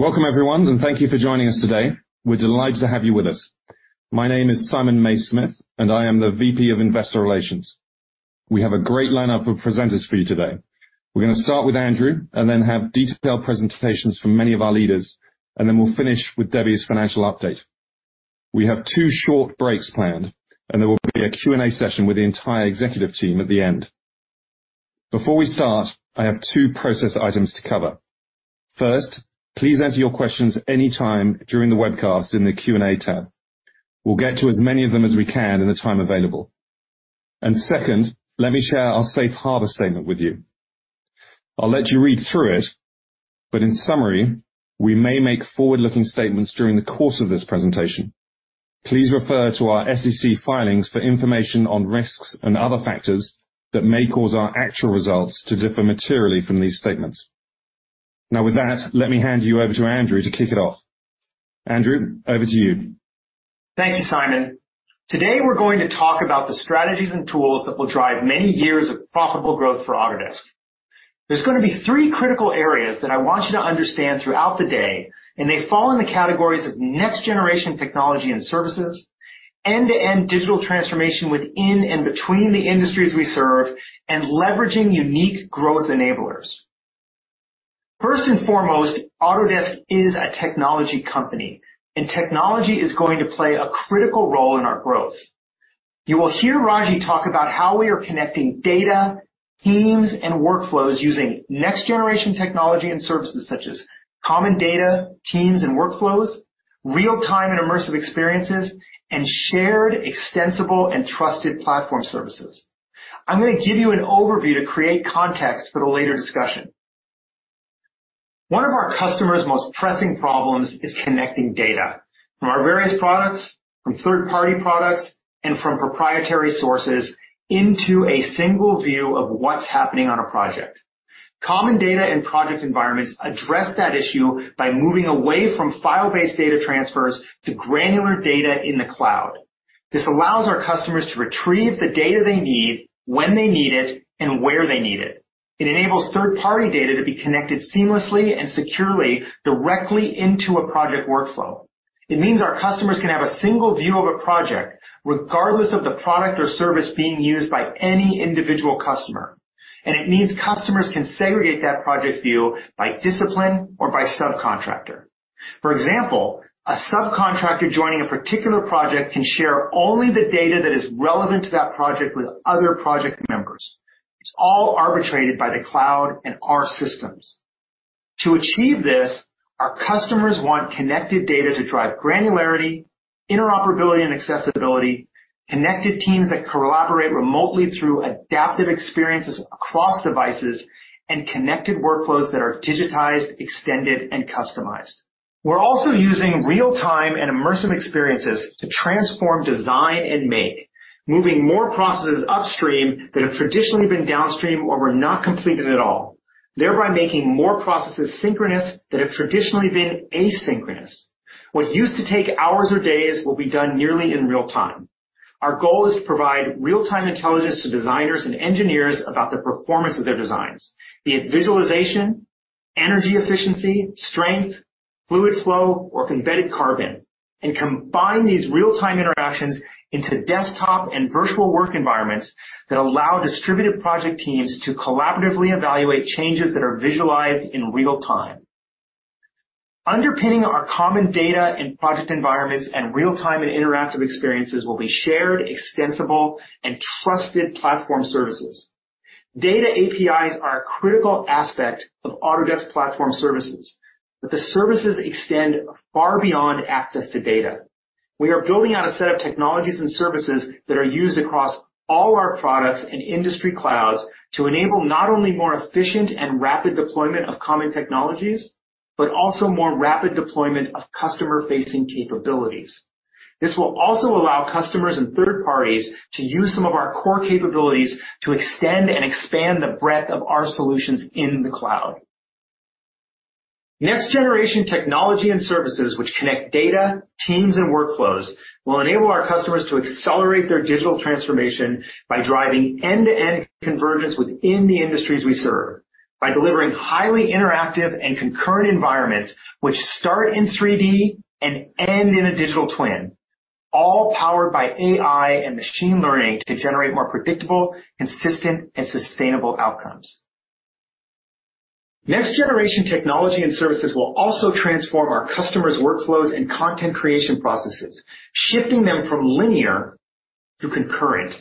Welcome everyone, thank you for joining us today. We're delighted to have you with us. My name is Simon Mays-Smith, and I am the VP of Investor Relations. We have a great lineup of presenters for you today. We're gonna start with Andrew, and then have detailed presentations from many of our leaders, and then we'll finish with Debbie's financial update. We have two short breaks planned and there will be a Q&A session with the entire executive team at the end. Before we start, I have two process items to cover. First, please enter your questions any time during the webcast in the Q&A tab. We'll get to as many of them as we can in the time available. Second, let me share our safe harbor statement with you. I'll let you read through it, but in summary, we may make forward-looking statements during the course of this presentation. Please refer to our SEC filings for information on risks and other factors that may cause our actual results to differ materially from these statements. With that, let me hand you over to Andrew to kick it off. Andrew, over to you. Thank you, Simon. Today, we're going to talk about the strategies and tools that will drive many years of profitable growth for Autodesk. There's gonna be three critical areas that I want you to understand throughout the day. They fall in the categories of next-generation technology and services, end-to-end digital transformation within and between the industries we serve, and leveraging unique growth enablers. First and foremost, Autodesk is a technology company. Technology is going to play a critical role in our growth. You will hear Raji talk about how we are connecting data, teams, and workflows using next-generation technology and services such as common data, teams and workflows, real-time and immersive experiences, and shared, extensible, and trusted platform services. I'm gonna give you an overview to create context for the later discussion. One of our customers' most pressing problems is connecting data from our various products, from third-party products, and from proprietary sources into a single view of what's happening on a project. Common data and project environments address that issue by moving away from file-based data transfers to granular data in the cloud. This allows our customers to retrieve the data they need when they need it, and where they need it. It enables third-party data to be connected seamlessly and securely directly into a project workflow. It means our customers can have a single view of a project, regardless of the product or service being used by any individual customer. It means customers can segregate that project view by discipline or by subcontractor. For example, a subcontractor joining a particular project can share only the data that is relevant to that project with other project members. It's all arbitrated by the cloud and our systems. To achieve this, our customers want connected data to drive granularity, interoperability, and accessibility, connected teams that collaborate remotely through adaptive experiences across devices, and connected workflows that are digitized, extended, and customized. We're also using real-time and immersive experiences to transform design and make, moving more processes upstream that have traditionally been downstream or were not completed at all, thereby making more processes synchronous that have traditionally been asynchronous. What used to take hours or days will be done nearly in real time. Our goal is to provide real-time intelligence to designers and engineers about the performance of their designs, be it visualization, energy efficiency, strength, fluid flow, or embedded carbon, and combine these real-time interactions into desktop and virtual work environments that allow distributed project teams to collaboratively evaluate changes that are visualized in real time. Underpinning our common data in project environments and real-time and interactive experiences will be shared, extensible, and trusted Platform Services. Data APIs are a critical aspect of Autodesk Platform Services, but the services extend far beyond access to data. We are building out a set of technologies and services that are used across all our products and industry clouds to enable not only more efficient and rapid deployment of common technologies, but also more rapid deployment of customer-facing capabilities. This will also allow customers and third parties to use some of our core capabilities to extend and expand the breadth of our solutions in the cloud. Next-generation technology and services which connect data, teams, and workflows will enable our customers to accelerate their digital transformation by driving end-to-end convergence within the industries we serve, by delivering highly interactive and concurrent environments which start in 3D and end in a digital twin, all powered by AI and machine learning to generate more predictable, consistent, and sustainable outcomes. Next-generation technology and services will also transform our customers' workflows and content creation processes, shifting them from linear to concurrent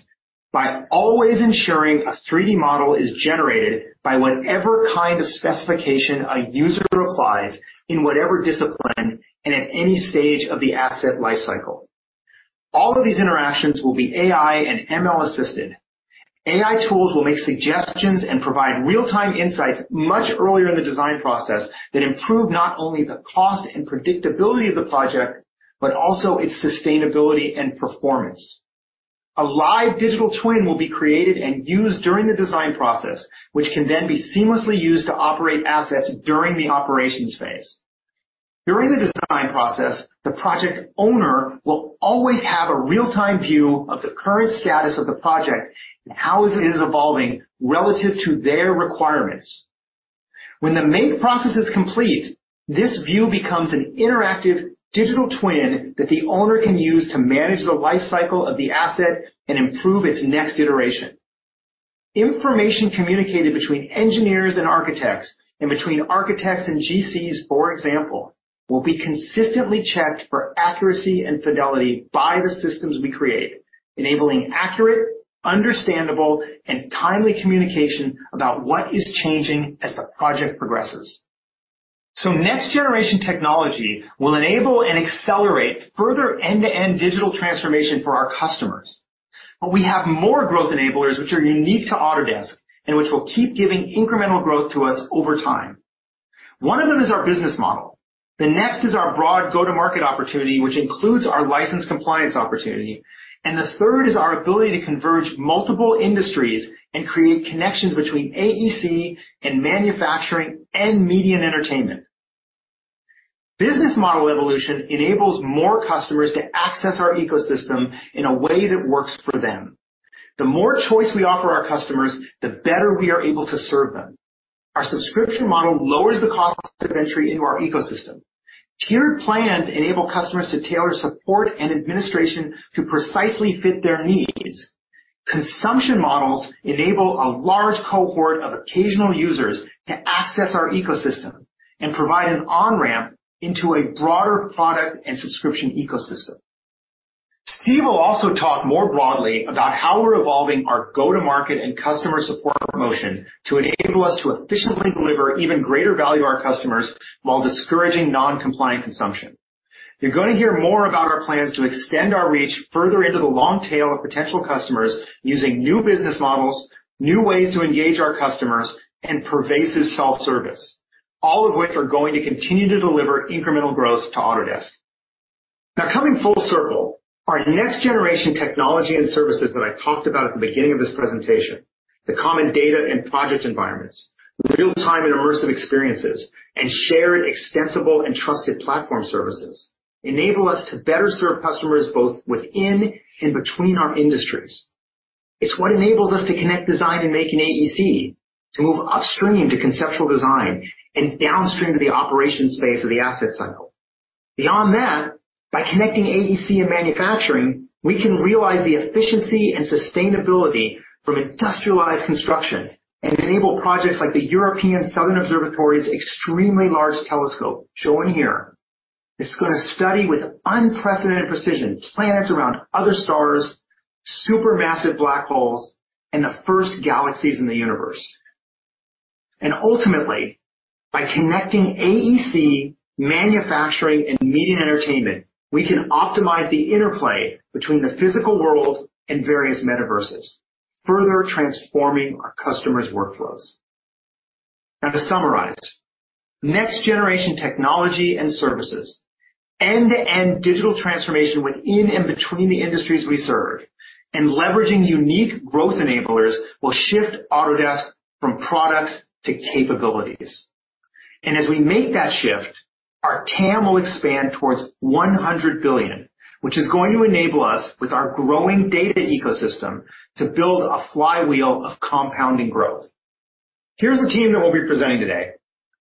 by always ensuring a 3D model is generated by whatever kind of specification a user applies in whatever discipline and at any stage of the asset life cycle. All of these interactions will be AI and ML-assisted. AI tools will make suggestions and provide real-time insights much earlier in the design process that improve not only the cost and predictability of the project, but also its sustainability and performance. A live digital twin will be created and used during the design process, which can then be seamlessly used to operate assets during the operations phase. During the design process, the project owner will always have a real-time view of the current status of the project and how it is evolving relative to their requirements. When the make process is complete, this view becomes an interactive digital twin that the owner can use to manage the life cycle of the asset and improve its next iteration. Information communicated between engineers and architects and between architects and GCs, for example, will be consistently checked for accuracy and fidelity by the systems we create, enabling accurate, understandable, and timely communication about what is changing as the project progresses. Next-generation technology will enable and accelerate further end-to-end digital transformation for our customers. We have more growth enablers which are unique to Autodesk and which will keep giving incremental growth to us over time. One of them is our business model. The next is our broad go-to-market opportunity, which includes our license compliance opportunity. The third is our ability to converge multiple industries and create connections between AEC and manufacturing and media and entertainment. Business model evolution enables more customers to access our ecosystem in a way that works for them. The more choice we offer our customers, the better we are able to serve them. Our subscription model lowers the cost of entry into our ecosystem. Tiered plans enable customers to tailor support and administration to precisely fit their needs. Consumption models enable a large cohort of occasional users to access our ecosystem and provide an on-ramp into a broader product and subscription ecosystem. Steve will also talk more broadly about how we're evolving our go-to-market and customer support promotion to enable us to efficiently deliver even greater value to our customers while discouraging non-compliant consumption. You're gonna hear more about our plans to extend our reach further into the long tail of potential customers using new business models, new ways to engage our customers, and pervasive self-service, all of which are going to continue to deliver incremental growth to Autodesk. Coming full circle, our next-generation technology and services that I talked about at the beginning of this presentation, the common data and project environments, real-time and immersive experiences, and shared extensible and trusted platform services, enable us to better serve customers both within and between our industries. It's what enables us to connect, design, and make in AEC, to move upstream to conceptual design and downstream to the operations space of the asset cycle. Beyond that, by connecting AEC and manufacturing, we can realize the efficiency and sustainability from industrialized construction and enable projects like the European Southern Observatory's extremely large telescope, shown here. It's gonna study with unprecedented precision, planets around other stars, supermassive black holes, and the first galaxies in the universe. Ultimately, by connecting AEC, manufacturing, and media and entertainment, we can optimize the interplay between the physical world and various metaverses, further transforming our customers' workflows. Now to summarize, next-generation technology and services, end-to-end digital transformation within and between the industries we serve, and leveraging unique growth enablers will shift Autodesk from products to capabilities. As we make that shift, our TAM will expand towards $100 billion, which is going to enable us with our growing data ecosystem to build a flywheel of compounding growth. Here's the team that will be presenting today.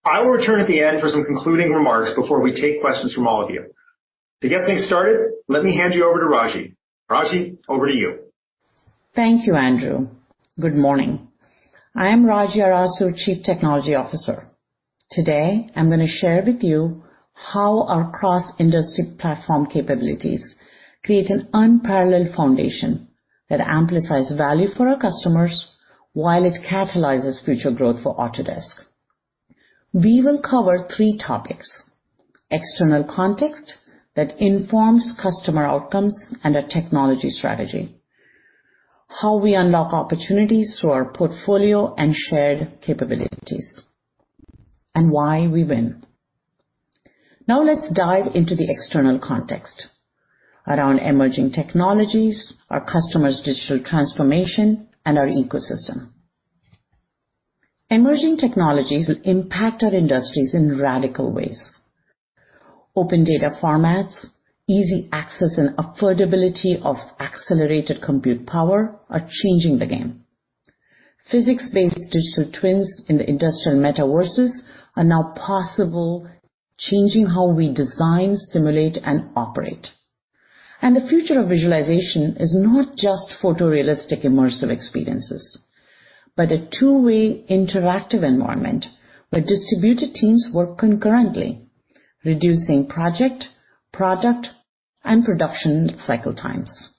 I will return at the end for some concluding remarks before we take questions from all of you. To get things started, let me hand you over to Raji. Raji, over to you. Thank you, Andrew. Good morning. I am Raji Arasu, Chief Technology Officer. Today, I'm gonna share with you how our cross-industry platform capabilities create an unparalleled foundation that amplifies value for our customers while it catalyzes future growth for Autodesk. We will cover three topics. External context that informs customer outcomes and our technology strategy. How we unlock opportunities through our portfolio and shared capabilities. Why we win. Now let's dive into the external context around emerging technologies, our customers' digital transformation, and our ecosystem. Emerging technologies will impact our industries in radical ways. Open data formats, easy access, and affordability of accelerated compute power are changing the game. Physics-based digital twins in the industrial metaverses are now possible, changing how we design, simulate, and operate. The future of visualization is not just photorealistic immersive experiences, but a two-way interactive environment where distributed teams work concurrently, reducing project, product, and production cycle times.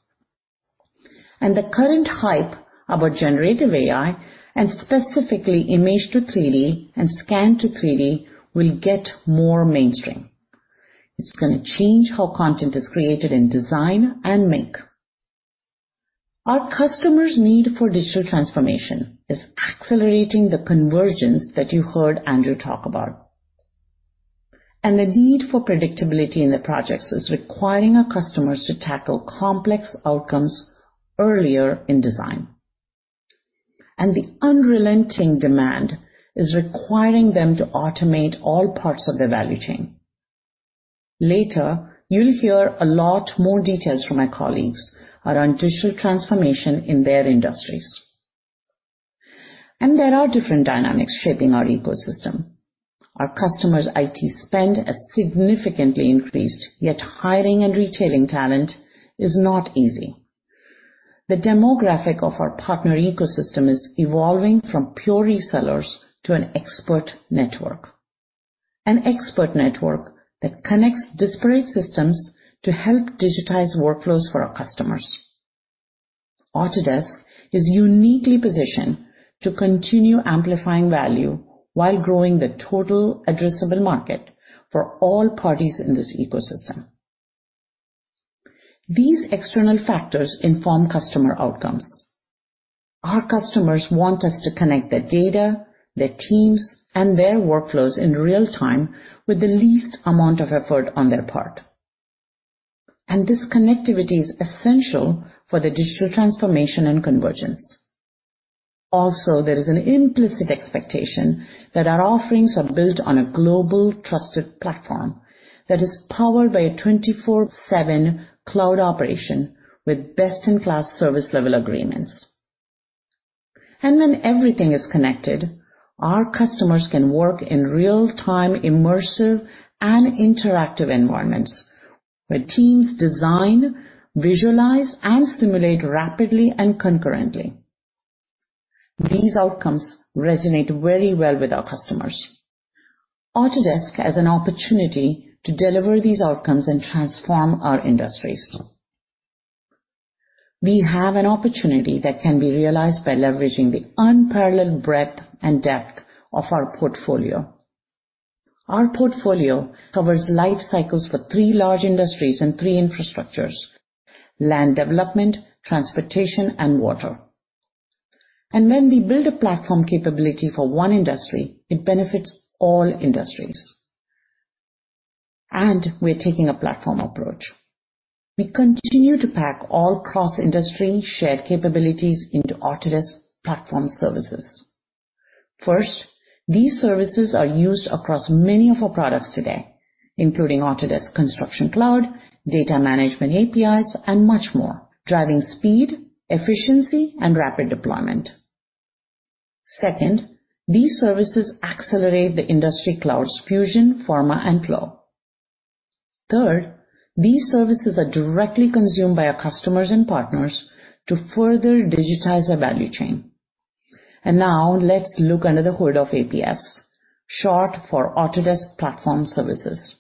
The current hype about generative AI and specifically image to 3D and scan to 3D will get more mainstream. It's gonna change how content is created in design and make. Our customers' need for digital transformation is accelerating the convergence that you heard Andrew talk about. The need for predictability in the projects is requiring our customers to tackle complex outcomes earlier in design. The unrelenting demand is requiring them to automate all parts of their value chain. Later, you'll hear a lot more details from my colleagues around digital transformation in their industries. There are different dynamics shaping our ecosystem. Our customers' IT spend has significantly increased, yet hiring and retaining talent is not easy. The demographic of our partner ecosystem is evolving from pure resellers to an expert network, an expert network that connects disparate systems to help digitize workflows for our customers. Autodesk is uniquely positioned to continue amplifying value while growing the total addressable market for all parties in this ecosystem. These external factors inform customer outcomes. Our customers want us to connect their data, their teams, and their workflows in real-time with the least amount of effort on their part. This connectivity is essential for the digital transformation and convergence. There is an implicit expectation that our offerings are built on a global trusted platform that is powered by a 24/7 cloud operation with best-in-class service level agreements. When everything is connected, our customers can work in real-time immersive and interactive environments where teams design, visualize, and simulate rapidly and concurrently. These outcomes resonate very well with our customers. Autodesk has an opportunity to deliver these outcomes and transform our industries. We have an opportunity that can be realized by leveraging the unparalleled breadth and depth of our portfolio. Our portfolio covers life cycles for three large industries and three infrastructures: land development, transportation, and water. When we build a platform capability for one industry, it benefits all industries. We're taking a platform approach. We continue to pack all cross-industry shared capabilities into Autodesk Platform Services. First, these services are used across many of our products today, including Autodesk Construction Cloud, Data Management APIs, and much more, driving speed, efficiency, and rapid deployment. Second, these services accelerate the industry clouds Fusion, Forma, and Flow. Third, these services are directly consumed by our customers and partners to further digitize their value chain. Now let's look under the hood of APS, short for Autodesk Platform Services.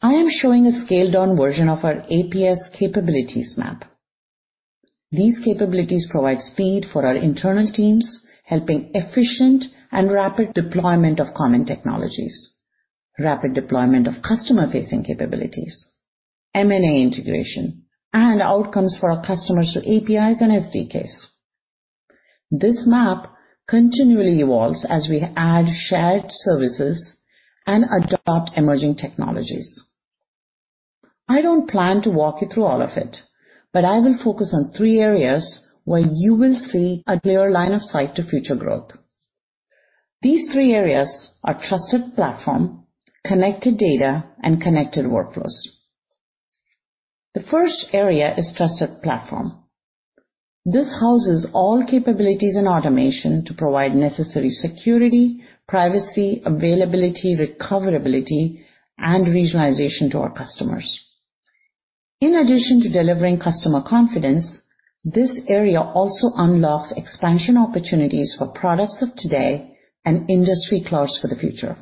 I am showing a scaled-down version of our APS capabilities map. These capabilities provide speed for our internal teams, helping efficient and rapid deployment of common technologies, rapid deployment of customer-facing capabilities, M&A integration, and outcomes for our customers through APIs and SDKs. This map continually evolves as we add shared services and adopt emerging technologies. I don't plan to walk you through all of it, I will focus on three areas where you will see a clear line of sight to future growth. These three areas are trusted platform, connected data, and connected workflows. The first area is trusted platform. This houses all capabilities and automation to provide necessary security, privacy, availability, recoverability, and regionalization to our customers. In addition to delivering customer confidence, this area also unlocks expansion opportunities for products of today and industry clouds for the future.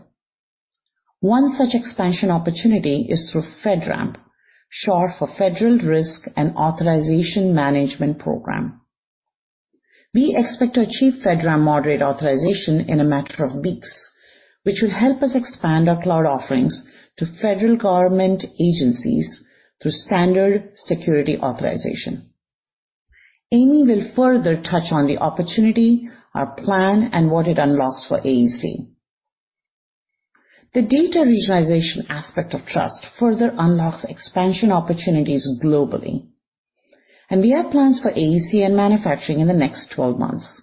One such expansion opportunity is through FedRAMP, short for Federal Risk and Authorization Management Program. We expect to achieve FedRAMP moderate authorization in a matter of weeks, which will help us expand our cloud offerings to federal government agencies through standard security authorization. Amy will further touch on the opportunity, our plan, and what it unlocks for AEC. The data regionalization aspect of trust further unlocks expansion opportunities globally, and we have plans for AEC and manufacturing in the next 12 months.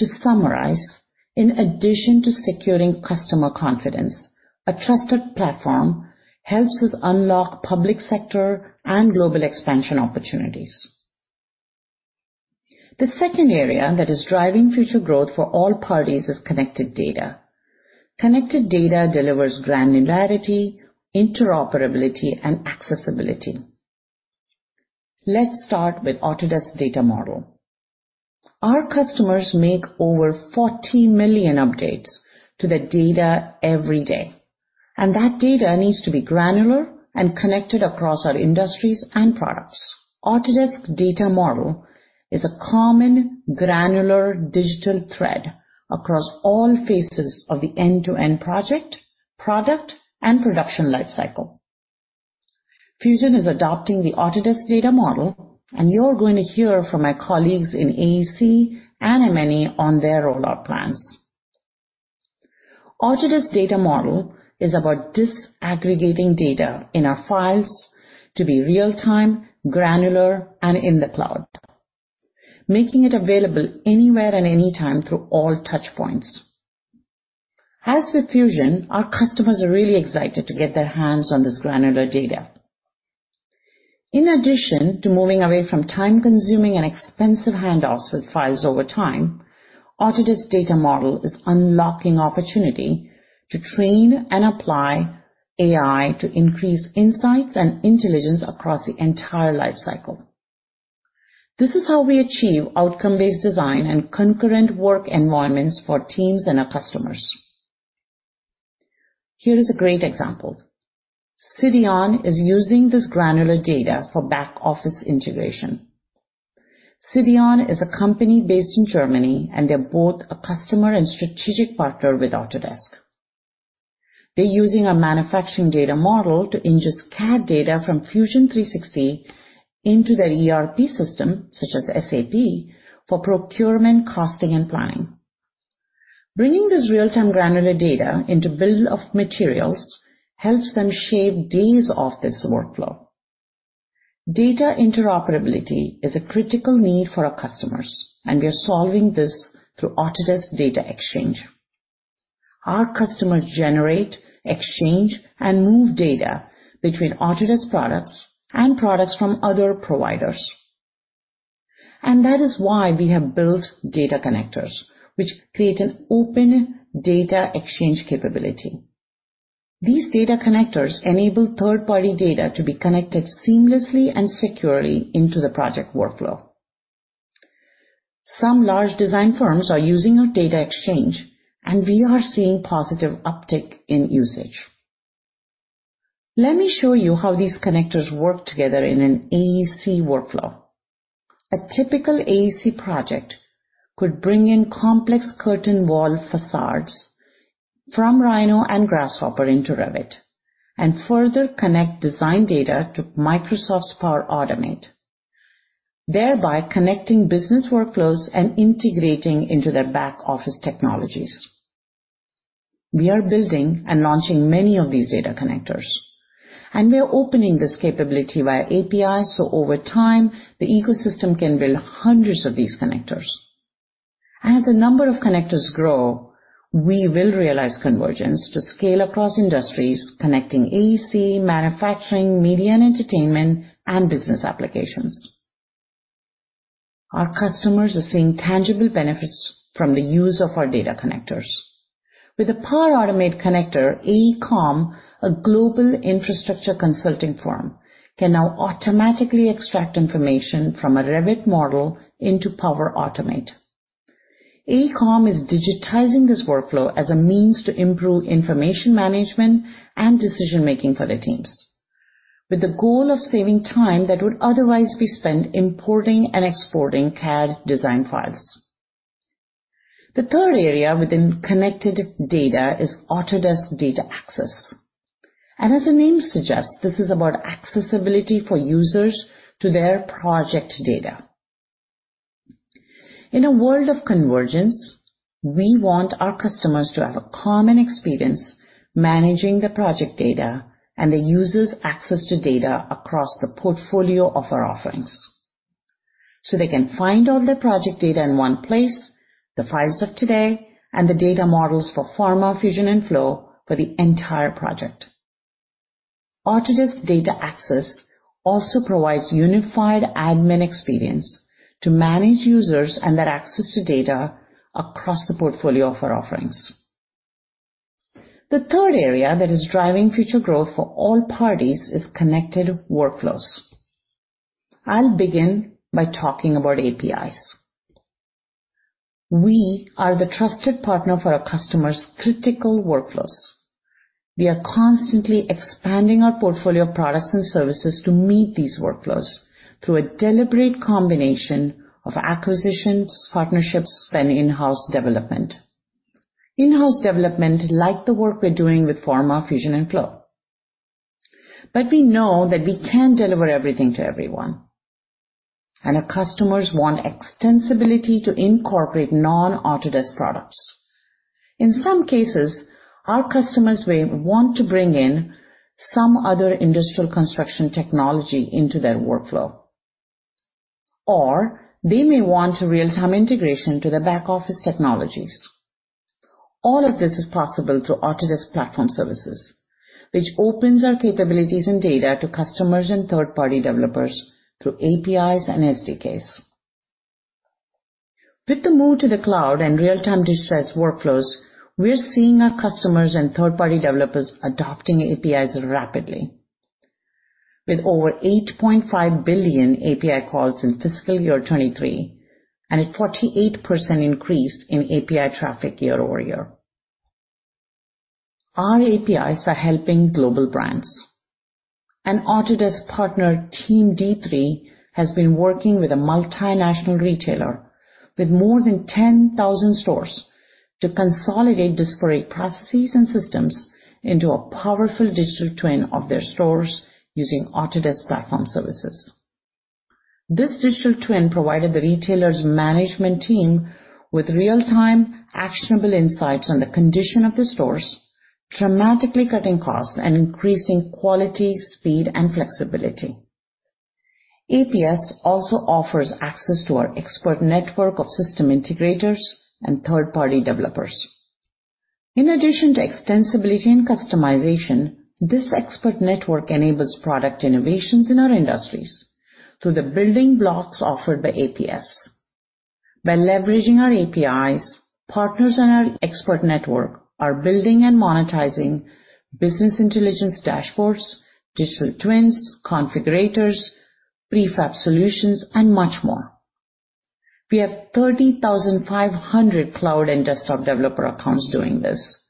To summarize, in addition to securing customer confidence, a trusted platform helps us unlock public sector and global expansion opportunities. The second area that is driving future growth for all parties is connected data. Connected data delivers granularity, interoperability, and accessibility. Let's start with Autodesk Data Model. Our customers make over 40 million updates to the data every day, and that data needs to be granular and connected across our industries and products. Autodesk Data Model is a common, granular digital thread across all phases of the end-to-end project, product, and production life cycle. Fusion is adopting the Autodesk Data Model, and you're going to hear from my colleagues in AEC and M&E on their rollout plans. Autodesk Data Model is about disaggregating data in our files to be real-time, granular, and in the cloud, making it available anywhere and anytime through all touchpoints. As with Fusion, our customers are really excited to get their hands on this granular data. In addition to moving away from time-consuming and expensive handoffs with files over time, Autodesk Data Model is unlocking opportunity to train and apply AI to increase insights and intelligence across the entire lifecycle. This is how we achieve outcome-based design and concurrent work environments for teams and our customers. Here is a great example. Cideon is using this granular data for back-office integration. Cideon is a company based in Germany, and they're both a customer and strategic partner with Autodesk. They're using our manufacturing data model to ingest CAD data from Fusion 360 into their ERP system, such as SAP, for procurement, costing, and planning. Bringing this real-time granular data into bill of materials helps them shave days off this workflow. Data interoperability is a critical need for our customers, and we are solving this through Autodesk Data Exchange. Our customers generate, exchange, and move data between Autodesk products and products from other providers. That is why we have built data connectors, which create an open data exchange capability. These data connectors enable third-party data to be connected seamlessly and securely into the project workflow. Some large design firms are using our data exchange, and we are seeing positive uptick in usage. Let me show you how these connectors work together in an AEC workflow. A typical AEC project could bring in complex curtain wall facades from Rhino and Grasshopper into Revit, and further connect design data to Microsoft's Power Automate, thereby connecting business workflows and integrating into their back-office technologies. We are building and launching many of these data connectors, and we are opening this capability via API, so over time, the ecosystem can build hundreds of these connectors. As the number of connectors grow, we will realize convergence to scale across industries, connecting AEC, manufacturing, media and entertainment, and business applications. Our customers are seeing tangible benefits from the use of our data connectors. With the Power Automate connector, AECOM, a global infrastructure consulting firm, can now automatically extract information from a Revit model into Power Automate. AECOM is digitizing this workflow as a means to improve information management and decision-making for their teams, with the goal of saving time that would otherwise be spent importing and exporting CAD design files. The third area within connected data is Autodesk Data Access. As the name suggests, this is about accessibility for users to their project data. In a world of convergence, we want our customers to have a common experience managing the project data and the user's access to data across the portfolio of our offerings. They can find all their project data in one place, the files of today, and the data models for Forma, Fusion, and Flow for the entire project. Autodesk Data Access also provides unified admin experience to manage users and their access to data across the portfolio of our offerings. The third area that is driving future growth for all parties is connected workflows. I'll begin by talking about APIs. We are the trusted partner for our customers' critical workflows. We are constantly expanding our portfolio of products and services to meet these workflows through a deliberate combination of acquisitions, partnerships, and in-house development. In-house development, like the work we're doing with Forma, Fusion, and Flow. We know that we can't deliver everything to everyone, and our customers want extensibility to incorporate non-Autodesk products. In some cases, our customers may want to bring in some other industrial construction technology into their workflow. They may want real-time integration to their back-office technologies. All of this is possible through Autodesk Platform Services, which opens our capabilities and data to customers and third-party developers through APIs and SDKs. With the move to the cloud and real-time dispersed workflows, we're seeing our customers and third-party developers adopting APIs rapidly. With over 8.5 billion API calls in fiscal year 2023, and a 48% increase in API traffic year-over-year. Our APIs are helping global brands. An Autodesk partner, Team D3, has been working with a multinational retailer with more than 10,000 stores to consolidate disparate processes and systems into a powerful digital twin of their stores using Autodesk Platform Services. This digital twin provided the retailer's management team with real-time actionable insights on the condition of the stores, dramatically cutting costs and increasing quality, speed, and flexibility. APS also offers access to our expert network of system integrators and third-party developers. In addition to extensibility and customization, this expert network enables product innovations in our industries through the building blocks offered by APS. By leveraging our APIs, partners in our expert network are building and monetizing business intelligence dashboards, digital twins, configurators, prefab solutions, and much more. We have 30,500 cloud and desktop developer accounts doing this,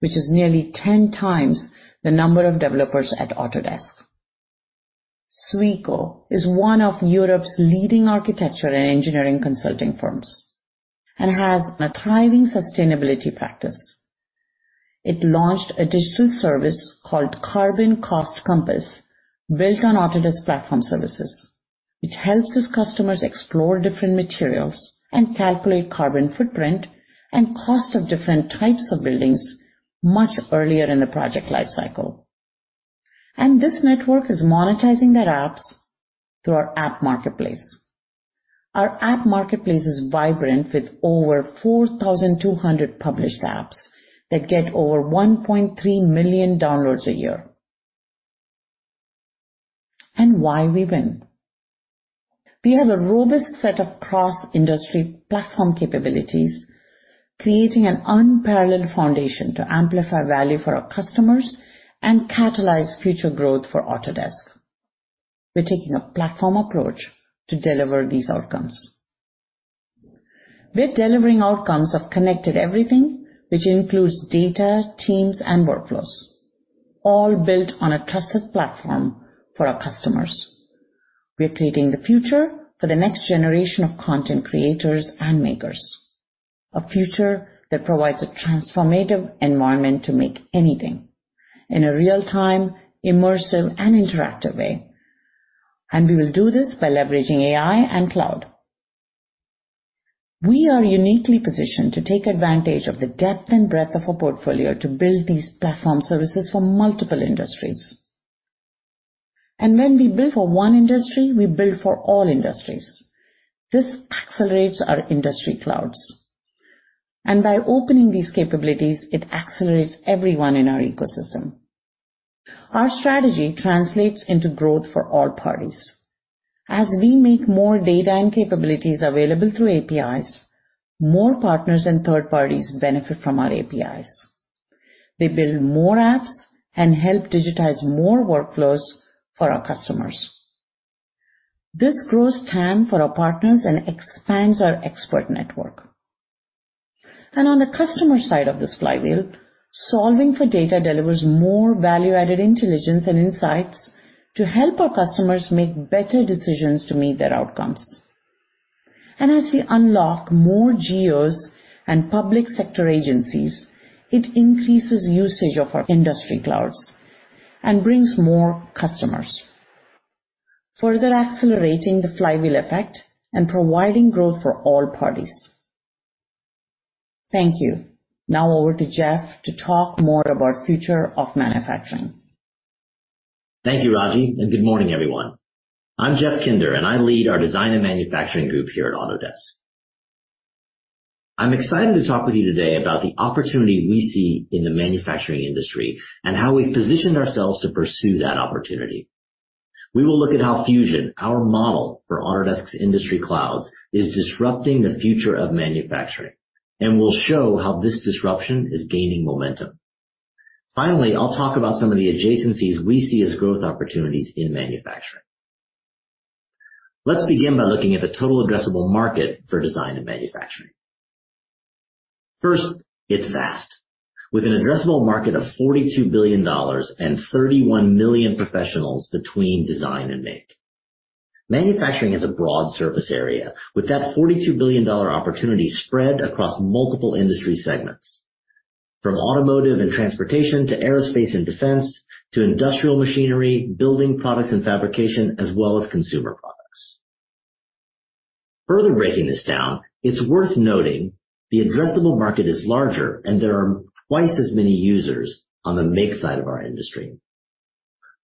which is nearly 10x the number of developers at Autodesk. Sweco is one of Europe's leading architecture and engineering consulting firms and has a thriving sustainability practice. It launched a digital service called Carbon Cost Compass, built on Autodesk Platform Services, which helps its customers explore different materials and calculate carbon footprint and cost of different types of buildings much earlier in the project life cycle. This network is monetizing their apps through our App Marketplace. Our App Marketplace is vibrant with over 4,200 published apps that get over 1.3 million downloads a year. Why we win. We have a robust set of cross-industry platform capabilities, creating an unparalleled foundation to amplify value for our customers and catalyze future growth for Autodesk. We're taking a platform approach to deliver these outcomes. We're delivering outcomes of connected everything, which includes data, teams, and workflows, all built on a trusted platform for our customers. We are creating the future for the next generation of content creators and makers. A future that provides a transformative environment to make anything in a real-time, immersive, and interactive way. We will do this by leveraging AI and cloud. We are uniquely positioned to take advantage of the depth and breadth of our portfolio to build these platform services for multiple industries. When we build for one industry, we build for all industries. This accelerates our industry clouds. By opening these capabilities, it accelerates everyone in our ecosystem. Our strategy translates into growth for all parties. As we make more data and capabilities available through APIs, more partners and third parties benefit from our APIs. They build more apps and help digitize more workflows for our customers. This grows TAM for our partners and expands our expert network. On the customer side of this flywheel, solving for data delivers more value-added intelligence and insights to help our customers make better decisions to meet their outcomes. As we unlock more geos and public sector agencies, it increases usage of our industry clouds and brings more customers, further accelerating the flywheel effect and providing growth for all parties. Thank you. Now over to Jeff to talk more about future of manufacturing. Thank you, Raji. Good morning, everyone. I'm Jeff Kinder, and I lead our design and manufacturing group here at Autodesk. I'm excited to talk with you today about the opportunity we see in the manufacturing industry and how we've positioned ourselves to pursue that opportunity. We will look at how Fusion, our model for Autodesk's industry clouds, is disrupting the future of manufacturing, and we'll show how this disruption is gaining momentum. Finally, I'll talk about some of the adjacencies we see as growth opportunities in manufacturing. Let's begin by looking at the total addressable market for design and manufacturing. First, it's vast. With an addressable market of $42 billion and 31 million professionals between design and make. Manufacturing is a broad surface area, with that $42 billion opportunity spread across multiple industry segments, from automotive and transportation to aerospace and defense, to industrial machinery, building products and fabrication, as well as consumer products. Breaking this down, it's worth noting the addressable market is larger and there are twice as many users on the make side of our industry.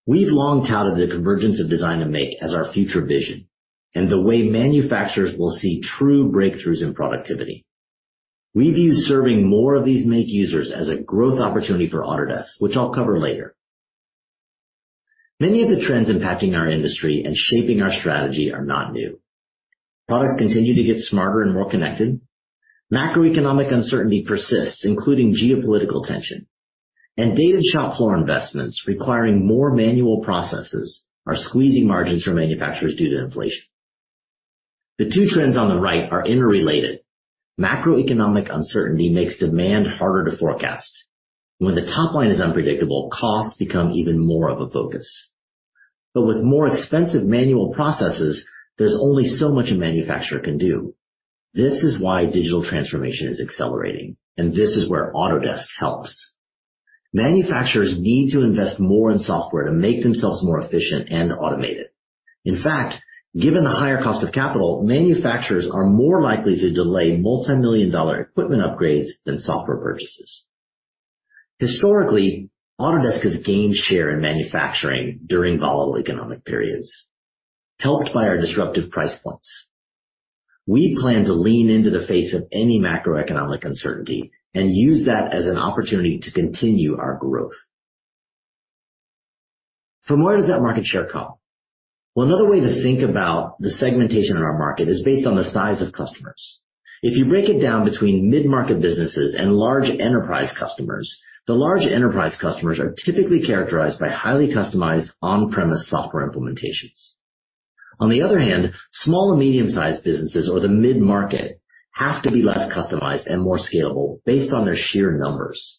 We've long touted the convergence of design to make as our future vision and the way manufacturers will see true breakthroughs in productivity. We view serving more of these make users as a growth opportunity for Autodesk, which I'll cover later. Many of the trends impacting our industry and shaping our strategy are not new. Products continue to get smarter and more connected. Macroeconomic uncertainty persists, including geopolitical tension. Dated shop floor investments requiring more manual processes are squeezing margins for manufacturers due to inflation. The two trends on the right are interrelated. Macroeconomic uncertainty makes demand harder to forecast. When the top line is unpredictable, costs become even more of a focus. With more expensive manual processes, there's only so much a manufacturer can do. This is why digital transformation is accelerating, and this is where Autodesk helps. Manufacturers need to invest more in software to make themselves more efficient and automated. In fact, given the higher cost of capital, manufacturers are more likely to delay multimillion-dollar equipment upgrades than software purchases. Historically, Autodesk has gained share in manufacturing during volatile economic periods, helped by our disruptive price points. We plan to lean into the face of any macroeconomic uncertainty and use that as an opportunity to continue our growth. From where does that market share come? Well, another way to think about the segmentation in our market is based on the size of customers. If you break it down between mid-market businesses and large enterprise customers, the large enterprise customers are typically characterized by highly customized on-premise software implementations. On the other hand, small and medium-sized businesses or the mid-market have to be less customized and more scalable based on their sheer numbers.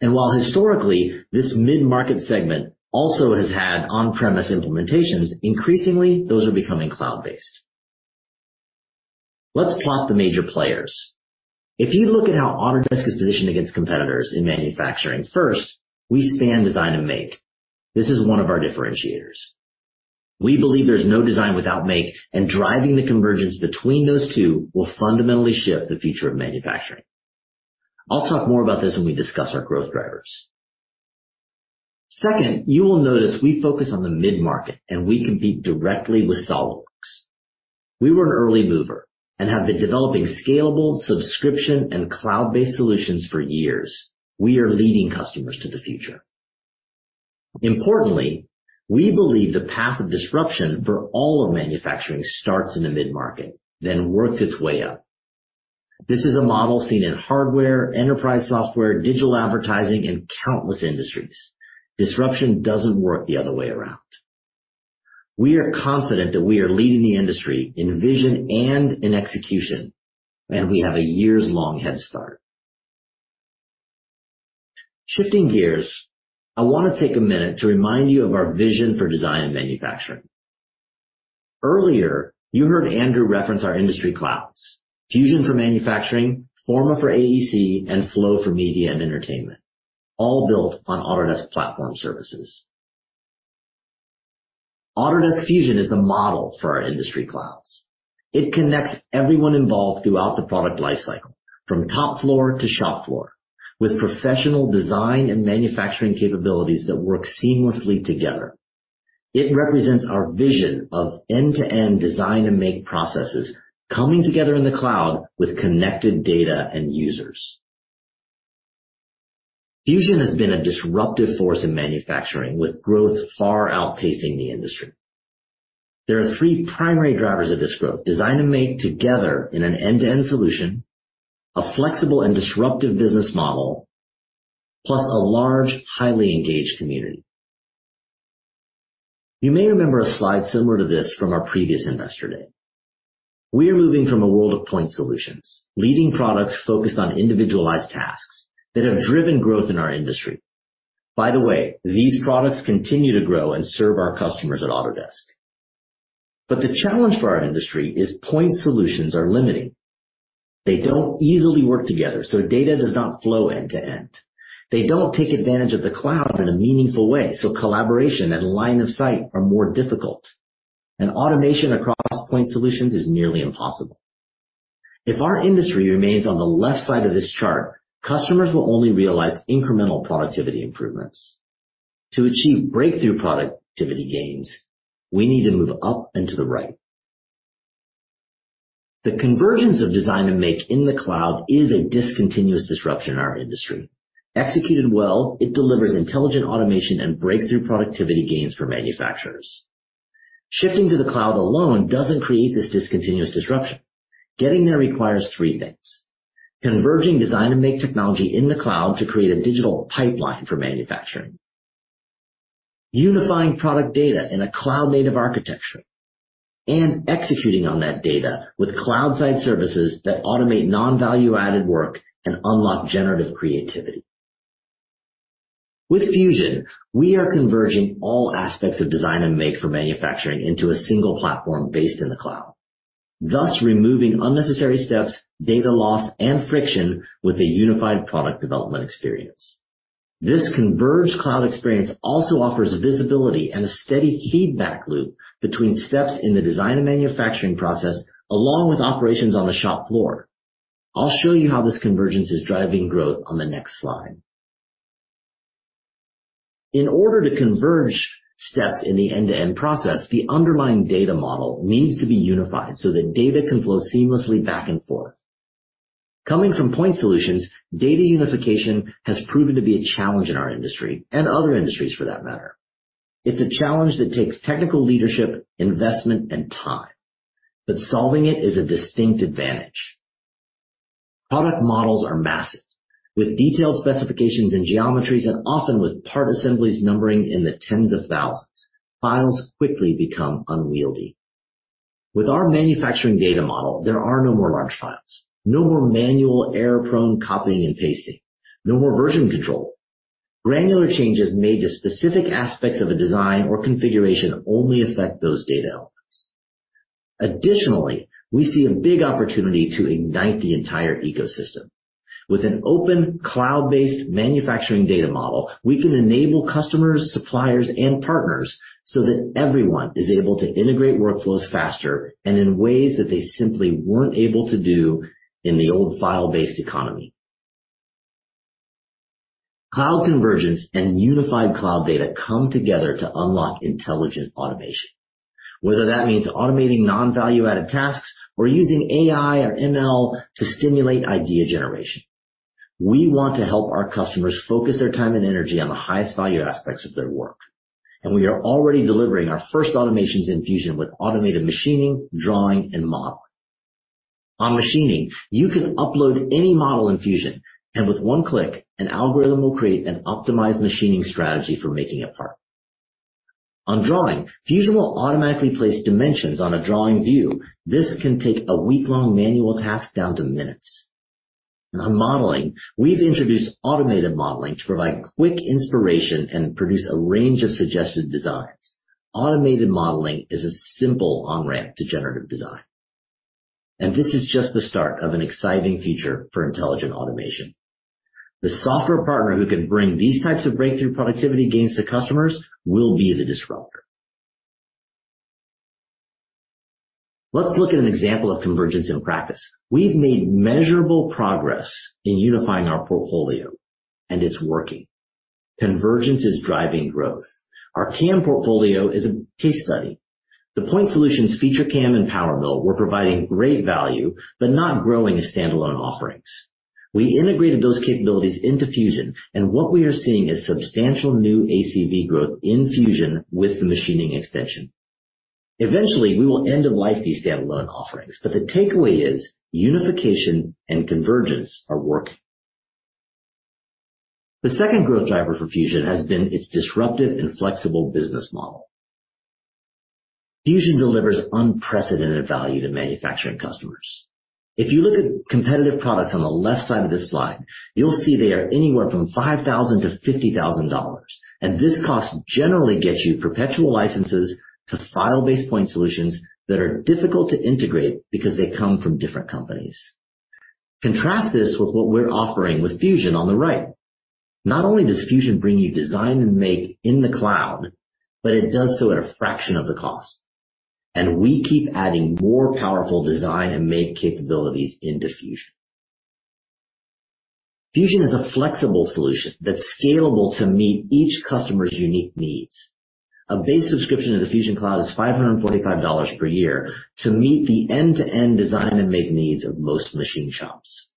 While historically, this mid-market segment also has had on-premise implementations, increasingly, those are becoming cloud-based. Let's plot the major players. If you look at how Autodesk is positioned against competitors in manufacturing, first, we span design and make. This is one of our differentiators. We believe there's no design without make, and driving the convergence between those two will fundamentally shift the future of manufacturing. I'll talk more about this when we discuss our growth drivers. Second, you will notice we focus on the mid-market, and we compete directly with SOLIDWORKS. We were an early mover and have been developing scalable subscription and cloud-based solutions for years. We are leading customers to the future. Importantly, we believe the path of disruption for all of manufacturing starts in the mid-market, then works its way up. This is a model seen in hardware, enterprise software, digital advertising, and countless industries. Disruption doesn't work the other way around. We are confident that we are leading the industry in vision and in execution, and we have a years-long head start. Shifting gears, I want to take a minute to remind you of our vision for design and manufacturing. Earlier, you heard Andrew reference our industry clouds, Fusion for manufacturing, Forma for AEC, and Flow for media and entertainment, all built on Autodesk Platform Services. Autodesk Fusion is the model for our industry clouds. It connects everyone involved throughout the product lifecycle, from top floor to shop floor, with professional design and manufacturing capabilities that work seamlessly together. It represents our vision of end-to-end design and make processes coming together in the cloud with connected data and users. Fusion has been a disruptive force in manufacturing, with growth far outpacing the industry. There are three primary drivers of this growth. Design and make together in an end-to-end solution, a flexible and disruptive business model, plus a large, highly engaged community. You may remember a slide similar to this from our previous Investor Day. We are moving from a world of point solutions, leading products focused on individualized tasks that have driven growth in our industry. By the way, these products continue to grow and serve our customers at Autodesk. The challenge for our industry is point solutions are limiting. They don't easily work together, so data does not flow end to end. They don't take advantage of the cloud in a meaningful way, so collaboration and line of sight are more difficult. Automation across point solutions is nearly impossible. If our industry remains on the left side of this chart, customers will only realize incremental productivity improvements. To achieve breakthrough productivity gains, we need to move up and to the right. The convergence of design and make in the cloud is a discontinuous disruption in our industry. Executed well, it delivers intelligent automation and breakthrough productivity gains for manufacturers. Shifting to the cloud alone doesn't create this discontinuous disruption. Getting there requires three things. Converging design and make technology in the cloud to create a digital pipeline for manufacturing. Unifying product data in a cloud-native architecture, executing on that data with cloud-side services that automate non-value-added work and unlock generative creativity. With Fusion, we are converging all aspects of design and make for manufacturing into a single platform based in the cloud, thus removing unnecessary steps, data loss, and friction with a unified product development experience. This converged cloud experience also offers visibility and a steady feedback loop between steps in the design and manufacturing process, along with operations on the shop floor. I'll show you how this convergence is driving growth on the next slide. In order to converge steps in the end-to-end process, the underlying data model needs to be unified so that data can flow seamlessly back and forth. Coming from point solutions, data unification has proven to be a challenge in our industry and other industries for that matter. It's a challenge that takes technical leadership, investment, and time, but solving it is a distinct advantage. Product models are massive, with detailed specifications and geometries, and often with part assemblies numbering in the tens of thousands. Files quickly become unwieldy. With our manufacturing data model, there are no more large files. No more manual error-prone copying and pasting. No more version control. Granular changes made to specific aspects of a design or configuration only affect those data. Additionally, we see a big opportunity to ignite the entire ecosystem. With an open cloud-based manufacturing data model, we can enable customers, suppliers and partners so that everyone is able to integrate workflows faster and in ways that they simply weren't able to do in the old file-based economy. Cloud convergence and unified cloud data come together to unlock intelligent automation. Whether that means automating non-value-added tasks or using AI or ML to stimulate idea generation. We want to help our customers focus their time and energy on the highest value aspects of their work, and we are already delivering our first automations in Fusion with automated machining, drawing and modeling. On machining, you can upload any model in Fusion, and with one click, an algorithm will create an optimized machining strategy for making a part. On drawing, Fusion will automatically place dimensions on a drawing view. This can take a week-long manual task down to minutes. On modeling, we've introduced automated modeling to provide quick inspiration and produce a range of suggested designs. Automated modeling is a simple on-ramp to generative design. This is just the start of an exciting future for intelligent automation. The software partner who can bring these types of breakthrough productivity gains to customers will be the disruptor. Let's look at an example of convergence in practice. We've made measurable progress in unifying our portfolio, and it's working. Convergence is driving growth. Our CAM portfolio is a case study. The point solutions FeatureCAM and PowerMill were providing great value but not growing as standalone offerings. We integrated those capabilities into Fusion, and what we are seeing is substantial new ACV growth in Fusion with the machining extension. Eventually, we will end of life these standalone offerings, but the takeaway is unification and convergence are working. The second growth driver for Fusion has been its disruptive and flexible business model. Fusion delivers unprecedented value to manufacturing customers. If you look at competitive products on the left side of this slide, you'll see they are anywhere from $5,000 to $50,000. This cost generally gets you perpetual licenses to file-based point solutions that are difficult to integrate because they come from different companies. Contrast this with what we're offering with Fusion on the right. Not only does Fusion bring you design and make in the cloud, but it does so at a fraction of the cost. We keep adding more powerful design and make capabilities into Fusion. Fusion is a flexible solution that's scalable to meet each customer's unique needs. A base subscription to the Fusion cloud is $545 per year to meet the end-to-end design and make needs of most machine shops.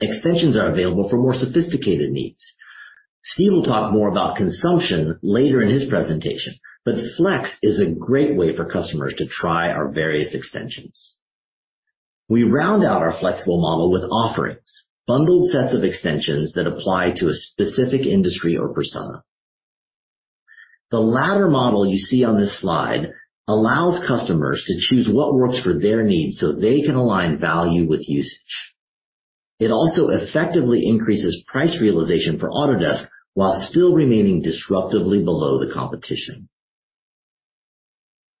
Extensions are available for more sophisticated needs. Steve will talk more about consumption later in his presentation, but Flex is a great way for customers to try our various extensions. We round out our flexible model with offerings, bundled sets of extensions that apply to a specific industry or persona. The latter model you see on this slide allows customers to choose what works for their needs so they can align value with usage. It also effectively increases price realization for Autodesk while still remaining disruptively below the competition.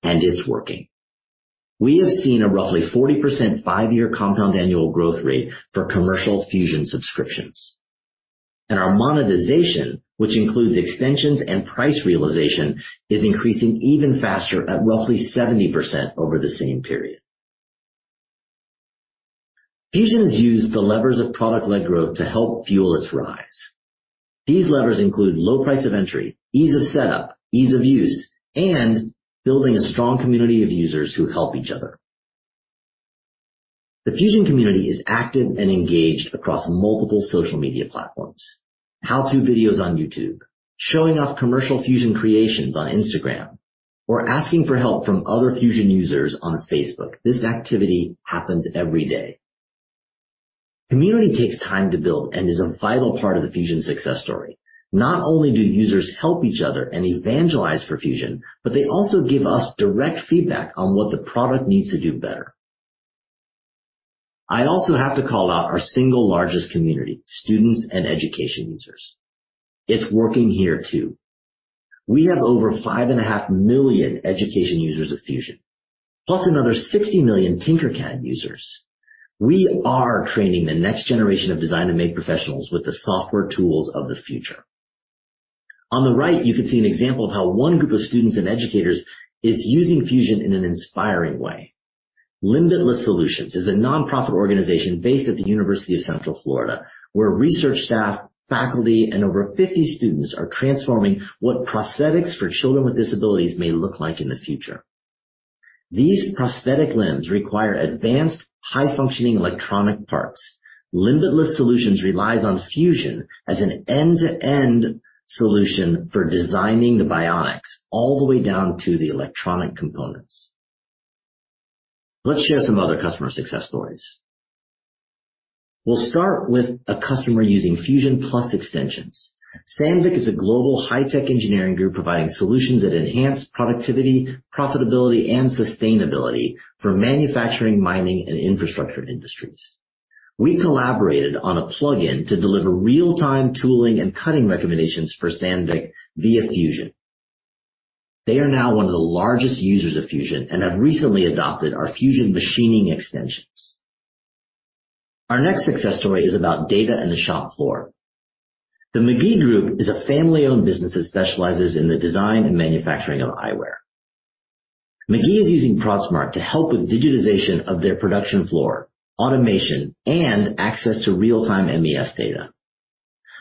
It's working. We have seen a roughly 40% five-year compound annual growth rate for commercial Fusion subscriptions. Our monetization, which includes extensions and price realization, is increasing even faster at roughly 70% over the same period. Fusion has used the levers of product-led growth to help fuel its rise. These levers include low price of entry, ease of setup, ease of use, and building a strong community of users who help each other. The Fusion community is active and engaged across multiple social media platforms. How-to videos on YouTube, showing off commercial Fusion creations on Instagram, or asking for help from other Fusion users on Facebook. This activity happens every day. Community takes time to build and is a vital part of the Fusion success story. Not only do users help each other and evangelize for Fusion, but they also give us direct feedback on what the product needs to do better. I also have to call out our single largest community, students and education users. It's working here too. We have over 5.5 million education users of Fusion, plus another 60 million Tinkercad users. We are training the next generation of design to make professionals with the software tools of the future. On the right, you can see an example of how one group of students and educators is using Fusion in an inspiring way. Limbitless Solutions is a nonprofit organization based at the University of Central Florida, where research staff, faculty, and over 50 students are transforming what prosthetics for children with disabilities may look like in the future. These prosthetic limbs require advanced, high-functioning electronic parts. Limbitless Solutions relies on Fusion as an end-to-end solution for designing the bionics all the way down to the electronic components. Let's share some other customer success stories. We'll start with a customer using Fusion plus extensions. Sandvik is a global high-tech engineering group providing solutions that enhance productivity, profitability, and sustainability for manufacturing, mining, and infrastructure industries. We collaborated on a plugin to deliver real-time tooling and cutting recommendations for Sandvik via Fusion. They are now one of the largest users of Fusion and have recently adopted our Fusion Machining extensions. Our next success story is about data and the shop floor. The McGee Group is a family-owned business that specializes in the design and manufacturing of eyewear. McGee is using Prodsmart to help with digitization of their production floor, automation, and access to real-time MES data.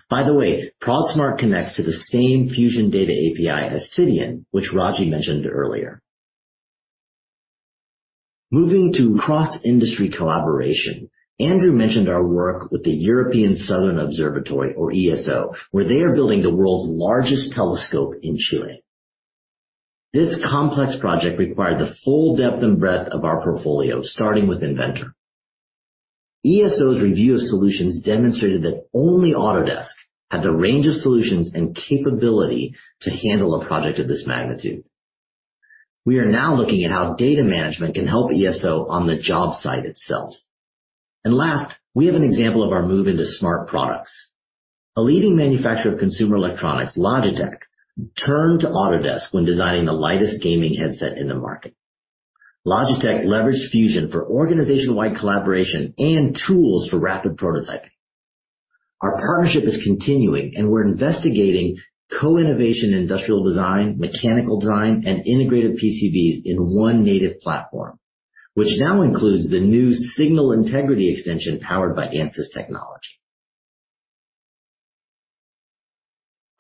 By the way, Prodsmart connects to the same Fusion data API as Cideon, which Raji mentioned earlier. Moving to cross-industry collaboration, Andrew mentioned our work with the European Southern Observatory, or ESO, where they are building the world's largest telescope in Chile. This complex project required the full depth and breadth of our portfolio, starting with Inventor. ESO's review of solutions demonstrated that only Autodesk had the range of solutions and capability to handle a project of this magnitude. We are now looking at how data management can help ESO on the job site itself. Last, we have an example of our move into smart products. A leading manufacturer of consumer electronics, Logitech, turned to Autodesk when designing the lightest gaming headset in the market. Logitech leveraged Fusion for organization-wide collaboration and tools for rapid prototyping. Our partnership is continuing, and we're investigating co-innovation in industrial design, mechanical design, and integrated PCBs in one native platform, which now includes the new signal integrity extension powered by Ansys technology.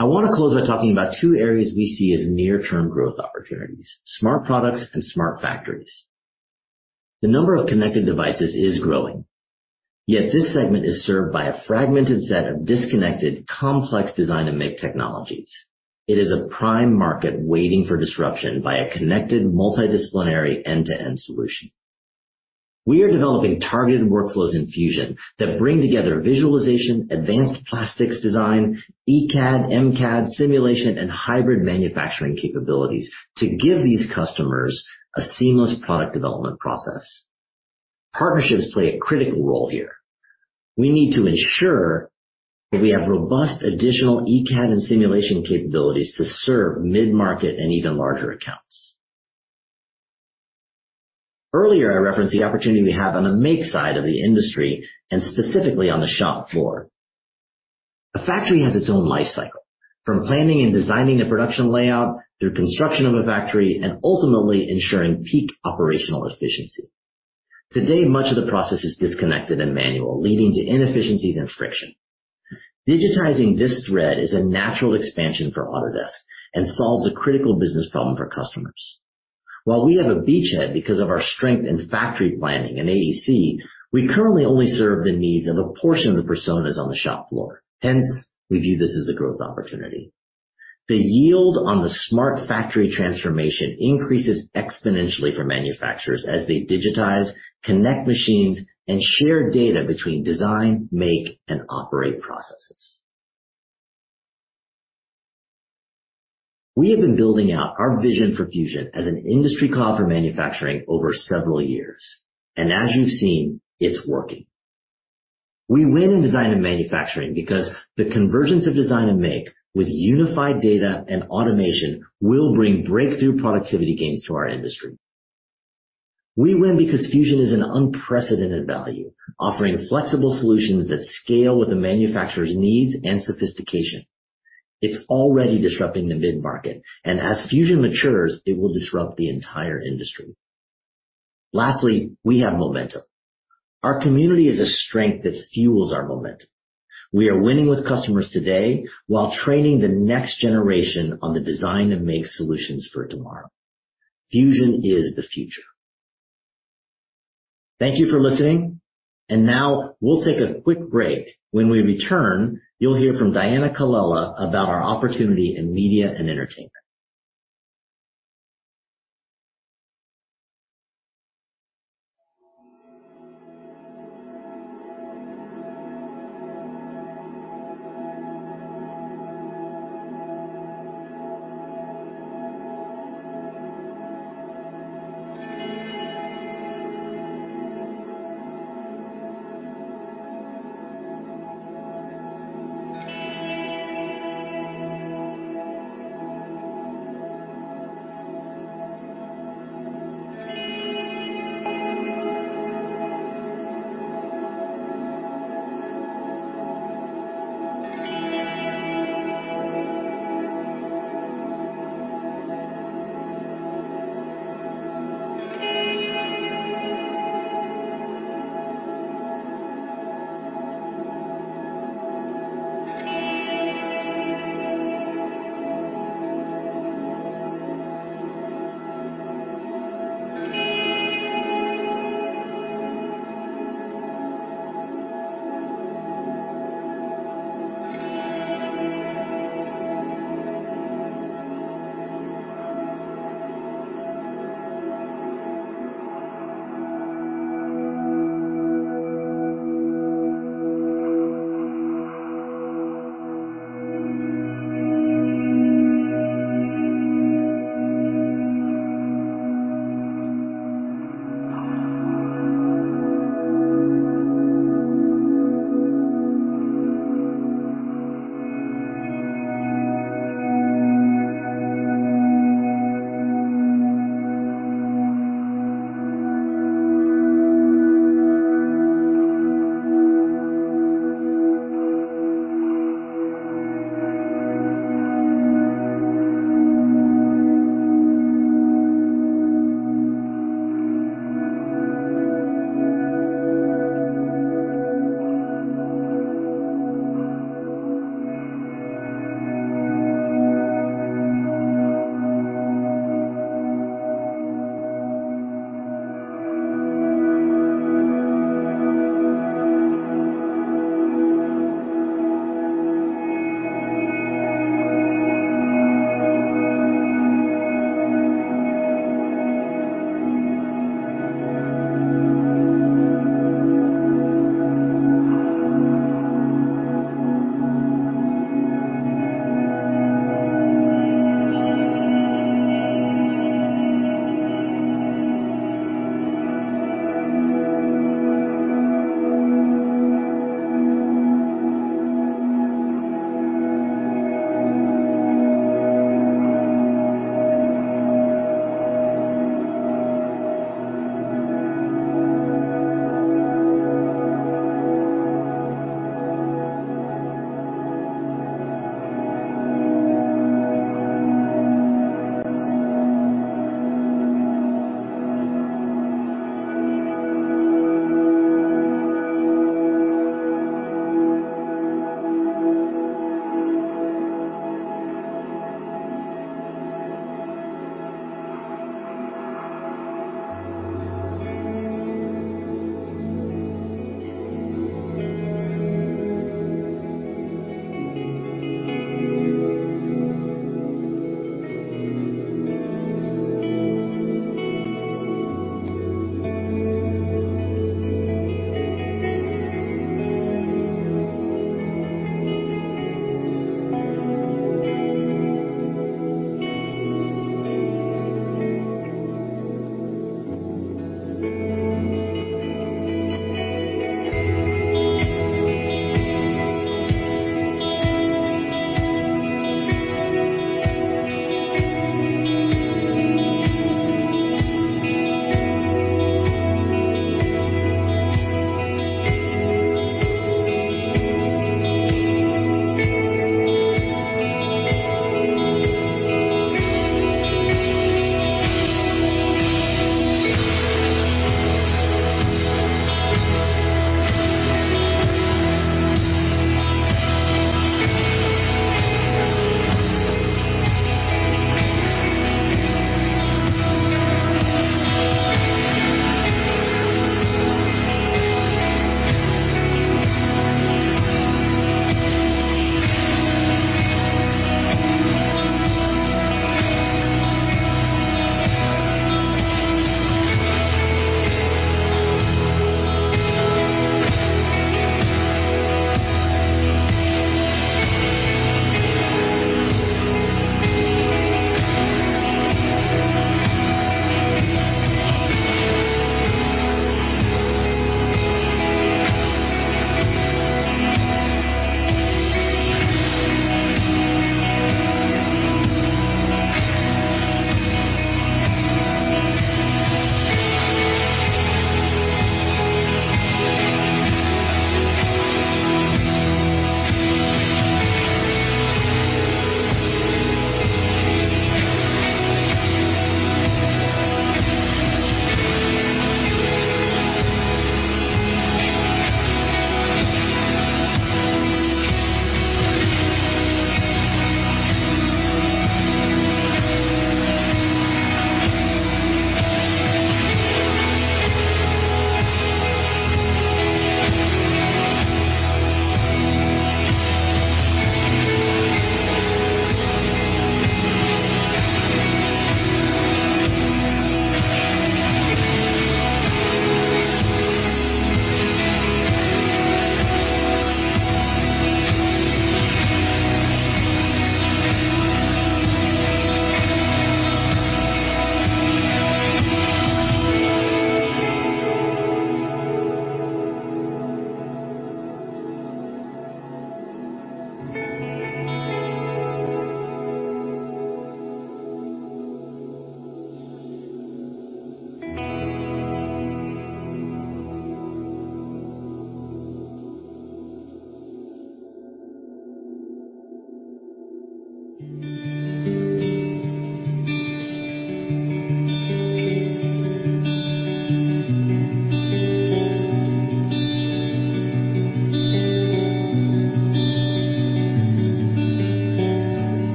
I want to close by talking about two areas we see as near-term growth opportunities: smart products and smart factories. The number of connected devices is growing, yet this segment is served by a fragmented set of disconnected, complex design and make technologies. It is a prime market waiting for disruption by a connected, multidisciplinary end-to-end solution. We are developing targeted workflows in Fusion that bring together visualization, advanced plastics design, ECAD, MCAD, simulation, and hybrid manufacturing capabilities to give these customers a seamless product development process. Partnerships play a critical role here. We need to ensure that we have robust additional ECAD and simulation capabilities to serve mid-market and even larger accounts. Earlier, I referenced the opportunity we have on the make side of the industry and specifically on the shop floor. A factory has its own life cycle, from planning and designing the production layout through construction of a factory and ultimately ensuring peak operational efficiency. Today, much of the process is disconnected and manual, leading to inefficiencies and friction. Digitizing this thread is a natural expansion for Autodesk and solves a critical business problem for customers. While we have a beachhead because of our strength in factory planning and AEC, we currently only serve the needs of a portion of the personas on the shop floor. We view this as a growth opportunity. The yield on the smart factory transformation increases exponentially for manufacturers as they digitize, connect machines, and share data between design, make, and operate processes. We have been building out our vision for Fusion as an industry cloud for manufacturing over several years. As you've seen, it's working. We win in design and manufacturing because the convergence of design and make with unified data and automation will bring breakthrough productivity gains to our industry. We win because Fusion is an unprecedented value, offering flexible solutions that scale with a manufacturer's needs and sophistication. It's already disrupting the mid-market, and as Fusion matures, it will disrupt the entire industry. Lastly, we have momentum. Our community is a strength that fuels our momentum. We are winning with customers today while training the next generation on the design and make solutions for tomorrow. Fusion is the future. Thank you for listening. Now we'll take a quick break. When we return, you'll hear from Diana Colella about our opportunity in media and entertainment.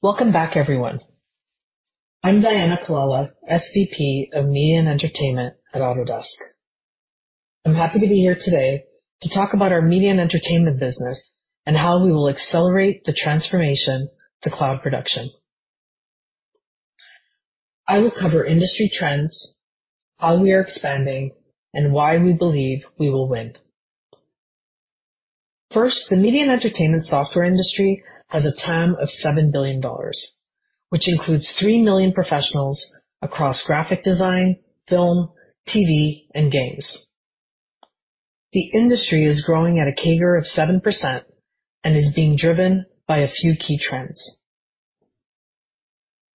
Welcome back, everyone. I'm Diana Colella, SVP of Media & Entertainment at Autodesk. I'm happy to be here today to talk about our media & entertainment business and how we will accelerate the transformation to cloud production. I will cover industry trends, how we are expanding, and why we believe we will win. The media & entertainment software industry has a TAM of $7 billion, which includes 3 million professionals across graphic design, film, TV, and games. The industry is growing at a CAGR of 7% and is being driven by a few key trends,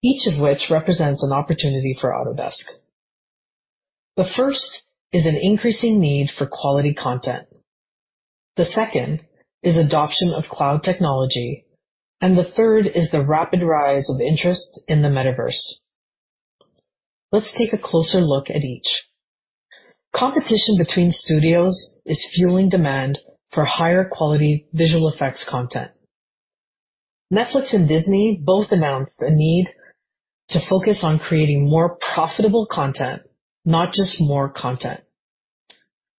each of which represents an opportunity for Autodesk. The first is an increasing need for quality content. The second is adoption of cloud technology, and the third is the rapid rise of interest in the metaverse. Let's take a closer look at each. Competition between studios is fueling demand for higher quality visual effects content. Netflix and Disney both announced a need to focus on creating more profitable content, not just more content.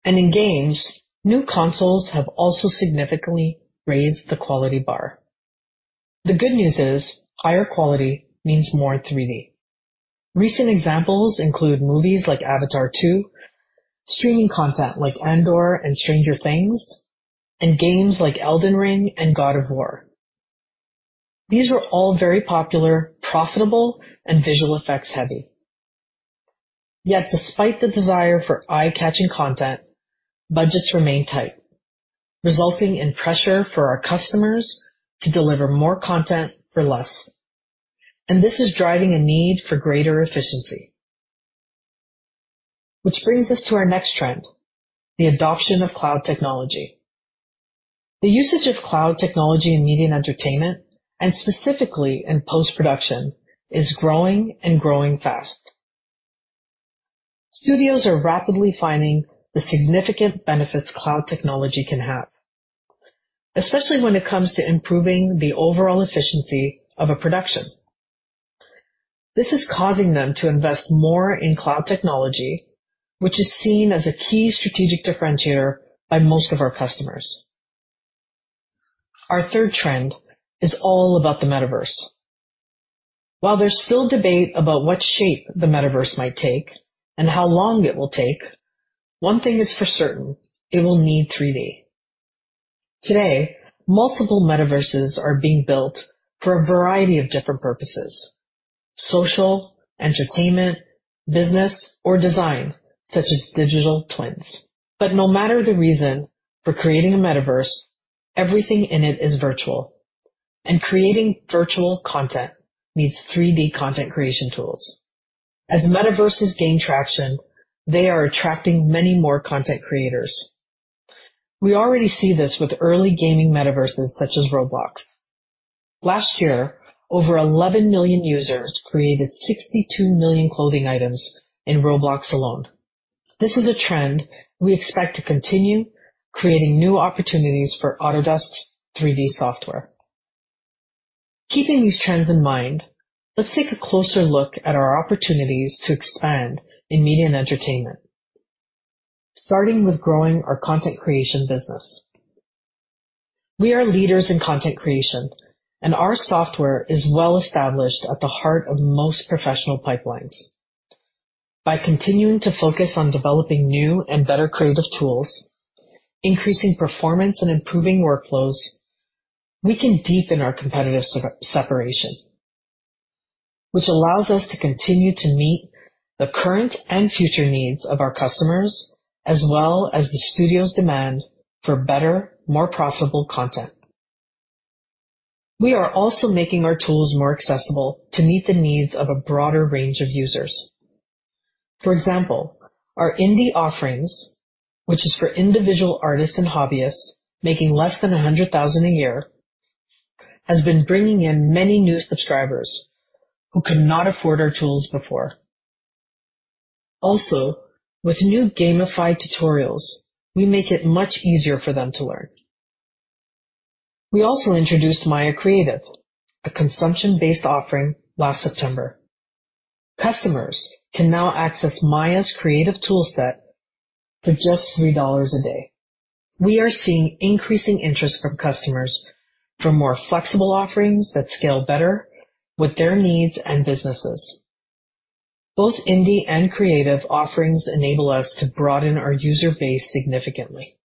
In games, new consoles have also significantly raised the quality bar. The good news is higher quality means more 3D. Recent examples include movies like Avatar Two, streaming content like Andor and Stranger Things, and games like Elden Ring and God of War. These were all very popular, profitable, and visual effects heavy. Yet despite the desire for eye-catching content, budgets remain tight, resulting in pressure for our customers to deliver more content for less. This is driving a need for greater efficiency. Which brings us to our next trend, the adoption of cloud technology. The usage of cloud technology in media and entertainment, and specifically in post-production, is growing and growing fast. Studios are rapidly finding the significant benefits cloud technology can have, especially when it comes to improving the overall efficiency of a production. This is causing them to invest more in cloud technology, which is seen as a key strategic differentiator by most of our customers. Our third trend is all about the metaverse. While there's still debate about what shape the metaverse might take and how long it will take, one thing is for certain, it will need 3D. Today, multiple metaverses are being built for a variety of different purposes: social, entertainment, business, or design, such as digital twins. No matter the reason for creating a metaverse, everything in it is virtual, and creating virtual content needs 3D content creation tools. As metaverses gain traction, they are attracting many more content creators. We already see this with early gaming metaverses such as Roblox. Last year, over 11 million users created 62 million clothing items in Roblox alone. This is a trend we expect to continue creating new opportunities for Autodesk's 3D software. Keeping these trends in mind, let's take a closer look at our opportunities to expand in media and entertainment, starting with growing our content creation business. We are leaders in content creation, and our software is well established at the heart of most professional pipelines. By continuing to focus on developing new and better creative tools, increasing performance, and improving workflows, we can deepen our competitive separation, which allows us to continue to meet the current and future needs of our customers, as well as the studio's demand for better, more profitable content. We are also making our tools more accessible to meet the needs of a broader range of users. For example, our indie offerings, which is for individual artists and hobbyists making less than $100,000 a year, has been bringing in many new subscribers who could not afford our tools before. With new gamified tutorials, we make it much easier for them to learn. We also introduced Maya Creative, a consumption-based offering, last September. Customers can now access Maya's creative toolset for just $3 a day. We are seeing increasing interest from customers for more flexible offerings that scale better with their needs and businesses. Both indie and creative offerings enable us to broaden our user base significantly.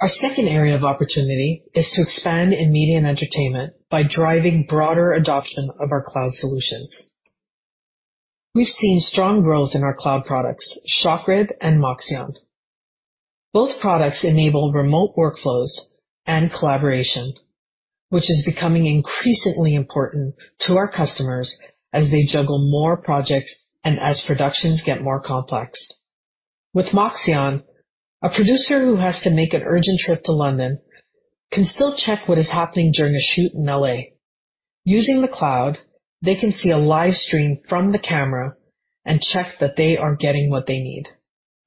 Our second area of opportunity is to expand in media and entertainment by driving broader adoption of our cloud solutions. We've seen strong growth in our cloud products, ShotGrid and Moxion. Both products enable remote workflows and collaboration, which is becoming increasingly important to our customers as they juggle more projects and as productions get more complex. With Moxion, a producer who has to make an urgent trip to London can still check what is happening during a shoot in L.A. Using the cloud, they can see a live stream from the camera and check that they are getting what they need.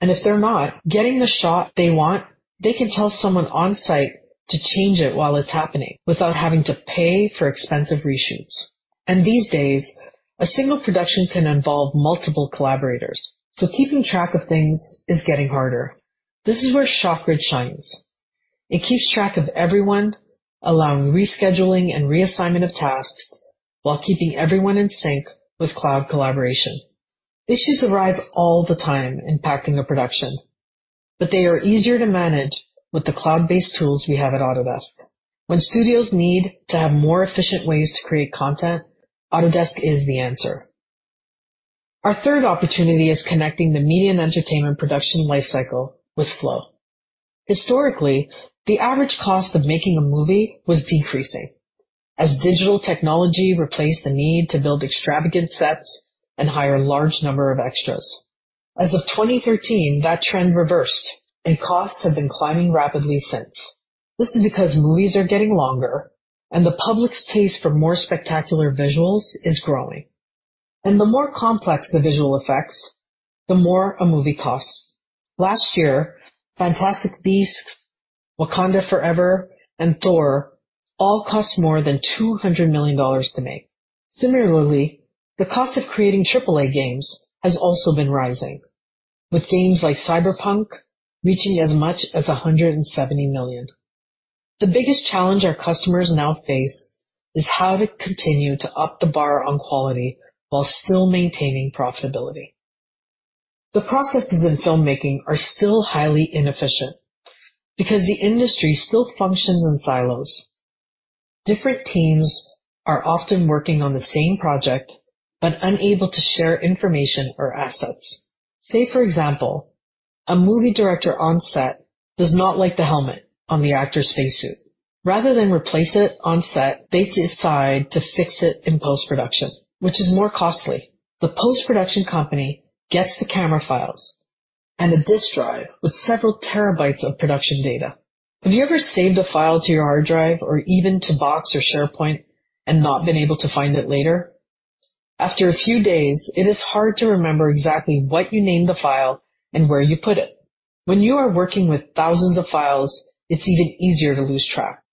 If they're not getting the shot they want, they can tell someone on-site to change it while it's happening without having to pay for expensive reshoots. These days, a single production can involve multiple collaborators, so keeping track of things is getting harder. This is where ShotGrid shines. It keeps track of everyone, allowing rescheduling and reassignment of tasks while keeping everyone in sync with cloud collaboration. Issues arise all the time impacting a production, but they are easier to manage with the cloud-based tools we have at Autodesk. When studios need to have more efficient ways to create content, Autodesk is the answer. Our third opportunity is connecting the media and entertainment production lifecycle with Flow. Historically, the average cost of making a movie was decreasing as digital technology replaced the need to build extravagant sets and hire a large number of extras. As of 2013, that trend reversed, and costs have been climbing rapidly since. This is because movies are getting longer and the public's taste for more spectacular visuals is growing. The more complex the visual effects, the more a movie costs. Last year, Fantastic Beasts, Wakanda Forever, and Thor all cost more than $200 million to make. Similarly, the cost of creating AAA games has also been rising, with games like Cyberpunk reaching as much as $170 million. The biggest challenge our customers now face is how to continue to up the bar on quality while still maintaining profitability. The processes in filmmaking are still highly inefficient because the industry still functions in silos. Different teams are often working on the same project but unable to share information or assets. Say, for example, a movie director on set does not like the helmet on the actor's spacesuit. Rather than replace it on set, they decide to fix it in post-production, which is more costly. The post-production company gets the camera files and a disk drive with several terabytes of production data. Have you ever saved a file to your hard drive or even to Box or SharePoint and not been able to find it later? After a few days, it is hard to remember exactly what you named the file and where you put it. When you are working with thousands of files, it's even easier to lose track.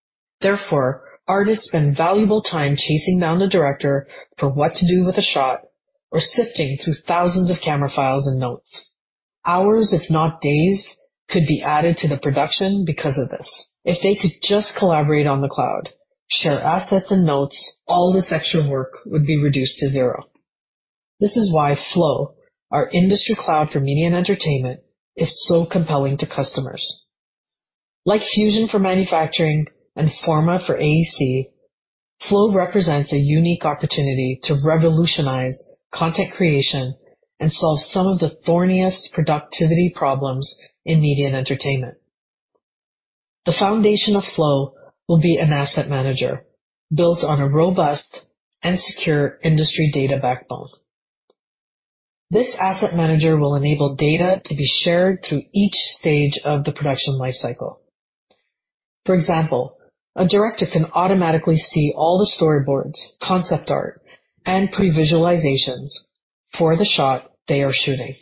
Therefore, artists spend valuable time chasing down the director for what to do with a shot or sifting through thousands of camera files and notes. Hours, if not days, could be added to the production because of this. If they could just collaborate on the cloud, share assets and notes, all this extra work would be reduced to zero. This is why Flow, our industry cloud for media and entertainment, is so compelling to customers. Like Fusion for manufacturing and Forma for AEC, Flow represents a unique opportunity to revolutionize content creation and solve some of the thorniest productivity problems in media and entertainment. The foundation of Flow will be an asset manager built on a robust and secure industry data backbone. This asset manager will enable data to be shared through each stage of the production lifecycle. For example, a director can automatically see all the storyboards, concept art, and previsualizations for the shot they are shooting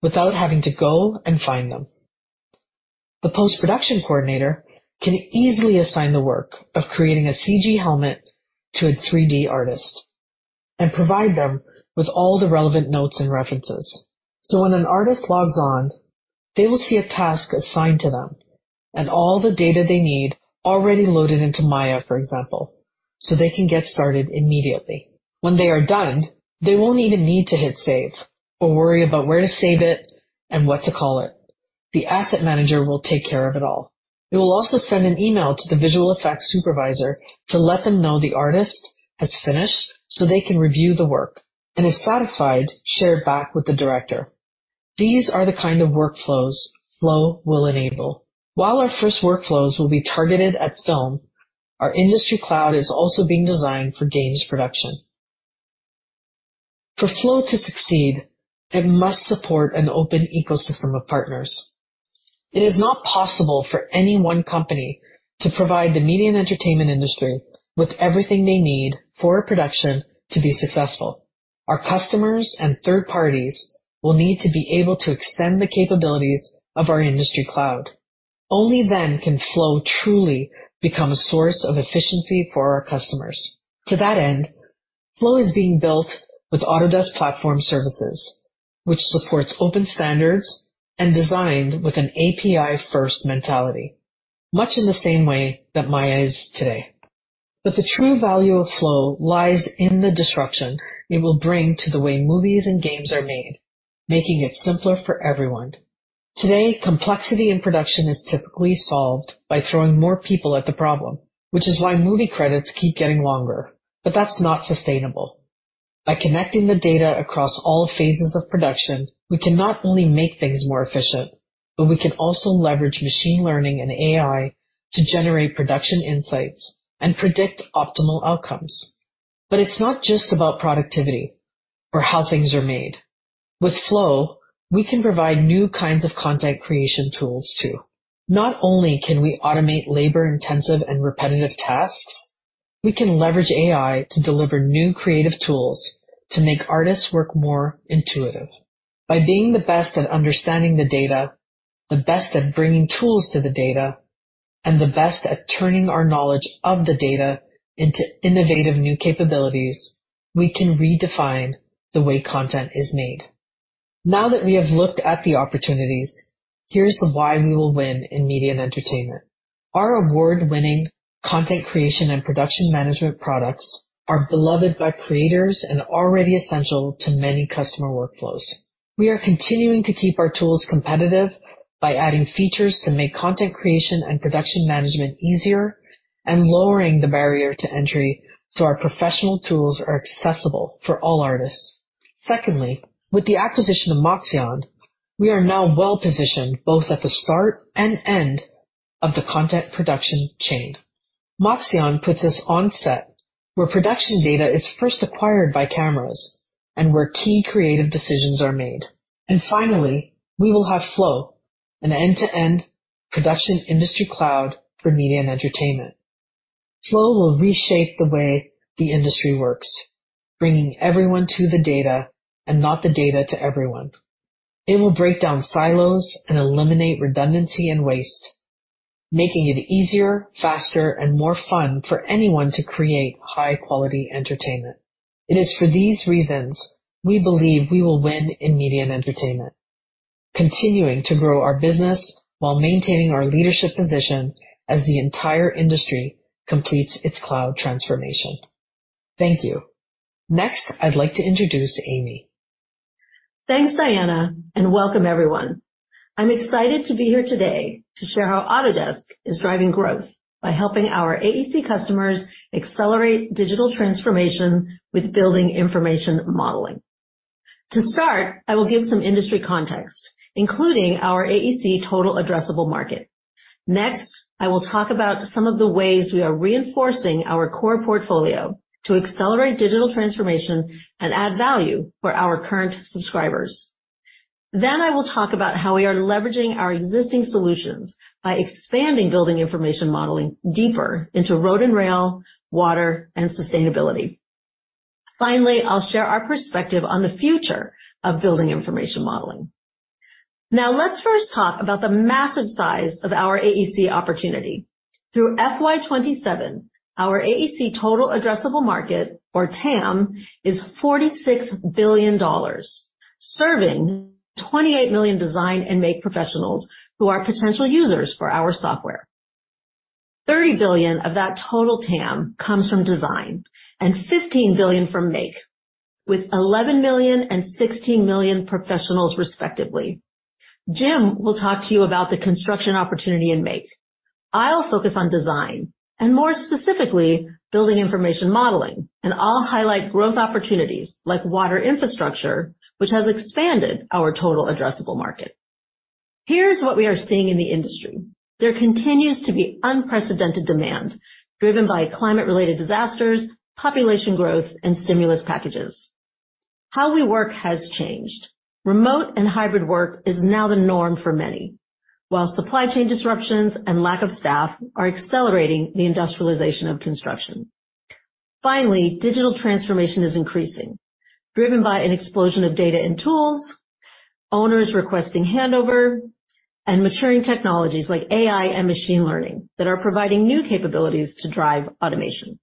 without having to go and find them. The post-production coordinator can easily assign the work of creating a CG helmet to a 3D artist and provide them with all the relevant notes and references. When an artist logs on, they will see a task assigned to them and all the data they need already loaded into Maya, for example, so they can get started immediately. When they are done, they won't even need to hit save or worry about where to save it and what to call it. The asset manager will take care of it all. It will also send an email to the visual effects supervisor to let them know the artist has finished so they can review the work, and if satisfied, share it back with the director. These are the kind of workflows Flow will enable. While our first workflows will be targeted at film, our industry cloud is also being designed for games production. For Flow to succeed, it must support an open ecosystem of partners. It is not possible for any one company to provide the media and entertainment industry with everything they need for a production to be successful. Our customers and third parties will need to be able to extend the capabilities of our industry cloud. Only then can Flow truly become a source of efficiency for our customers. To that end, Flow is being built with Autodesk Platform Services, which supports open standards and designed with an API-first mentality, much in the same way that Maya is today. The true value of Flow lies in the disruption it will bring to the way movies and games are made, making it simpler for everyone. Today, complexity in production is typically solved by throwing more people at the problem, which is why movie credits keep getting longer. That's not sustainable. By connecting the data across all phases of production, we can not only make things more efficient, but we can also leverage machine learning and AI to generate production insights and predict optimal outcomes. It's not just about productivity or how things are made. With Flow, we can provide new kinds of content creation tools too. Not only can we automate labor-intensive and repetitive tasks, we can leverage AI to deliver new creative tools to make artists' work more intuitive. By being the best at understanding the data, the best at bringing tools to the data, and the best at turning our knowledge of the data into innovative new capabilities, we can redefine the way content is made. We have looked at the opportunities, here's the why we will win in media and entertainment. Our award-winning content creation and production management products are beloved by creators and already essential to many customer workflows. We are continuing to keep our tools competitive by adding features to make content creation and production management easier and lowering the barrier to entry so our professional tools are accessible for all artists. Secondly, with the acquisition of Moxion, we are now well-positioned both at the start and end of the content production chain. Moxion puts us on set where production data is first acquired by cameras and where key creative decisions are made. Finally, we will have Flow, an end-to-end production industry cloud for media and entertainment. Flow will reshape the way the industry works, bringing everyone to the data and not the data to everyone. It will break down silos and eliminate redundancy and waste, making it easier, faster, and more fun for anyone to create high-quality entertainment. It is for these reasons we believe we will win in media and entertainment, continuing to grow our business while maintaining our leadership position as the entire industry completes its cloud transformation. Thank you. Next, I'd like to introduce Amy. Thanks, Diana. Welcome everyone. I'm excited to be here today to share how Autodesk is driving growth by helping our AEC customers accelerate digital transformation with Building Information Modeling. To start, I will give some industry context, including our AEC total addressable market. I will talk about some of the ways we are reinforcing our core portfolio to accelerate digital transformation and add value for our current subscribers. I will talk about how we are leveraging our existing solutions by expanding Building Information Modeling deeper into road and rail, water, and sustainability. I'll share our perspective on the future of Building Information Modeling. Let's first talk about the massive size of our AEC opportunity. Through FY 2027, our AEC total addressable market, or TAM, is $46 billion, serving 28 million design and make professionals who are potential users for our software. $30 billion of that total TAM comes from design and $15 billion from make, with 11 million and 16 million professionals respectively. Jim will talk to you about the construction opportunity in make. I'll focus on design and more specifically, building information modeling, and I'll highlight growth opportunities like water infrastructure, which has expanded our total addressable market. Here's what we are seeing in the industry. There continues to be unprecedented demand driven by climate-related disasters, population growth, and stimulus packages. How we work has changed. Remote and hybrid work is now the norm for many. While supply chain disruptions and lack of staff are accelerating the industrialization of construction. Finally, digital transformation is increasing, driven by an explosion of data and tools, owners requesting handover, and maturing technologies like AI and machine learning that are providing new capabilities to drive automation.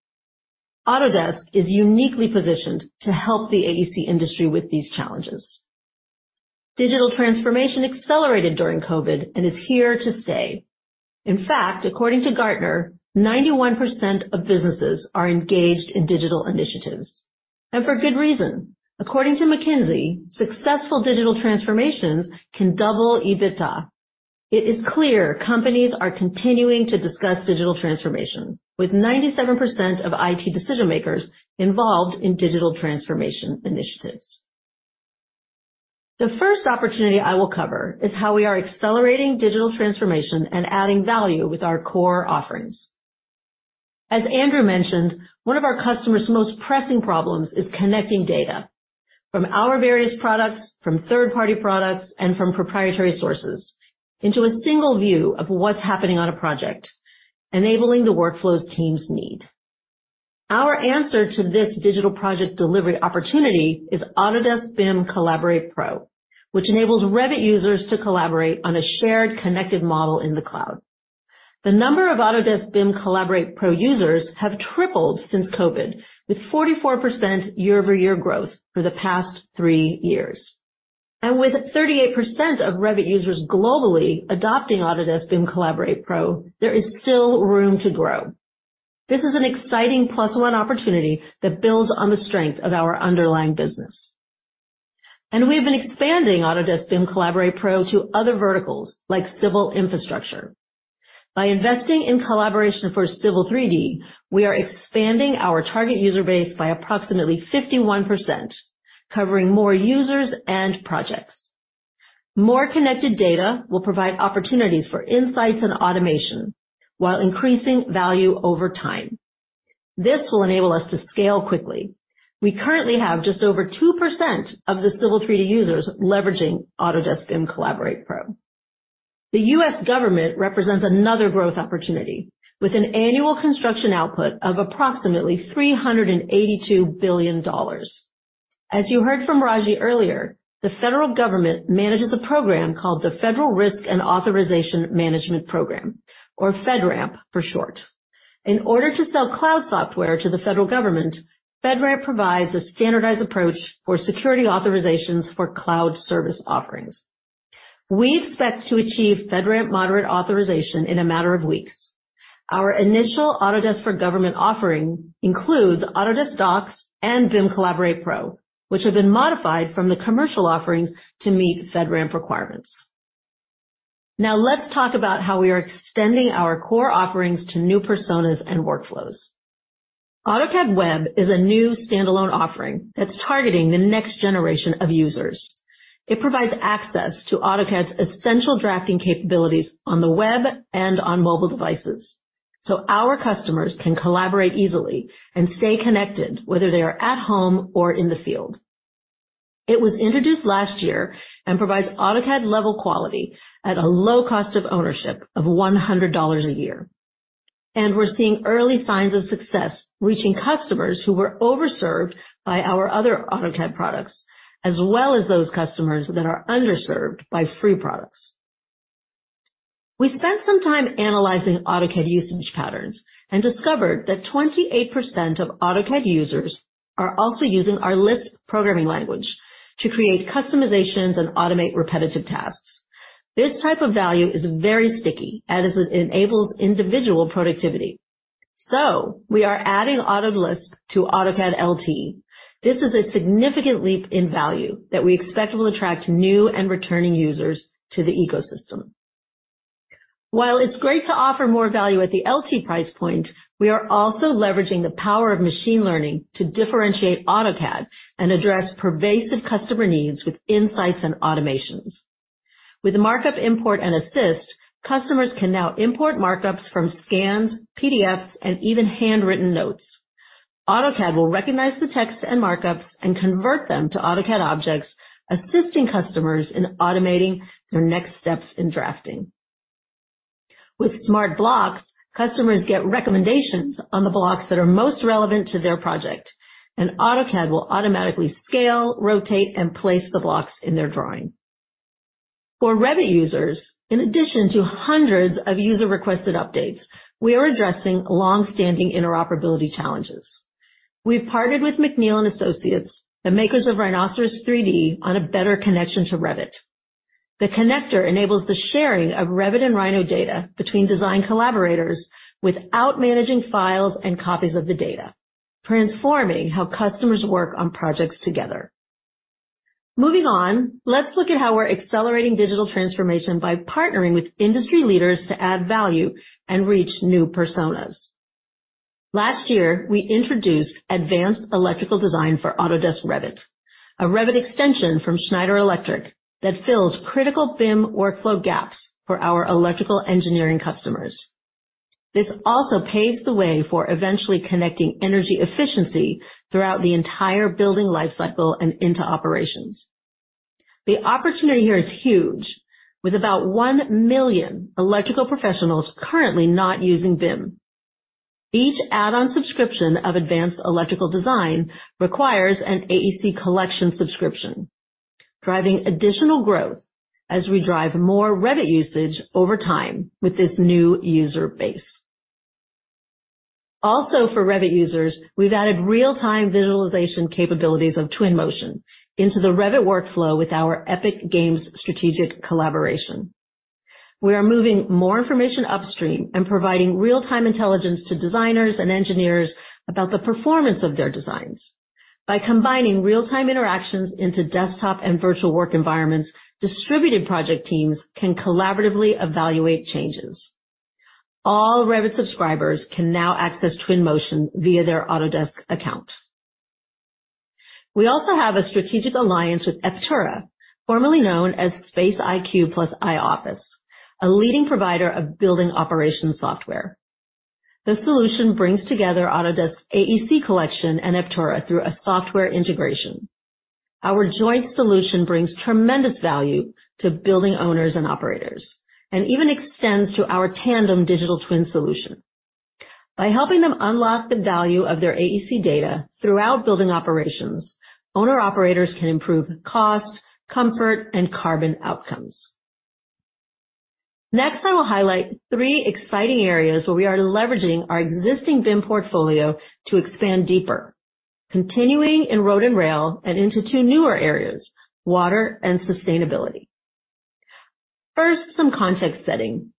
Autodesk is uniquely positioned to help the AEC industry with these challenges. Digital transformation accelerated during COVID and is here to stay. In fact, according to Gartner, 91% of businesses are engaged in digital initiatives, and for good reason. According to McKinsey, successful digital transformations can double EBITDA. It is clear companies are continuing to discuss digital transformation, with 97% of IT decision-makers involved in digital transformation initiatives. The first opportunity I will cover is how we are accelerating digital transformation and adding value with our core offerings. As Andrew mentioned, one of our customers' most pressing problems is connecting data from our various products, from third-party products, and from proprietary sources into a single view of what's happening on a project, enabling the workflows teams need. Our answer to this digital project delivery opportunity is Autodesk BIM Collaborate Pro, which enables Revit users to collaborate on a shared connected model in the cloud. The number of Autodesk BIM Collaborate Pro users have tripled since COVID, with 44% year-over-year growth for the past three years. With 38% of Revit users globally adopting Autodesk BIM Collaborate Pro, there is still room to grow. This is an exciting plus one opportunity that builds on the strength of our underlying business. We have been expanding Autodesk BIM Collaborate Pro to other verticals, like civil infrastructure. By investing in collaboration for Civil 3D, we are expanding our target user base by approximately 51%, covering more users and projects. More connected data will provide opportunities for insights and automation while increasing value over time. This will enable us to scale quickly. We currently have just over 2% of the Civil 3D users leveraging Autodesk BIM Collaborate Pro. The U.S. Government represents another growth opportunity, with an annual construction output of approximately $382 billion. As you heard from Raji earlier, the federal government manages a program called the Federal Risk and Authorization Management Program, or FedRAMP for short. In order to sell cloud software to the federal government, FedRAMP provides a standardized approach for security authorizations for cloud service offerings. We expect to achieve FedRAMP moderate authorization in a matter of weeks. Our initial Autodesk for government offering includes Autodesk Docs and BIM Collaborate Pro, which have been modified from the commercial offerings to meet FedRAMP requirements. Now let's talk about how we are extending our core offerings to new personas and workflows. AutoCAD Web is a new standalone offering that's targeting the next generation of users. It provides access to AutoCAD's essential drafting capabilities on the web and on mobile devices, our customers can collaborate easily and stay connected whether they are at home or in the field. It was introduced last year and provides AutoCAD-level quality at a low cost of ownership of $100 a year. We're seeing early signs of success, reaching customers who were over-served by our other AutoCAD products, as well as those customers that are under-served by free products. We spent some time analyzing AutoCAD usage patterns and discovered that 28% of AutoCAD users are also using our LISP programming language to create customizations and automate repetitive tasks. This type of value is very sticky as it enables individual productivity. We are adding AutoLISP to AutoCAD LT. This is a significant leap in value that we expect will attract new and returning users to the ecosystem. While it's great to offer more value at the LT price point, we are also leveraging the power of machine learning to differentiate AutoCAD and address pervasive customer needs with insights and automations. With Markup Import and Assist, customers can now import markups from scans, PDFs, and even handwritten notes. AutoCAD will recognize the text and markups and convert them to AutoCAD objects, assisting customers in automating their next steps in drafting. With Smart Blocks, customers get recommendations on the blocks that are most relevant to their project, and AutoCAD will automatically scale, rotate, and place the blocks in their drawing. For Revit users, in addition to hundreds of user-requested updates, we are addressing long-standing interoperability challenges. We've partnered with Robert McNeel & Associates, the makers of Rhinoceros 3D, on a better connection to Revit. The connector enables the sharing of Revit and Rhino data between design collaborators without managing files and copies of the data, transforming how customers work on projects together. Moving on, let's look at how we're accelerating digital transformation by partnering with industry leaders to add value and reach new personas. Last year, we introduced Advanced Electrical Design for Autodesk Revit, a Revit extension from Schneider Electric that fills critical BIM workflow gaps for our electrical engineering customers. This also paves the way for eventually connecting energy efficiency throughout the entire building lifecycle and into operations. The opportunity here is huge, with about 1 million electrical professionals currently not using BIM. Each add-on subscription of Advanced Electrical Design requires an AEC Collection subscription, driving additional growth as we drive more Revit usage over time with this new user base. For Revit users, we've added real-time visualization capabilities of Twinmotion into the Revit workflow with our Epic Games strategic collaboration. We are moving more information upstream and providing real-time intelligence to designers and engineers about the performance of their designs. By combining real-time interactions into desktop and virtual work environments, distributed project teams can collaboratively evaluate changes. All Revit subscribers can now access Twinmotion via their Autodesk account. We also have a strategic alliance with Eptura, formerly known as SpaceIQ plus iOffice, a leading provider of building operations software. The solution brings together Autodesk AEC Collection and Eptura through a software integration. Our joint solution brings tremendous value to building owners and operators, and even extends to our Tandem digital twin solution. By helping them unlock the value of their AEC data throughout building operations, owner-operators can improve cost, comfort, and carbon outcomes. Next, I will highlight three exciting areas where we are leveraging our existing BIM portfolio to expand deeper, continuing in road and rail and into two newer areas, water and sustainability. First, some context setting.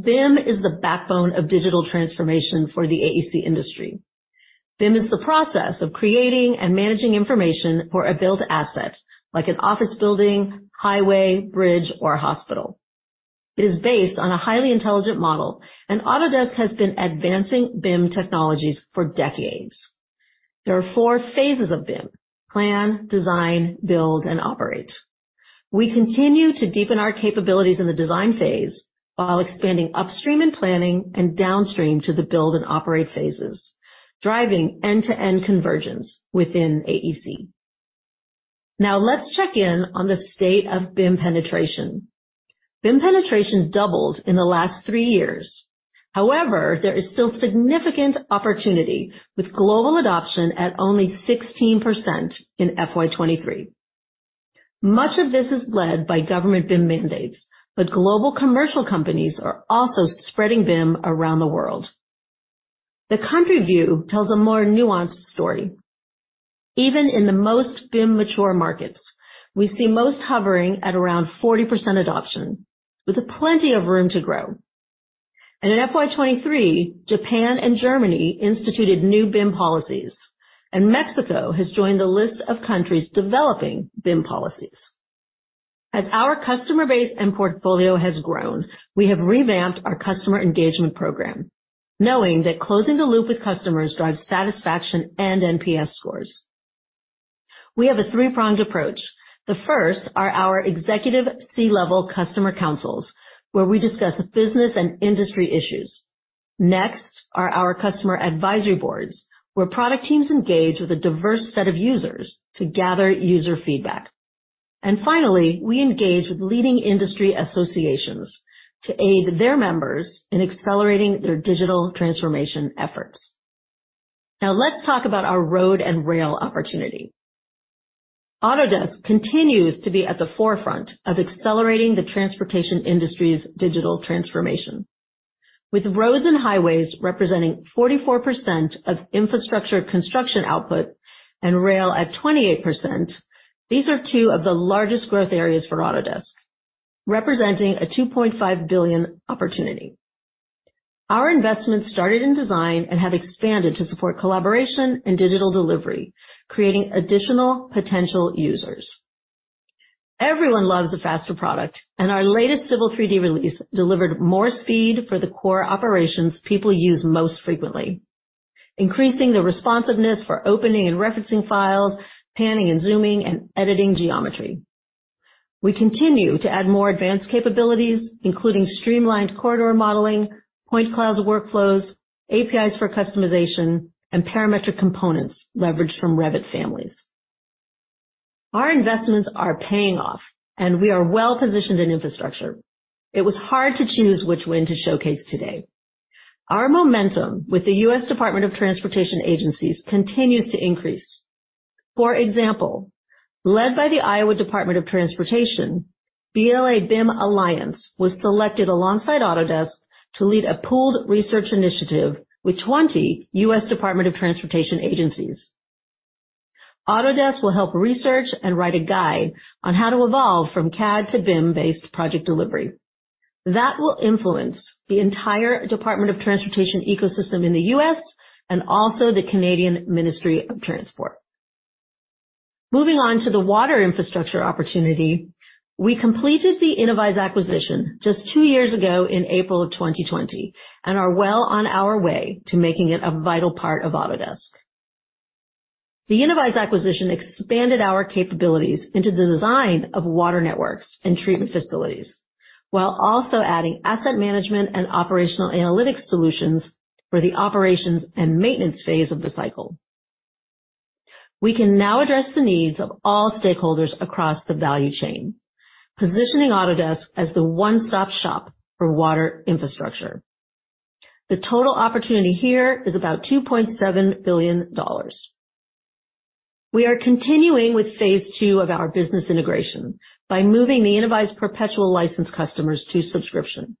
BIM is the backbone of digital transformation for the AEC industry. BIM is the process of creating and managing information for a built asset like an office building, highway, bridge, or hospital. It is based on a highly intelligent model, and Autodesk has been advancing BIM technologies for decades. There are four phases of BIM, plan, design, build, and operate. We continue to deepen our capabilities in the design phase while expanding upstream in planning and downstream to the build and operate phases, driving end-to-end convergence within AEC. Let's check in on the state of BIM penetration. BIM penetration doubled in the last three years. There is still significant opportunity with global adoption at only 16% in FY 2023. Much of this is led by government BIM mandates. Global commercial companies are also spreading BIM around the world. The country view tells a more nuanced story. Even in the most BIM-mature markets, we see most hovering at around 40% adoption, with plenty of room to grow. In FY 2023, Japan and Germany instituted new BIM policies, and Mexico has joined the list of countries developing BIM policies. As our customer base and portfolio has grown, we have revamped our customer engagement program, knowing that closing the loop with customers drives satisfaction and NPS scores. We have a three-pronged approach. The first are our executive C-level customer councils, where we discuss business and industry issues. Next are our customer advisory boards, where product teams engage with a diverse set of users to gather user feedback. Finally, we engage with leading industry associations to aid their members in accelerating their digital transformation efforts. Now let's talk about our road and rail opportunity. Autodesk continues to be at the forefront of accelerating the transportation industry's digital transformation. With roads and highways representing 44% of infrastructure construction output and rail at 28%, these are two of the largest growth areas for Autodesk, representing a $2.5 billion opportunity. Our investments started in design and have expanded to support collaboration and digital delivery, creating additional potential users. Everyone loves a faster product, and our latest Civil 3D release delivered more speed for the core operations people use most frequently, increasing the responsiveness for opening and referencing files, panning and zooming, and editing geometry. We continue to add more advanced capabilities, including streamlined corridor modeling, point cloud workflows, APIs for customization, and parametric components leveraged from Revit families. Our investments are paying off, and we are well-positioned in infrastructure. It was hard to choose which win to showcase today. Our momentum with the U.S. Department of Transportation agencies continues to increase. For example, led by the Iowa Department of Transportation, BLA BIM Alliance was selected alongside Autodesk to lead a pooled research initiative with 20 US Department of Transportation agencies. Autodesk will help research and write a guide on how to evolve from CAD to BIM-based project delivery. That will influence the entire Department of Transportation ecosystem in the U.S. and also the Canadian Ministry of Transport. Moving on to the water infrastructure opportunity, we completed the Innovyze acquisition just two years ago in April of 2020, and are well on our way to making it a vital part of Autodesk. The Innovyze acquisition expanded our capabilities into the design of water networks and treatment facilities, while also adding asset management and operational analytics solutions for the operations and maintenance phase of the cycle. We can now address the needs of all stakeholders across the value chain, positioning Autodesk as the one-stop shop for water infrastructure. The total opportunity here is about $2.7 billion. We are continuing with phase 2 of our business integration by moving the Innovyze perpetual license customers to subscription.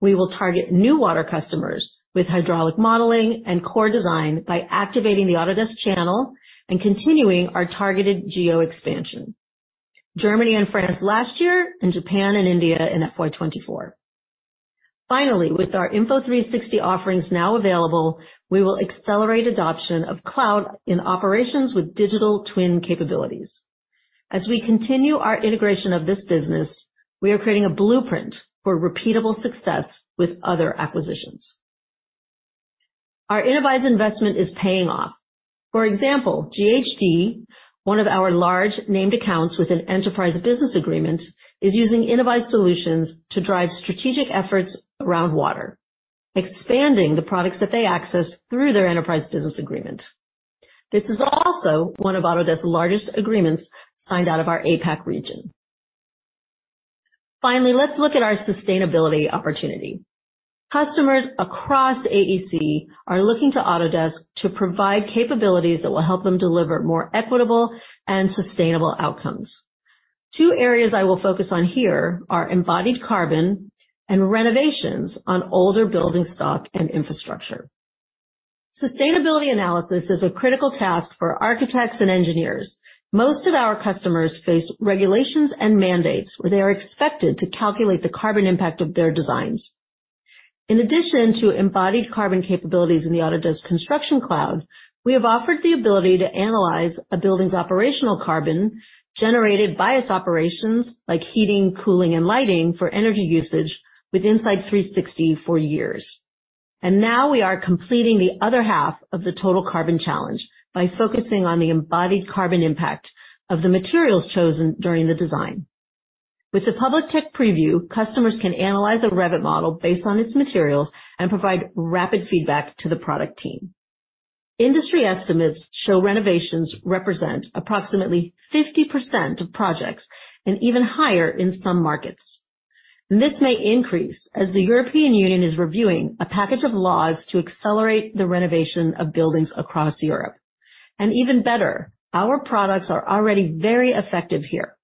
We will target new water customers with hydraulic modeling and core design by activating the Autodesk channel and continuing our targeted geo expansion, Germany and France last year, and Japan and India in FY 2024. Finally, with our Info360 offerings now available, we will accelerate adoption of cloud in operations with digital twin capabilities. As we continue our integration of this business, we are creating a blueprint for repeatable success with other acquisitions. Our Innovyze investment is paying off. For example, GHD, one of our large named accounts with an enterprise business agreement, is using Innovyze solutions to drive strategic efforts around water, expanding the products that they access through their enterprise business agreement. This is also one of Autodesk's largest agreements signed out of our APAC region. Let's look at our sustainability opportunity. Customers across AEC are looking to Autodesk to provide capabilities that will help them deliver more equitable and sustainable outcomes. Two areas I will focus on here are embodied carbon and renovations on older building stock and infrastructure. Sustainability analysis is a critical task for architects and engineers. Most of our customers face regulations and mandates where they are expected to calculate the carbon impact of their designs. In addition to embodied carbon capabilities in the Autodesk Construction Cloud, we have offered the ability to analyze a building's operational carbon generated by its operations like heating, cooling, and lighting for energy usage with Insight 360 for years. Now we are completing the other half of the total carbon challenge by focusing on the embodied carbon impact of the materials chosen during the design. With the public tech preview, customers can analyze a Revit model based on its materials and provide rapid feedback to the product team. Industry estimates show renovations represent approximately 50% of projects and even higher in some markets. This may increase as the European Union is reviewing a package of laws to accelerate the renovation of buildings across Europe. Even better, our products are already very effective here.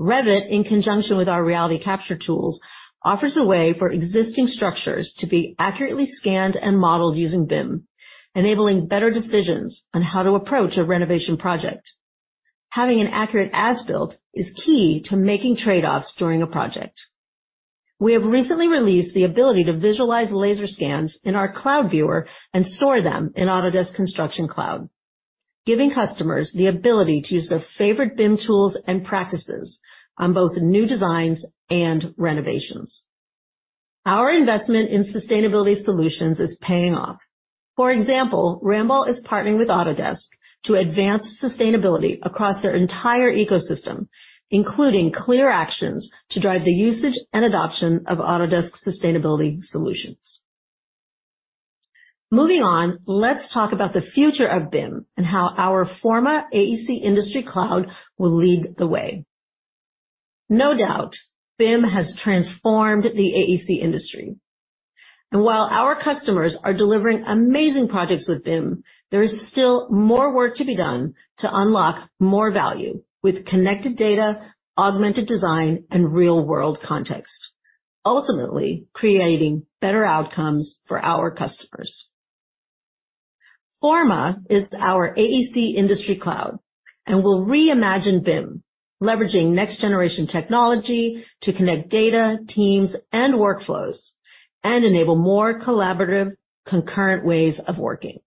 Revit, in conjunction with our reality capture tools, offers a way for existing structures to be accurately scanned and modeled using BIM, enabling better decisions on how to approach a renovation project. Having an accurate as-built is key to making trade-offs during a project. We have recently released the ability to visualize laser scans in our cloud viewer and store them in Autodesk Construction Cloud, giving customers the ability to use their favorite BIM tools and practices on both new designs and renovations. Our investment in sustainability solutions is paying off. For example, Ramboll is partnering with Autodesk to advance sustainability across their entire ecosystem, including clear actions to drive the usage and adoption of Autodesk sustainability solutions. Moving on, let's talk about the future of BIM and how our Forma AEC Industry Cloud will lead the way. No doubt, BIM has transformed the AEC industry. While our customers are delivering amazing projects with BIM, there is still more work to be done to unlock more value with connected data, augmented design, and real-world context, ultimately creating better outcomes for our customers. Forma is our AEC Industry Cloud and will reimagine BIM, leveraging next-generation technology to connect data, teams, and workflows and enable more collaborative, concurrent ways of working.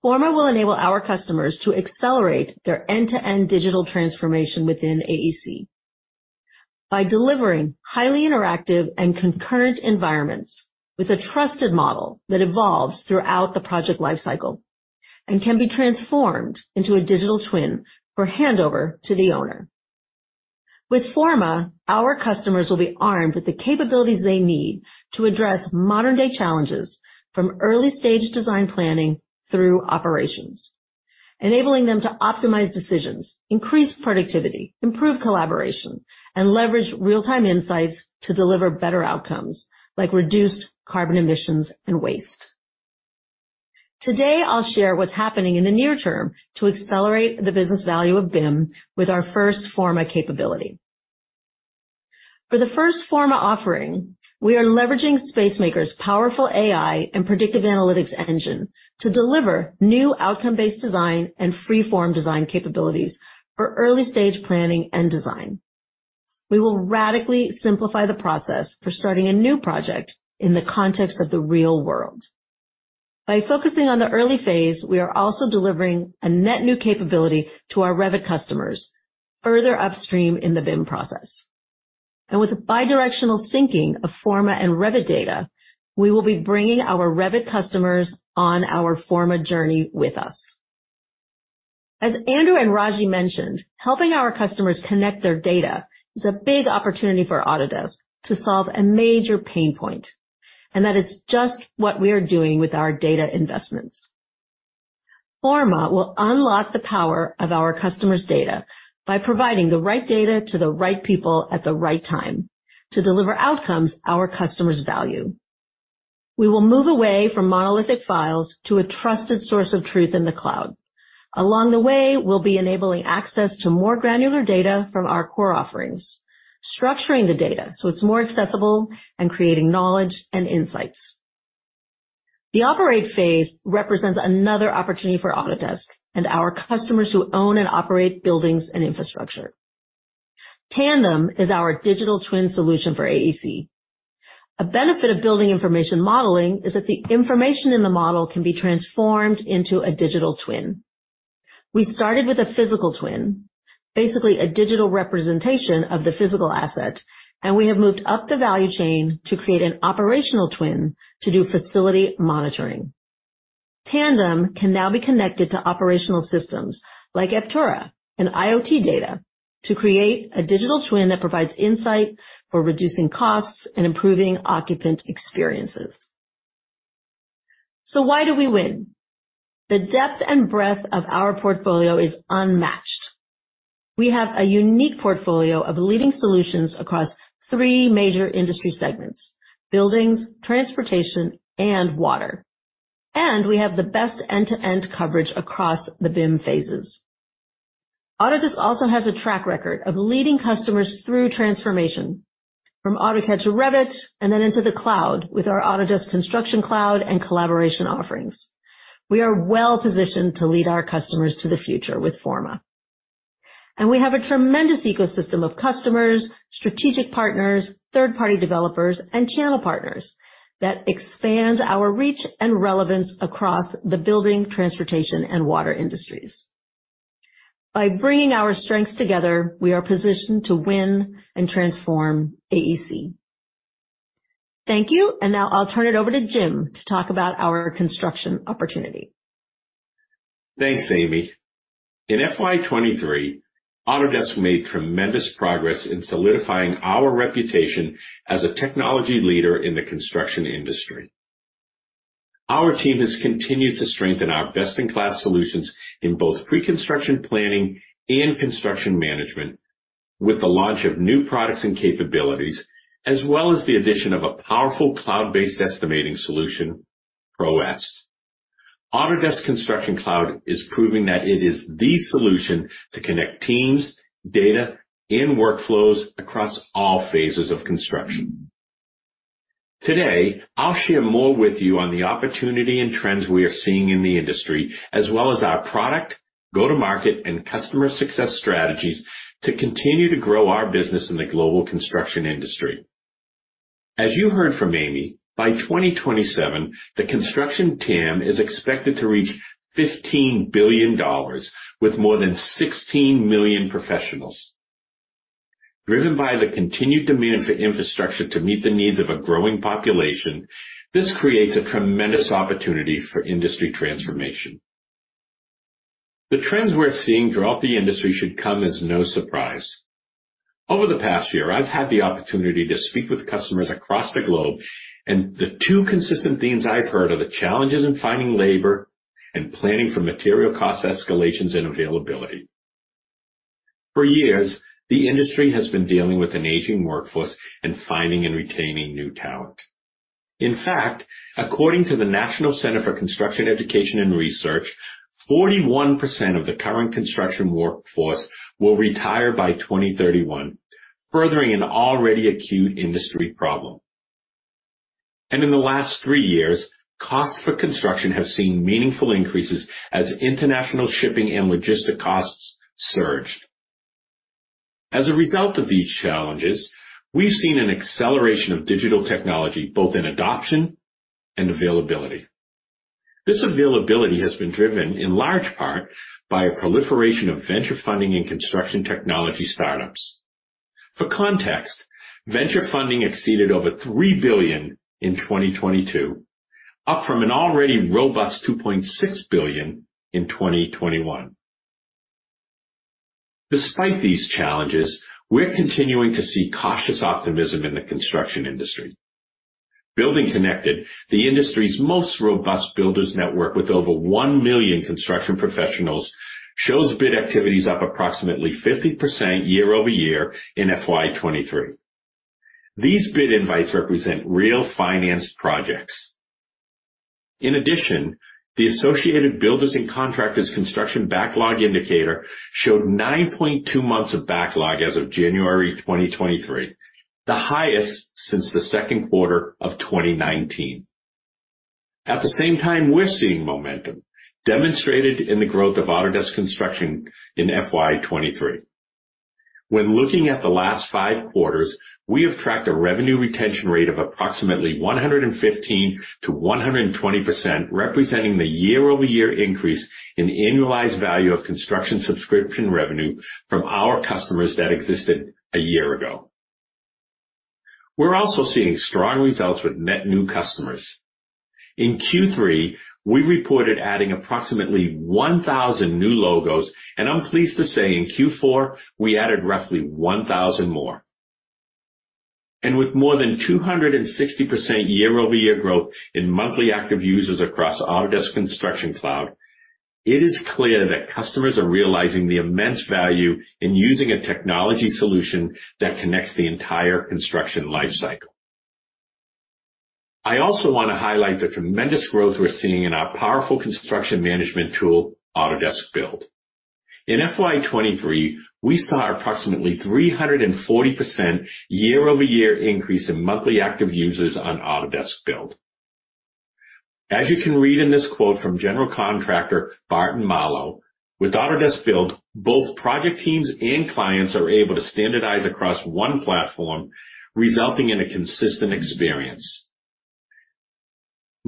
Forma will enable our customers to accelerate their end-to-end digital transformation within AEC by delivering highly interactive and concurrent environments with a trusted model that evolves throughout the project lifecycle and can be transformed into a digital twin for handover to the owner. With Forma, our customers will be armed with the capabilities they need to address modern-day challenges from early-stage design planning through operations, enabling them to optimize decisions, increase productivity, improve collaboration, and leverage real-time insights to deliver better outcomes like reduced carbon emissions and waste. Today, I'll share what's happening in the near term to accelerate the business value of BIM with our first Forma capability. For the first Forma offering, we are leveraging Spacemaker's powerful AI and predictive analytics engine to deliver new outcome-based design and free-form design capabilities for early-stage planning and design. We will radically simplify the process for starting a new project in the context of the real world. By focusing on the early phase, we are also delivering a net new capability to our Revit customers further upstream in the BIM process. With bidirectional syncing of Forma and Revit data, we will be bringing our Revit customers on our Forma journey with us. As Andrew and Raji mentioned, helping our customers connect their data is a big opportunity for Autodesk to solve a major pain point, and that is just what we are doing with our data investments. Forma will unlock the power of our customers' data by providing the right data to the right people at the right time to deliver outcomes our customers value. We will move away from monolithic files to a trusted source of truth in the cloud. Along the way, we'll be enabling access to more granular data from our core offerings, structuring the data so it's more accessible, and creating knowledge and insights. The operate phase represents another opportunity for Autodesk and our customers who own and operate buildings and infrastructure. Tandem is our digital twin solution for AEC. A benefit of building information modeling is that the information in the model can be transformed into a digital twin. We started with a physical twin, basically a digital representation of the physical asset, and we have moved up the value chain to create an operational twin to do facility monitoring. Tandem can now be connected to operational systems like Eptura and IoT data to create a digital twin that provides insight for reducing costs and improving occupant experiences. Why do we win? The depth and breadth of our portfolio is unmatched. We have a unique portfolio of leading solutions across three major industry segments: buildings, transportation, and water. We have the best end-to-end coverage across the BIM phases. Autodesk also has a track record of leading customers through transformation from AutoCAD to Revit and then into the cloud with our Autodesk Construction Cloud and collaboration offerings. We are well-positioned to lead our customers to the future with Forma. We have a tremendous ecosystem of customers, strategic partners, third-party developers, and channel partners that expand our reach and relevance across the building, transportation, and water industries. By bringing our strengths together, we are positioned to win and transform AEC. Thank you. Now I'll turn it over to Jim to talk about our construction opportunity. Thanks, Amy. In FY 2023, Autodesk made tremendous progress in solidifying our reputation as a technology leader in the construction industry. Our team has continued to strengthen our best-in-class solutions in both pre-construction planning and construction management with the launch of new products and capabilities, as well as the addition of a powerful cloud-based estimating solution, ProEst. Autodesk Construction Cloud is proving that it is the solution to connect teams, data, and workflows across all phases of construction. Today, I'll share more with you on the opportunity and trends we are seeing in the industry, as well as our product, go-to-market, and customer success strategies to continue to grow our business in the global construction industry. As you heard from Amy, by 2027, the construction TAM is expected to reach $15 billion with more than 16 million professionals. Driven by the continued demand for infrastructure to meet the needs of a growing population, this creates a tremendous opportunity for industry transformation. The trends we're seeing throughout the industry should come as no surprise. Over the past year, I've had the opportunity to speak with customers across the globe, and the two consistent themes I've heard are the challenges in finding labor and planning for material cost escalations and availability. For years, the industry has been dealing with an aging workforce and finding and retaining new talent. In fact, according to the National Center for Construction Education and Research, 41% of the current construction workforce will retire by 2031, furthering an already acute industry problem. In the last three years, costs for construction have seen meaningful increases as international shipping and logistic costs surged. As a result of these challenges, we've seen an acceleration of digital technology, both in adoption and availability. This availability has been driven in large part by a proliferation of venture funding in construction technology startups. For context, venture funding exceeded over $3 billion in 2022, up from an already robust $2.6 billion in 2021. Despite these challenges, we're continuing to see cautious optimism in the construction industry. BuildingConnected, the industry's most robust builders network with over 1 million construction professionals, shows bid activities up approximately 50% year-over-year in FY 2023. These bid invites represent real financed projects. In addition, the Associated Builders and Contractors construction backlog indicator showed 9.2 months of backlog as of January 2023, the highest since the second quarter of 2019. At the same time, we're seeing momentum demonstrated in the growth of Autodesk Construction in FY 2023. When looking at the last five quarters, we have tracked a revenue retention rate of approximately 115%-120%, representing the year-over-year increase in annualized value of construction subscription revenue from our customers that existed a year ago. We're also seeing strong results with net new customers. In Q3, we reported adding approximately 1,000 new logos, and I'm pleased to say in Q4, we added roughly 1,000 more. With more than 260% year-over-year growth in monthly active users across Autodesk Construction Cloud, it is clear that customers are realizing the immense value in using a technology solution that connects the entire construction life cycle. I also wanna highlight the tremendous growth we're seeing in our powerful construction management tool, Autodesk Build. In FY 2023, we saw approximately 340% year-over-year increase in monthly active users on Autodesk Build. As you can read in this quote from general contractor Barton Malow, with Autodesk Build, both project teams and clients are able to standardize across one platform, resulting in a consistent experience.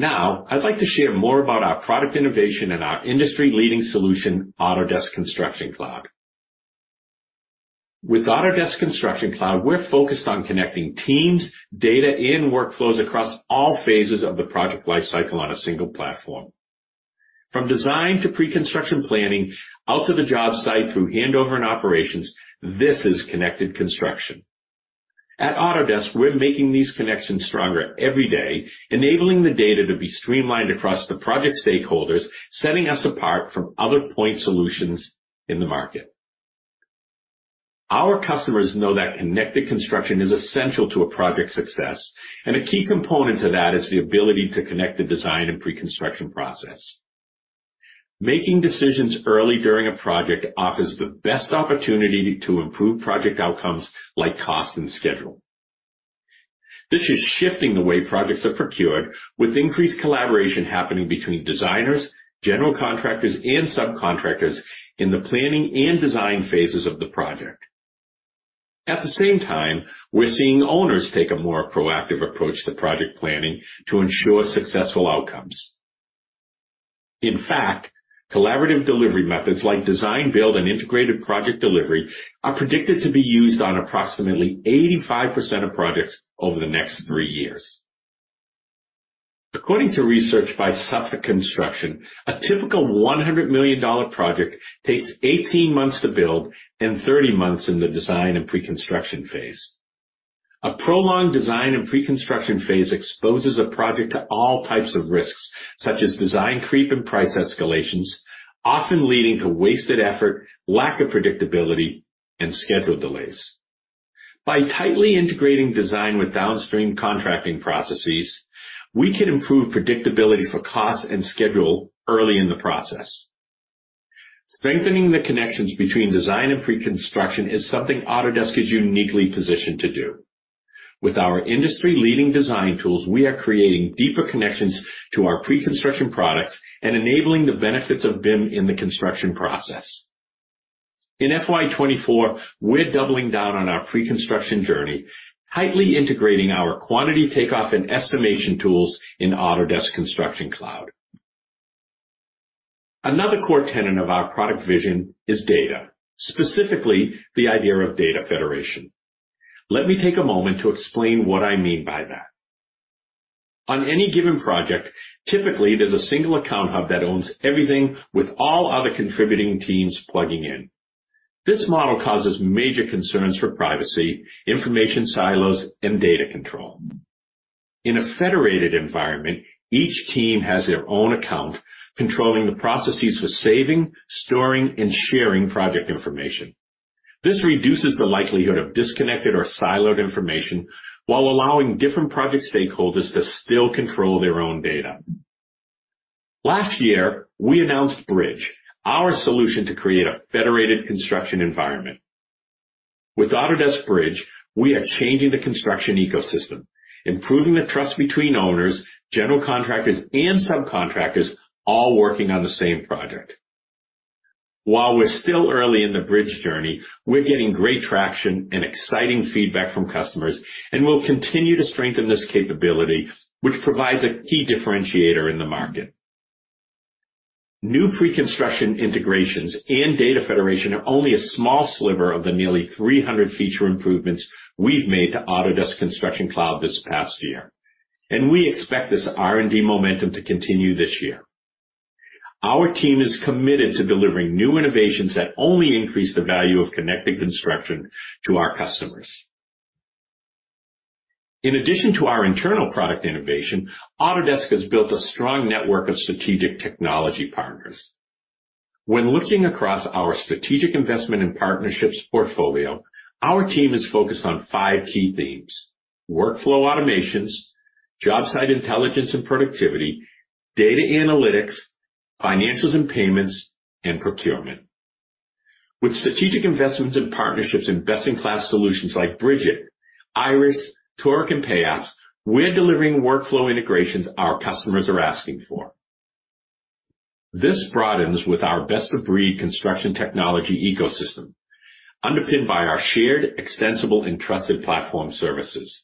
I'd like to share more about our product innovation and our industry-leading solution, Autodesk Construction Cloud. With Autodesk Construction Cloud, we're focused on connecting teams, data, and workflows across all phases of the project life cycle on a single platform. From design to pre-construction planning, out to the job site through handover and operations, this is connected construction. At Autodesk, we're making these connections stronger every day, enabling the data to be streamlined across the project stakeholders, setting us apart from other point solutions in the market. Our customers know that connected construction is essential to a project's success, and a key component to that is the ability to connect the design and pre-construction process. Making decisions early during a project offers the best opportunity to improve project outcomes like cost and schedule. This is shifting the way projects are procured with increased collaboration happening between designers, general contractors, and subcontractors in the planning and design phases of the project. At the same time, we're seeing owners take a more proactive approach to project planning to ensure successful outcomes. In fact, collaborative delivery methods like design, build, and integrated project delivery are predicted to be used on approximately 85% of projects over the next three years. According to research by Suffolk Construction, a typical $100 million project takes 18 months to build and 30 months in the design and pre-construction phase. A prolonged design and pre-construction phase exposes a project to all types of risks, such as design creep and price escalations, often leading to wasted effort, lack of predictability, and schedule delays. By tightly integrating design with downstream contracting processes, we can improve predictability for cost and schedule early in the process. Strengthening the connections between design and pre-construction is something Autodesk is uniquely positioned to do. With our industry-leading design tools, we are creating deeper connections to our pre-construction products and enabling the benefits of BIM in the construction process. In FY 2024, we're doubling down on our pre-construction journey, tightly integrating our quantity takeoff and estimation tools in Autodesk Construction Cloud. Another core tenet of our product vision is data, specifically the idea of data federation. Let me take a moment to explain what I mean by that. On any given project, typically, there's a single account hub that owns everything with all other contributing teams plugging in. This model causes major concerns for privacy, information silos, and data control. In a federated environment, each team has their own account, controlling the processes for saving, storing, and sharing project information. This reduces the likelihood of disconnected or siloed information while allowing different project stakeholders to still control their own data. Last year, we announced Bridge, our solution to create a federated construction environment. With Autodesk Bridge, we are changing the construction ecosystem, improving the trust between owners, general contractors, and subcontractors all working on the same project. While we're still early in the Bridge journey, we're getting great traction and exciting feedback from customers, and we'll continue to strengthen this capability, which provides a key differentiator in the market. New pre-construction integrations and data federation are only a small sliver of the nearly 300 feature improvements we've made to Autodesk Construction Cloud this past year. We expect this R&D momentum to continue this year. Our team is committed to delivering new innovations that only increase the value of connecting construction to our customers. In addition to our internal product innovation, Autodesk has built a strong network of strategic technology partners. When looking across our strategic investment in partnerships portfolio, our team is focused on five key themes. Workflow automations, job site intelligence and productivity, data analytics, financials and payments, and procurement. With strategic investments and partnerships in best-in-class solutions like Bridgit, Iris, Toric, and Payapps, we're delivering workflow integrations our customers are asking for. This broadens with our best-of-breed construction technology ecosystem, underpinned by our shared extensible and trusted platform services.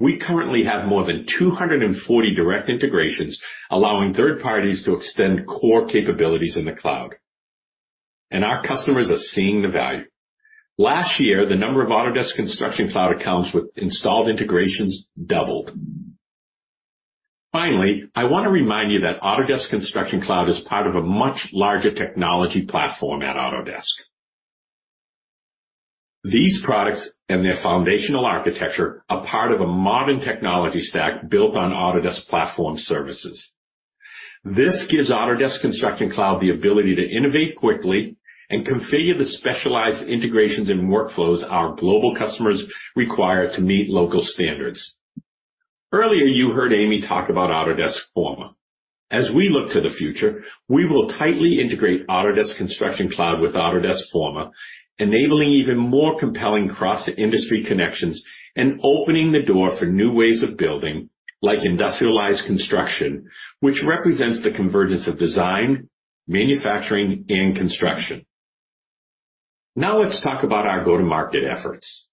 We currently have more than 240 direct integrations, allowing third parties to extend core capabilities in the cloud. Our customers are seeing the value. Last year, the number of Autodesk Construction Cloud accounts with installed integrations doubled. Finally, I want to remind you that Autodesk Construction Cloud is part of a much larger technology platform at Autodesk. These products and their foundational architecture are part of a modern technology stack built on Autodesk Platform Services. This gives Autodesk Construction Cloud the ability to innovate quickly and configure the specialized integrations and workflows our global customers require to meet local standards. Earlier, you heard Amy talk about Autodesk Forma. As we look to the future, we will tightly integrate Autodesk Construction Cloud with Autodesk Forma, enabling even more compelling cross-industry connections and opening the door for new ways of building, like industrialized construction, which represents the convergence of design, manufacturing, and construction. Let's talk about our go-to-market efforts.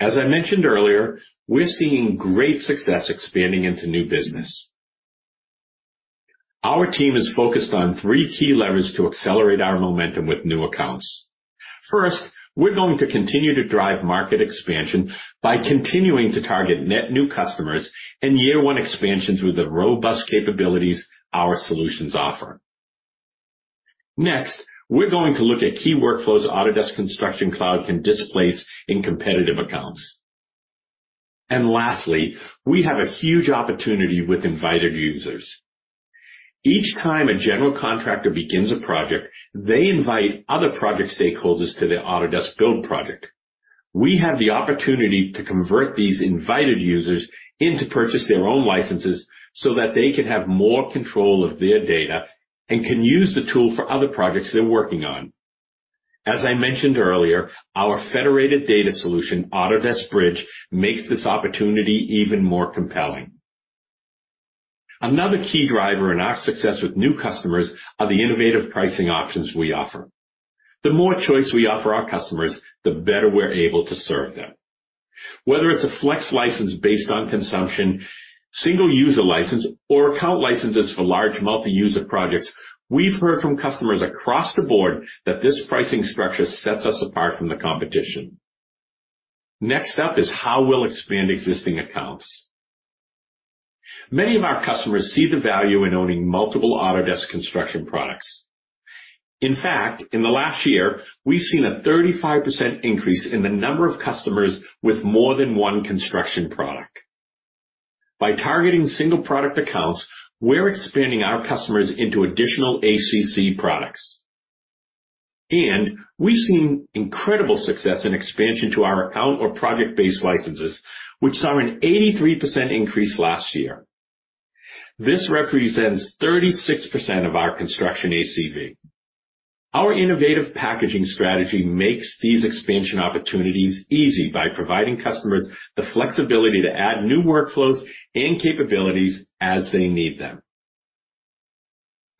As I mentioned earlier, we're seeing great success expanding into new business. Our team is focused on three key levers to accelerate our momentum with new accounts. First, we're going to continue to drive market expansion by continuing to target net new customers and year-one expansion through the robust capabilities our solutions offer. Next, we're going to look at key workflows Autodesk Construction Cloud can displace in competitive accounts. Lastly, we have a huge opportunity with invited users. Each time a general contractor begins a project, they invite other project stakeholders to the Autodesk Build project. We have the opportunity to convert these invited users in to purchase their own licenses so that they can have more control of their data and can use the tool for other projects they're working on. As I mentioned earlier, our federated data solution, Autodesk Bridge, makes this opportunity even more compelling. Another key driver in our success with new customers are the innovative pricing options we offer. The more choice we offer our customers, the better we're able to serve them. Whether it's a Flex license based on consumption, single-user license, or account licenses for large multi-user projects, we've heard from customers across the board that this pricing structure sets us apart from the competition. Next up is how we'll expand existing accounts. Many of our customers see the value in owning multiple Autodesk construction products. In fact, in the last year, we've seen a 35% increase in the number of customers with more than one construction product. By targeting single product accounts, we're expanding our customers into additional ACC products. We've seen incredible success in expansion to our account or project-based licenses, which saw an 83% increase last year. This represents 36% of our construction ACV. Our innovative packaging strategy makes these expansion opportunities easy by providing customers the flexibility to add new workflows and capabilities as they need them.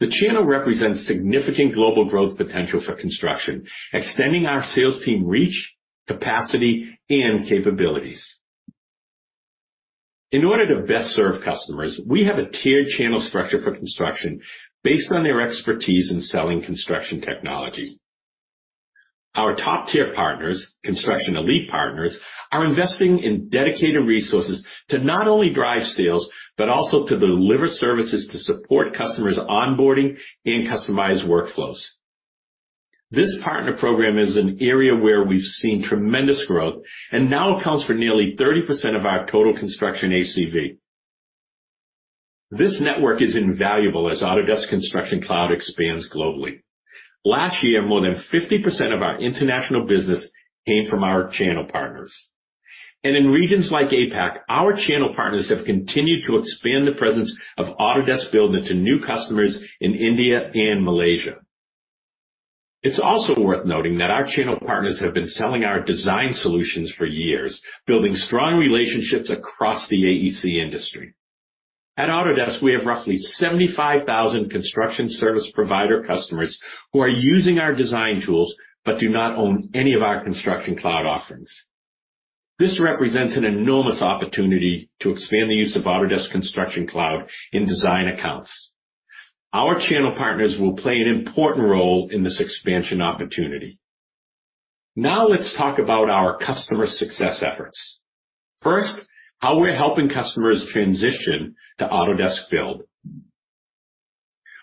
The channel represents significant global growth potential for construction, extending our sales team reach, capacity, and capabilities. In order to best serve customers, we have a tiered channel structure for construction based on their expertise in selling construction technology. Our top-tier partners, construction elite partners, are investing in dedicated resources to not only drive sales, but also to deliver services to support customers onboarding and customize workflows. This partner program is an area where we've seen tremendous growth and now accounts for nearly 30% of our total construction ACV. This network is invaluable as Autodesk Construction Cloud expands globally. Last year, more than 50% of our international business came from our channel partners. In regions like APAC, our channel partners have continued to expand the presence of Autodesk Build into new customers in India and Malaysia. It's also worth noting that our channel partners have been selling our design solutions for years, building strong relationships across the AEC industry. At Autodesk, we have roughly 75,000 construction service provider customers who are using our design tools but do not own any of our Construction Cloud offerings. This represents an enormous opportunity to expand the use of Autodesk Construction Cloud in design accounts. Our channel partners will play an important role in this expansion opportunity. Let's talk about our customer success efforts. First, how we're helping customers transition to Autodesk Build.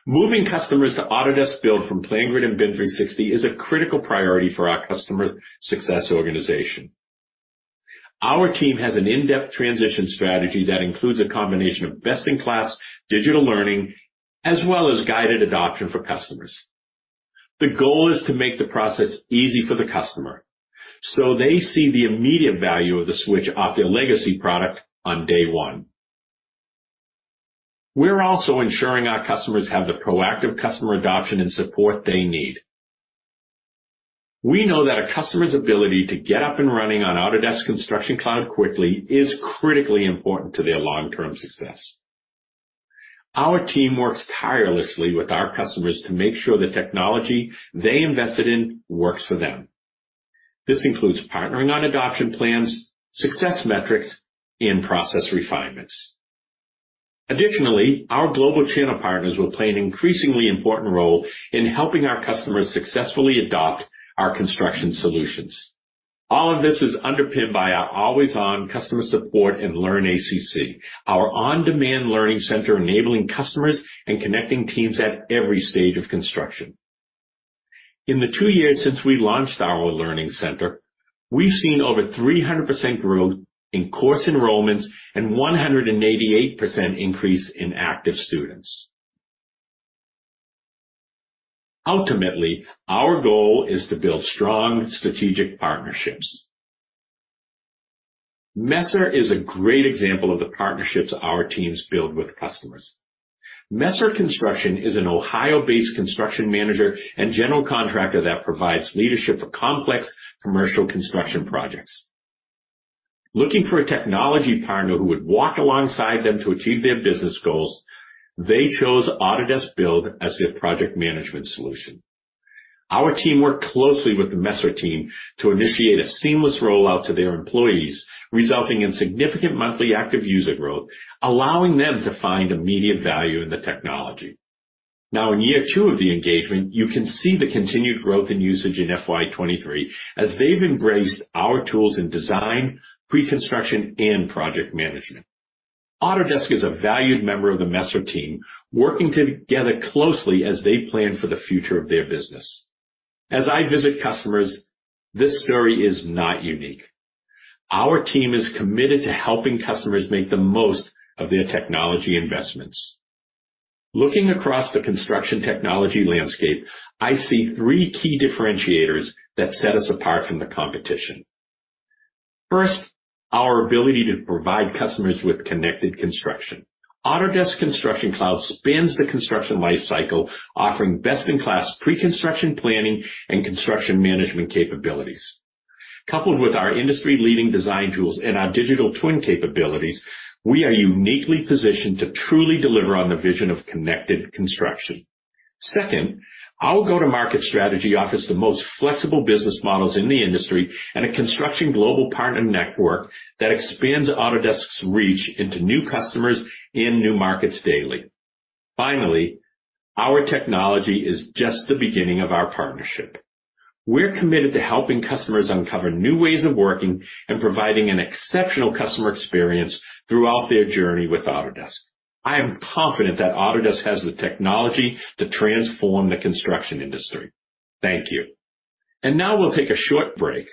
Moving customers to Autodesk Build from PlanGrid and BIM 360 is a critical priority for our customer success organization. Our team has an in-depth transition strategy that includes a combination of best-in-class digital learning, as well as guided adoption for customers. The goal is to make the process easy for the customer, so they see the immediate value of the switch off their legacy product on day one. We're also ensuring our customers have the proactive customer adoption and support they need. We know that a customer's ability to get up and running on Autodesk Construction Cloud quickly is critically important to their long-term success. Our team works tirelessly with our customers to make sure the technology they invested in works for them. This includes partnering on adoption plans, success metrics, and process refinements. Additionally, our global channel partners will play an increasingly important role in helping our customers successfully adopt our construction solutions. All of this is underpinned by our always-on customer support and Learn ACC, our on-demand learning center enabling customers and connecting teams at every stage of construction. In the two years since we launched our learning center, we've seen over 300% growth in course enrollments and 188% increase in active students. Ultimately, our goal is to build strong strategic partnerships. Messer is a great example of the partnerships our teams build with customers. Messer Construction is an Ohio-based construction manager and general contractor that provides leadership for complex commercial construction projects. Looking for a technology partner who would walk alongside them to achieve their business goals, they chose Autodesk Build as their project management solution. Our team worked closely with the Messer team to initiate a seamless rollout to their employees, resulting in significant monthly active user growth, allowing them to find immediate value in the technology. Now in year two of the engagement, you can see the continued growth in usage in FY 2023 as they've embraced our tools in design, pre-construction, and project management. Autodesk is a valued member of the Messer team, working together closely as they plan for the future of their business. As I visit customers, this story is not unique. Our team is committed to helping customers make the most of their technology investments. Looking across the construction technology landscape, I see three key differentiators that set us apart from the competition. First, our ability to provide customers with connected construction. Autodesk Construction Cloud spans the construction life cycle, offering best-in-class pre-construction planning and construction management capabilities. Coupled with our industry-leading design tools and our digital twin capabilities, we are uniquely positioned to truly deliver on the vision of connected construction. Second, our go-to-market strategy offers the most flexible business models in the industry and a construction global partner network that expands Autodesk's reach into new customers in new markets daily. Our technology is just the beginning of our partnership. We're committed to helping customers uncover new ways of working and providing an exceptional customer experience throughout their journey with Autodesk. I am confident that Autodesk has the technology to transform the construction industry. Thank you. Now we'll take a short break.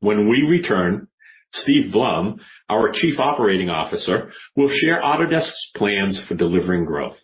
When we return, Steve Blum, our Chief Operating Officer, will share Autodesk's plans for delivering growth.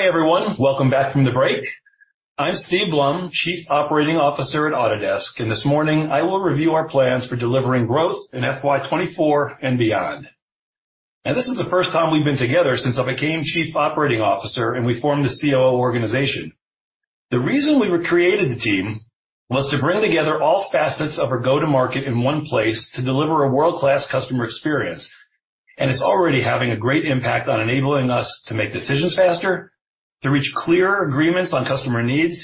Hi, everyone. Welcome back from the break. I'm Steve Blum, Chief Operating Officer at Autodesk. This morning, I will review our plans for delivering growth in FY 2024 and beyond. This is the first time we've been together since I became Chief Operating Officer, and we formed the COO organization. The reason we created the team was to bring together all facets of our go-to-market in one place to deliver a world-class customer experience. It's already having a great impact on enabling us to make decisions faster, to reach clearer agreements on customer needs,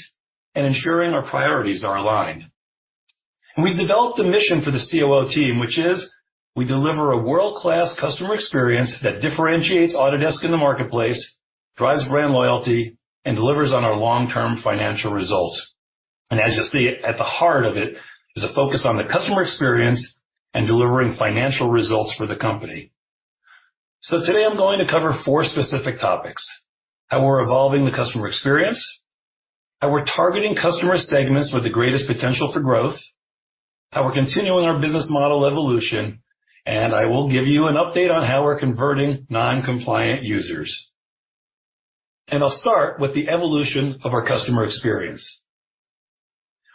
and ensuring our priorities are aligned. We've developed a mission for the COO team, which is: we deliver a world-class customer experience that differentiates Autodesk in the marketplace, drives brand loyalty, and delivers on our long-term financial results. As you'll see, at the heart of it is a focus on the customer experience and delivering financial results for the company. Today I'm going to cover four specific topics. How we're evolving the customer experience, how we're targeting customer segments with the greatest potential for growth, how we're continuing our business model evolution, and I will give you an update on how we're converting non-compliant users. I'll start with the evolution of our customer experience.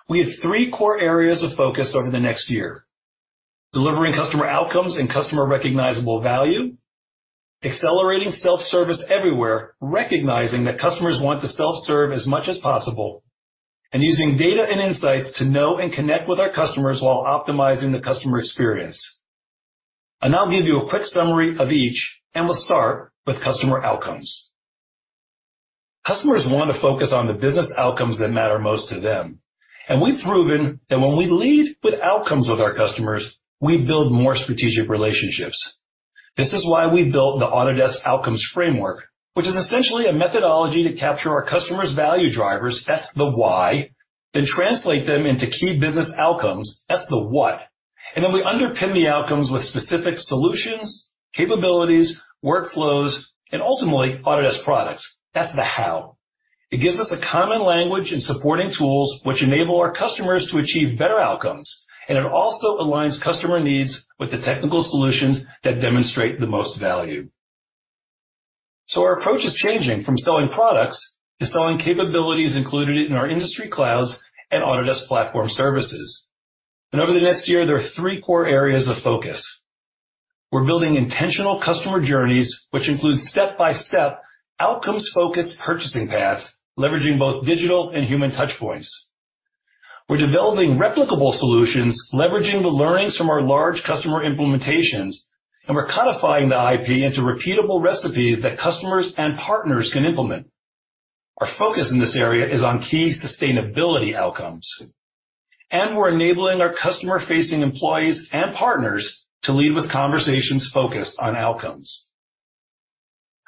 We have three core areas of focus over the next year. Delivering customer outcomes and customer recognizable value, accelerating self-service everywhere, recognizing that customers want to self-serve as much as possible, and using data and insights to know and connect with our customers while optimizing the customer experience. I'll give you a quick summary of each, and we'll start with customer outcomes. Customers want to focus on the business outcomes that matter most to them. We've proven that when we lead with outcomes with our customers, we build more strategic relationships. This is why we built the Autodesk Outcomes Framework, which is essentially a methodology to capture our customers' value drivers, that's the why, then translate them into key business outcomes, that's the what. Then we underpin the outcomes with specific solutions, capabilities, workflows, and ultimately, Autodesk products. That's the how. It gives us a common language and supporting tools which enable our customers to achieve better outcomes. It also aligns customer needs with the technical solutions that demonstrate the most value. Our approach is changing from selling products to selling capabilities included in our industry clouds and Autodesk Platform Services. Over the next year, there are three core areas of focus. We're building intentional customer journeys, which include step-by-step outcomes-focused purchasing paths, leveraging both digital and human touch points. We're developing replicable solutions, leveraging the learnings from our large customer implementations, and we're codifying the IP into repeatable recipes that customers and partners can implement. Our focus in this area is on key sustainability outcomes, and we're enabling our customer-facing employees and partners to lead with conversations focused on outcomes.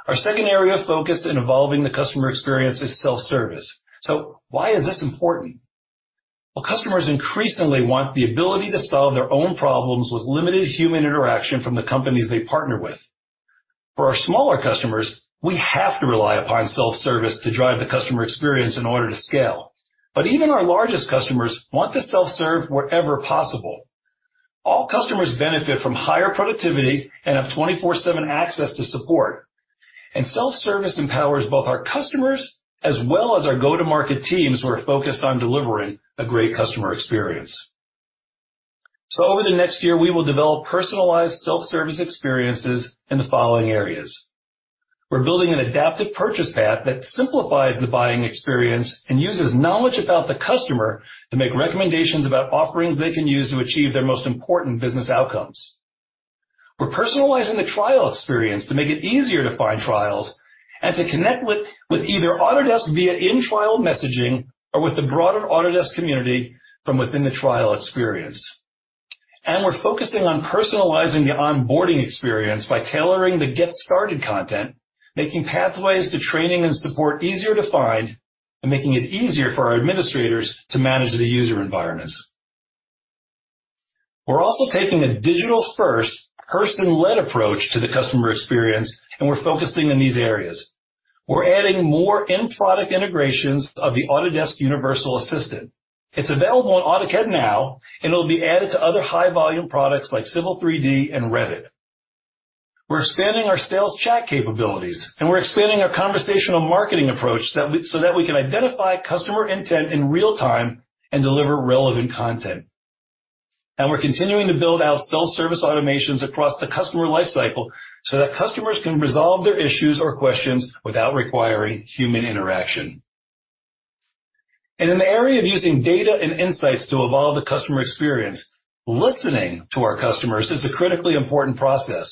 Our second area of focus in evolving the customer experience is self-service. Why is this important? Well, customers increasingly want the ability to solve their own problems with limited human interaction from the companies they partner with. For our smaller customers, we have to rely upon self-service to drive the customer experience in order to scale. Even our largest customers want to self-serve wherever possible. All customers benefit from higher productivity and have 24/7 access to support. Self-service empowers both our customers as well as our go-to-market teams who are focused on delivering a great customer experience. Over the next year, we will develop personalized self-service experiences in the following areas. We're building an adaptive purchase path that simplifies the buying experience and uses knowledge about the customer to make recommendations about offerings they can use to achieve their most important business outcomes. We're personalizing the trial experience to make it easier to find trials and to connect with either Autodesk via in-trial messaging or with the broader Autodesk community from within the trial experience. We're focusing on personalizing the onboarding experience by tailoring the get started content, making pathways to training and support easier to find, and making it easier for our administrators to manage the user environments. We're also taking a digital-first person-led approach to the customer experience, and we're focusing in these areas. We're adding more in-product integrations of the Autodesk Assistant. It's available on AutoCAD now, and it'll be added to other high-volume products like Civil 3D and Revit. We're expanding our sales chat capabilities, and we're expanding our conversational marketing approach so that we can identify customer intent in real time and deliver relevant content. We're continuing to build out self-service automations across the customer life cycle so that customers can resolve their issues or questions without requiring human interaction. In the area of using data and insights to evolve the customer experience, listening to our customers is a critically important process.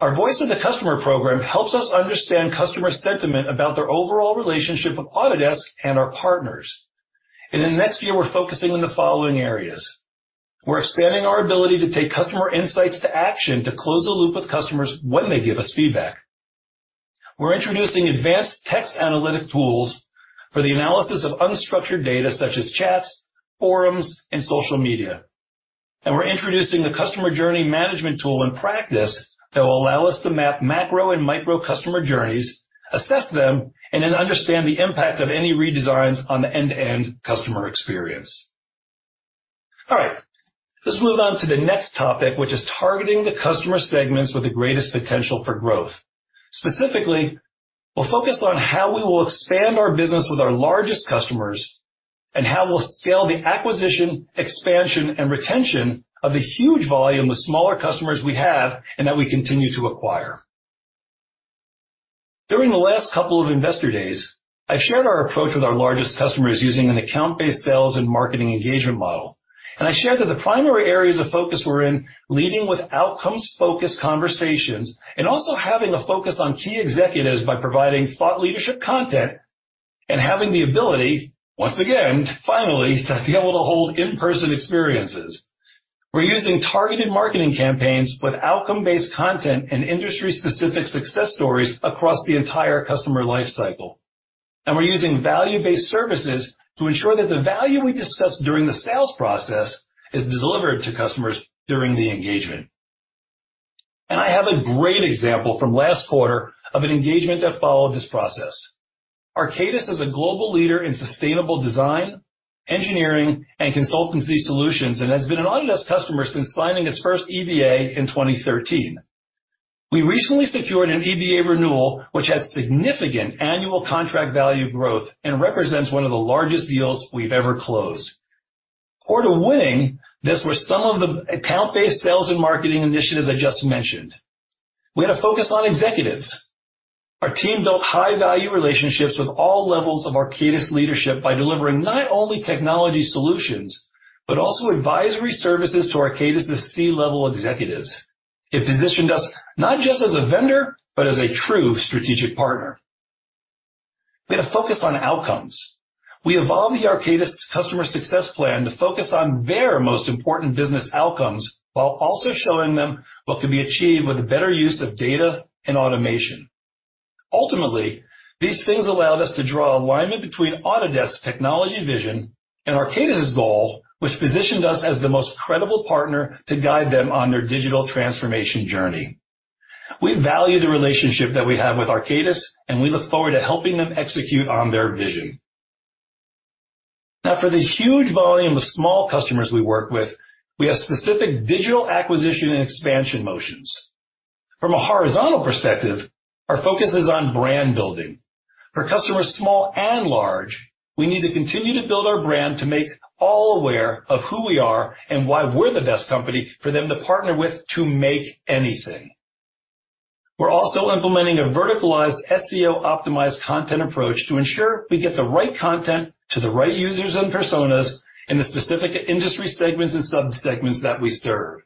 Our Voice of the Customer program helps us understand customer sentiment about their overall relationship with Autodesk and our partners. In the next year, we're focusing on the following areas. We're expanding our ability to take customer insights to action to close the loop with customers when they give us feedback. We're introducing advanced text analytic tools for the analysis of unstructured data such as chats, forums, and social media. We're introducing a customer journey management tool and practice that will allow us to map macro and micro customer journeys, assess them, and then understand the impact of any redesigns on the end-to-end customer experience. All right. Let's move on to the next topic, which is targeting the customer segments with the greatest potential for growth. Specifically, we'll focus on how we will expand our business with our largest customers and how we'll scale the acquisition, expansion, and retention of the huge volume of smaller customers we have and that we continue to acquire. During the last couple of investor days, I shared our approach with our largest customers using an account-based sales and marketing engagement model. I shared that the primary areas of focus were in leading with outcomes-focused conversations and also having a focus on key executives by providing thought leadership content and having the ability, once again, finally, to be able to hold in-person experiences. We're using targeted marketing campaigns with outcome-based content and industry-specific success stories across the entire customer life cycle. We're using value-based services to ensure that the value we discuss during the sales process is delivered to customers during the engagement. I have a great example from last quarter of an engagement that followed this process. Arcadis is a global leader in sustainable design, engineering, and consultancy solutions and has been an Autodesk customer since signing its first EBA in 2013. We recently secured an EBA renewal, which had significant annual contract value growth and represents one of the largest deals we've ever closed. Core to winning this were some of the account-based sales and marketing initiatives I just mentioned. We had a focus on executives. Our team built high-value relationships with all levels of Arcadis leadership by delivering not only technology solutions, but also advisory services to Arcadis's C-level executives. It positioned us not just as a vendor, but as a true strategic partner. We had a focus on outcomes. We evolved the Arcadis customer success plan to focus on their most important business outcomes, while also showing them what could be achieved with a better use of data and automation. Ultimately, these things allowed us to draw alignment between Autodesk technology vision and Arcadis's goal, which positioned us as the most credible partner to guide them on their digital transformation journey. We value the relationship that we have with Arcadis, and we look forward to helping them execute on their vision. Now for the huge volume of small customers we work with, we have specific digital acquisition and expansion motions. From a horizontal perspective, our focus is on brand building. For customers, small and large, we need to continue to build our brand to make all aware of who we are and why we're the best company for them to partner with to make anything. We're also implementing a verticalized SEO-optimized content approach to ensure we get the right content to the right users and personas in the specific industry segments and subsegments that we serve.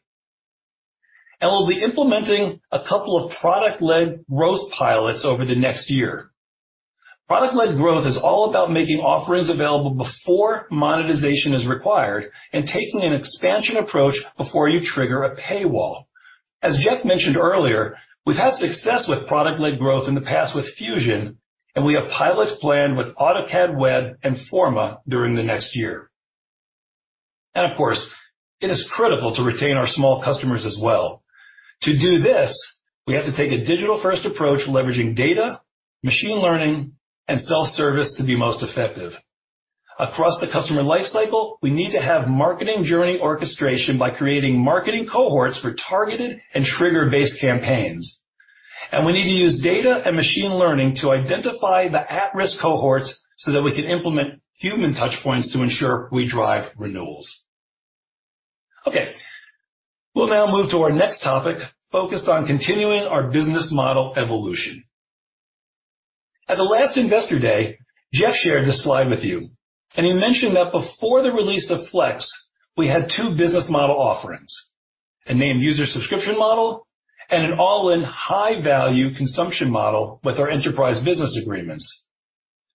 We'll be implementing a couple of product-led growth pilots over the next year. Product-led growth is all about making offerings available before monetization is required and taking an expansion approach before you trigger a paywall. As Jeff mentioned earlier, we've had success with product-led growth in the past with Fusion, and we have pilots planned with AutoCAD Web and Forma during the next year. Of course, it is critical to retain our small customers as well. To do this, we have to take a digital-first approach, leveraging data, machine learning, and self-service to be most effective. Across the customer life cycle, we need to have marketing journey orchestration by creating marketing cohorts for targeted and trigger-based campaigns. We need to use data and machine learning to identify the at-risk cohorts so that we can implement human touch points to ensure we drive renewals. Okay. We'll now move to our next topic, focused on continuing our business model evolution. At the last Investor Day, Jeff shared this slide with you. He mentioned that before the release of Flex, we had two business model offerings: a named user subscription model and an all-in high-value consumption model with our enterprise business agreements.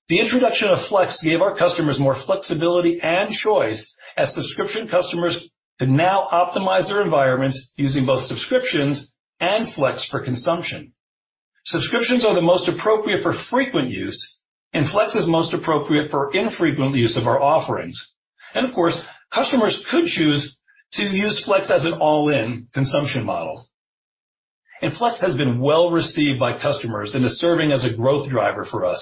The introduction of Flex gave our customers more flexibility and choice as subscription customers could now optimize their environments using both subscriptions and Flex for consumption. Subscriptions are the most appropriate for frequent use. Flex is most appropriate for infrequent use of our offerings. Of course, customers could choose to use Flex as an all-in consumption model. Flex has been well-received by customers and is serving as a growth driver for us.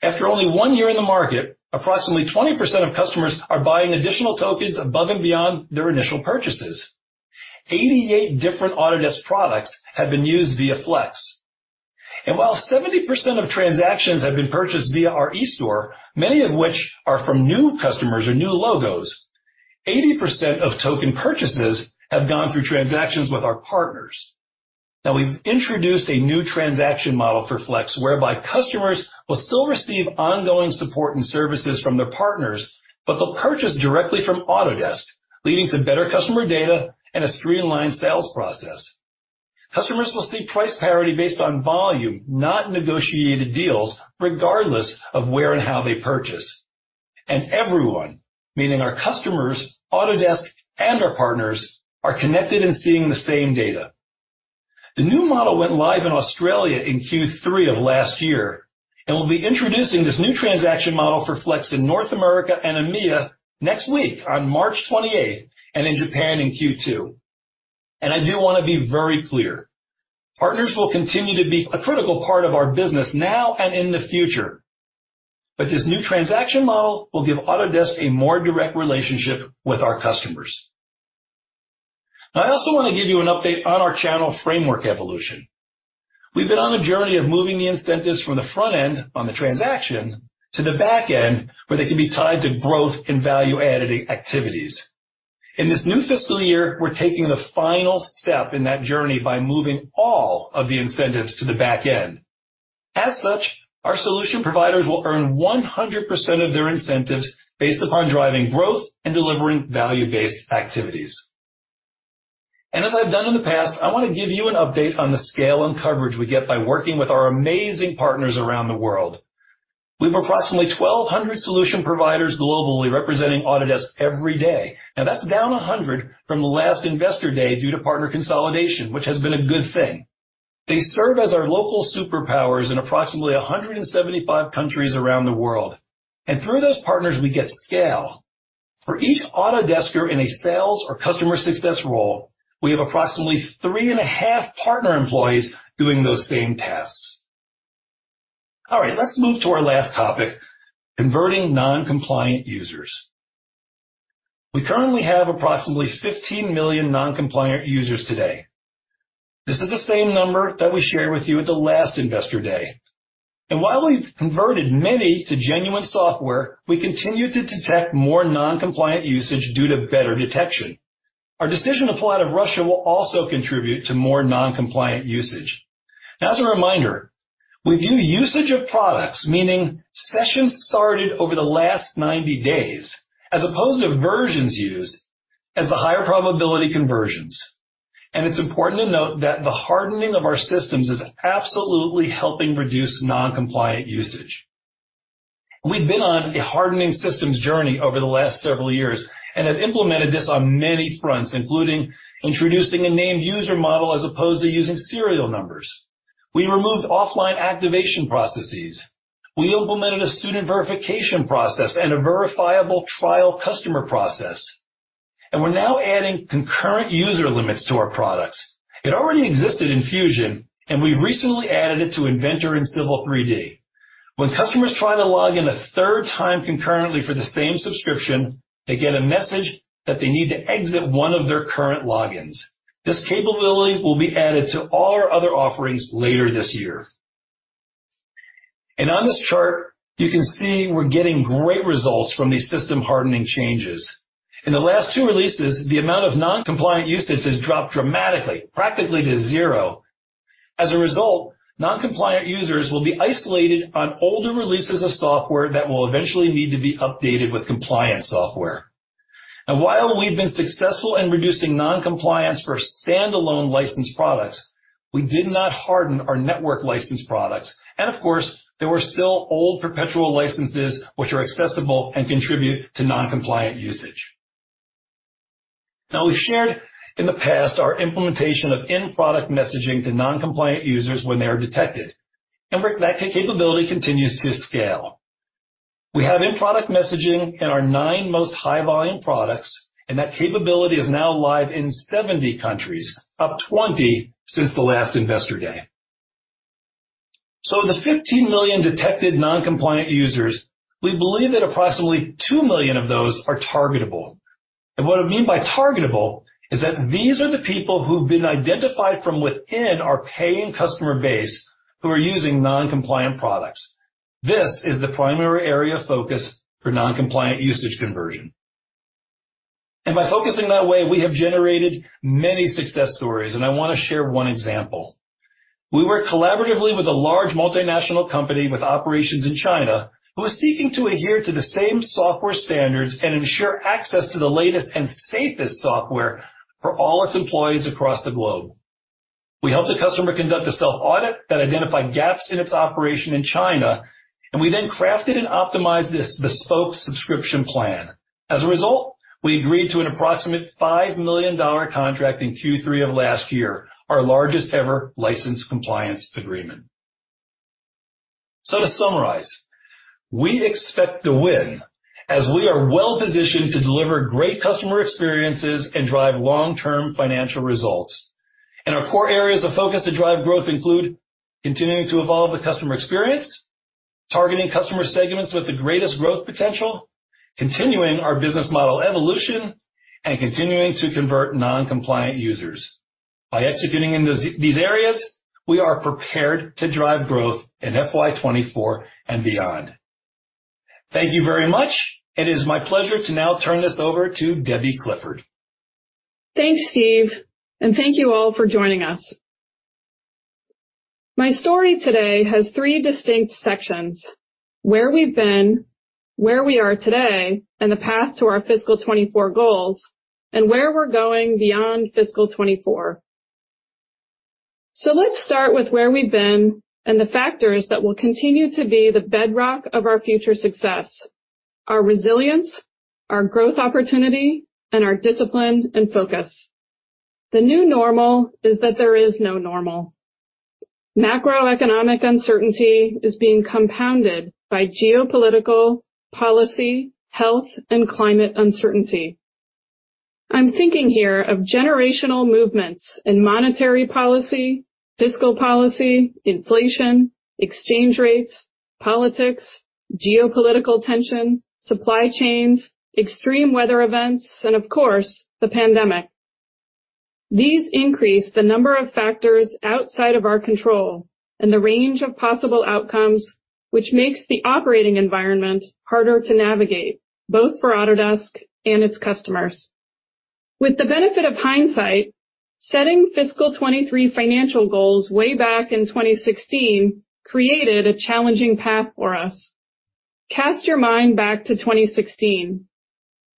After only one year in the market, approximately 20% of customers are buying additional tokens above and beyond their initial purchases. 88 different Autodesk products have been used via Flex. While 70% of transactions have been purchased via our eStore, many of which are from new customers or new logos, 80% of token purchases have gone through transactions with our partners. We've introduced a new transaction model for Flex, whereby customers will still receive ongoing support and services from their partners, but they'll purchase directly from Autodesk, leading to better customer data and a streamlined sales process. Customers will see price parity based on volume, not negotiated deals, regardless of where and how they purchase. Everyone, meaning our customers, Autodesk, and our partners, are connected and seeing the same data. The new model went live in Australia in Q3 of last year and will be introducing this new transaction model for Flex in North America and EMEA next week on March 28th, and in Japan in Q2. I do wanna be very clear, partners will continue to be a critical part of our business now and in the future. This new transaction model will give Autodesk a more direct relationship with our customers. I also want to give you an update on our channel framework evolution. We've been on a journey of moving the incentives from the front end on the transaction to the back end, where they can be tied to growth and value-added activities. In this new fiscal year, we're taking the final step in that journey by moving all of the incentives to the back end. As such, our solution providers will earn 100% of their incentives based upon driving growth and delivering value-based activities. As I've done in the past, I want to give you an update on the scale and coverage we get by working with our amazing partners around the world. We have approximately 1,200 solution providers globally representing Autodesk every day. That's down 100 from the last Investor Day due to partner consolidation, which has been a good thing. They serve as our local superpowers in approximately 175 countries around the world. Through those partners, we get scale. For each Autodesk-er in a sales or customer success role, we have approximately 3.5 partner employees doing those same tasks. All right. Let's move to our last topic, converting non-compliant users. We currently have approximately 15 million non-compliant users today. This is the same number that we shared with you at the last Investor Day. While we've converted many to genuine software, we continue to detect more non-compliant usage due to better detection. Our decision to pull out of Russia will also contribute to more non-compliant usage. As a reminder, we view usage of products, meaning sessions started over the last 90 days, as opposed to versions used, as the higher probability conversions. It's important to note that the hardening of our systems is absolutely helping reduce non-compliant usage. We've been on a hardening systems journey over the last several years and have implemented this on many fronts, including introducing a Named User model as opposed to using serial numbers. We removed offline activation processes. We implemented a student verification process and a verifiable trial customer process. We're now adding concurrent user limits to our products. It already existed in Fusion, and we recently added it to Inventor and Civil 3D. When customers try to log in a third time concurrently for the same subscription, they get a message that they need to exit one of their current logins. This capability will be added to all our other offerings later this year. On this chart, you can see we're getting great results from these system hardening changes. In the last two releases, the amount of non-compliant usage has dropped dramatically, practically to zero. As a result, non-compliant users will be isolated on older releases of software that will eventually need to be updated with compliant software. While we've been successful in reducing non-compliance for standalone licensed products, we did not harden our network license products. Of course, there were still old perpetual licenses which are accessible and contribute to non-compliant usage. We've shared in the past our implementation of in-product messaging to non-compliant users when they are detected, and that capability continues to scale. We have in-product messaging in our nine most high-volume products, and that capability is now live in 70 countries, up 20 since the last Investor Day. Of the 15 million detected non-compliant users, we believe that approximately 2 million of those are targetable. What I mean by targetable is that these are the people who've been identified from within our paying customer base who are using non-compliant products. This is the primary area of focus for non-compliant usage conversion. By focusing that way, we have generated many success stories, and I want to share one example. We work collaboratively with a large multinational company with operations in China who are seeking to adhere to the same software standards and ensure access to the latest and safest software for all its employees across the globe. We helped the customer conduct a self-audit that identified gaps in its operation in China, we then crafted and optimized this bespoke subscription plan. As a result, we agreed to an approximate $5 million contract in Q3 of last year, our largest-ever license compliance agreement. To summarize, we expect to win as we are well-positioned to deliver great customer experiences and drive long-term financial results. Our core areas of focus to drive growth include continuing to evolve the customer experience, targeting customer segments with the greatest growth potential, continuing our business model evolution, and continuing to convert non-compliant users. By executing in these areas, we are prepared to drive growth in FY 2024 and beyond. Thank you very much. It is my pleasure to now turn this over to Debbie Clifford. Thanks, Steve, and thank you all for joining us. My story today has three distinct sections: where we've been, where we are today, and the path to our fiscal 2024 goals, and where we're going beyond fiscal 2024. Let's start with where we've been and the factors that will continue to be the bedrock of our future success, our resilience, our growth opportunity, and our discipline and focus. The new normal is that there is no normal. Macroeconomic uncertainty is being compounded by geopolitical, policy, health, and climate uncertainty. I'm thinking here of generational movements in monetary policy, fiscal policy, inflation, exchange rates, politics, geopolitical tension, supply chains, extreme weather events, and of course, the pandemic. These increase the number of factors outside of our control and the range of possible outcomes, which makes the operating environment harder to navigate, both for Autodesk and its customers. With the benefit of hindsight, setting fiscal 2023 financial goals way back in 2016 created a challenging path for us. Cast your mind back to 2016.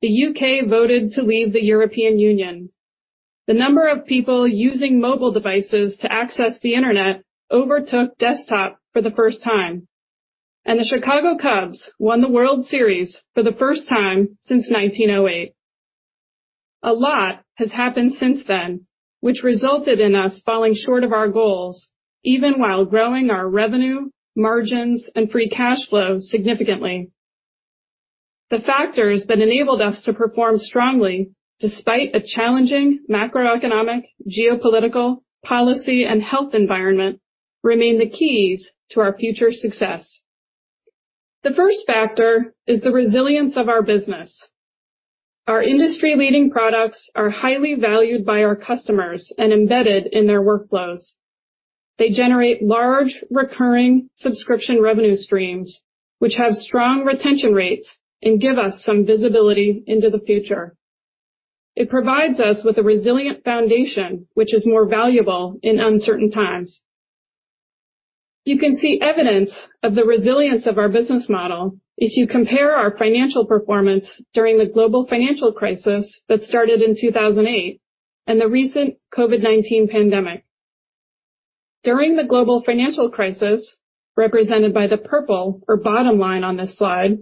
The U.K. voted to leave the European Union. The number of people using mobile devices to access the Internet overtook desktop for the first time. The Chicago Cubs won the World Series for the first time since 1908. A lot has happened since then, which resulted in us falling short of our goals, even while growing our revenue, margins, and free cash flow significantly. The factors that enabled us to perform strongly despite a challenging macroeconomic, geopolitical, policy, and health environment remain the keys to our future success. The first factor is the resilience of our business. Our industry-leading products are highly valued by our customers and embedded in their workflows. They generate large recurring subscription revenue streams, which have strong retention rates and give us some visibility into the future. It provides us with a resilient foundation, which is more valuable in uncertain times. You can see evidence of the resilience of our business model if you compare our financial performance during the global financial crisis that started in 2008 and the recent COVID-19 pandemic. During the global financial crisis, represented by the purple or bottom line on this slide,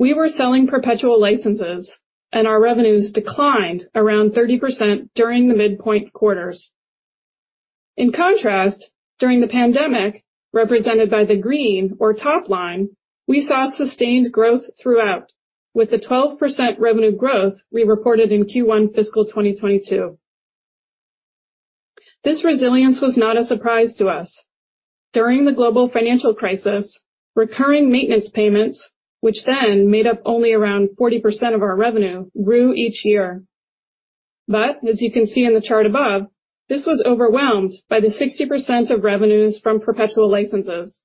we were selling perpetual licenses, and our revenues declined around 30% during the midpoint quarters. In contrast, during the pandemic, represented by the green or top line, we saw sustained growth throughout with the 12% revenue growth we reported in Q1 fiscal 2022. This resilience was not a surprise to us. During the global financial crisis, recurring maintenance payments, which then made up only around 40% of our revenue, grew each year. As you can see in the chart above, this was overwhelmed by the 60% of revenues from perpetual licenses.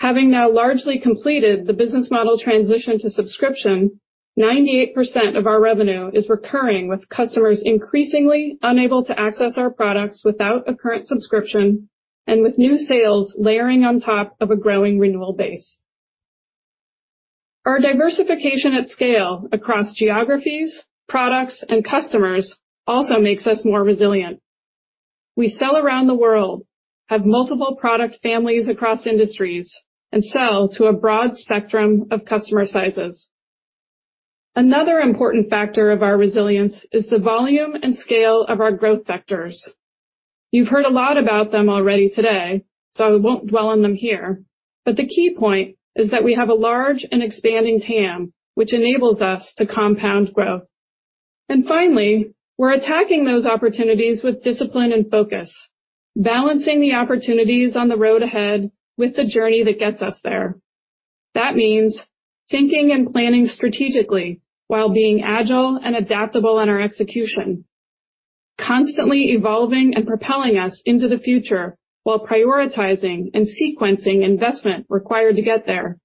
Having now largely completed the business model transition to subscription, 98% of our revenue is recurring, with customers increasingly unable to access our products without a current subscription and with new sales layering on top of a growing renewal base. Our diversification at scale across geographies, products, and customers also makes us more resilient. We sell around the world, have multiple product families across industries, and sell to a broad spectrum of customer sizes. Another important factor of our resilience is the volume and scale of our growth vectors. You've heard a lot about them already today, so I won't dwell on them here, but the key point is that we have a large and expanding TAM, which enables us to compound growth. Finally, we're attacking those opportunities with discipline and focus, balancing the opportunities on the road ahead with the journey that gets us there. That means thinking and planning strategically while being agile and adaptable in our execution, constantly evolving and propelling us into the future while prioritizing and sequencing investment required to get there.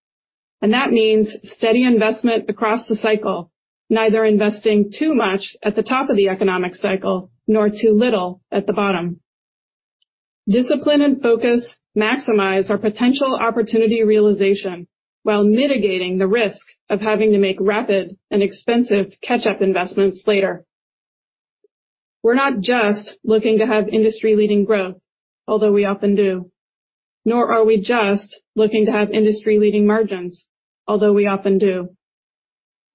That means steady investment across the cycle, neither investing too much at the top of the economic cycle, nor too little at the bottom. Discipline and focus maximize our potential opportunity realization while mitigating the risk of having to make rapid and expensive catch-up investments later. We're not just looking to have industry-leading growth, although we often do, nor are we just looking to have industry-leading margins, although we often do.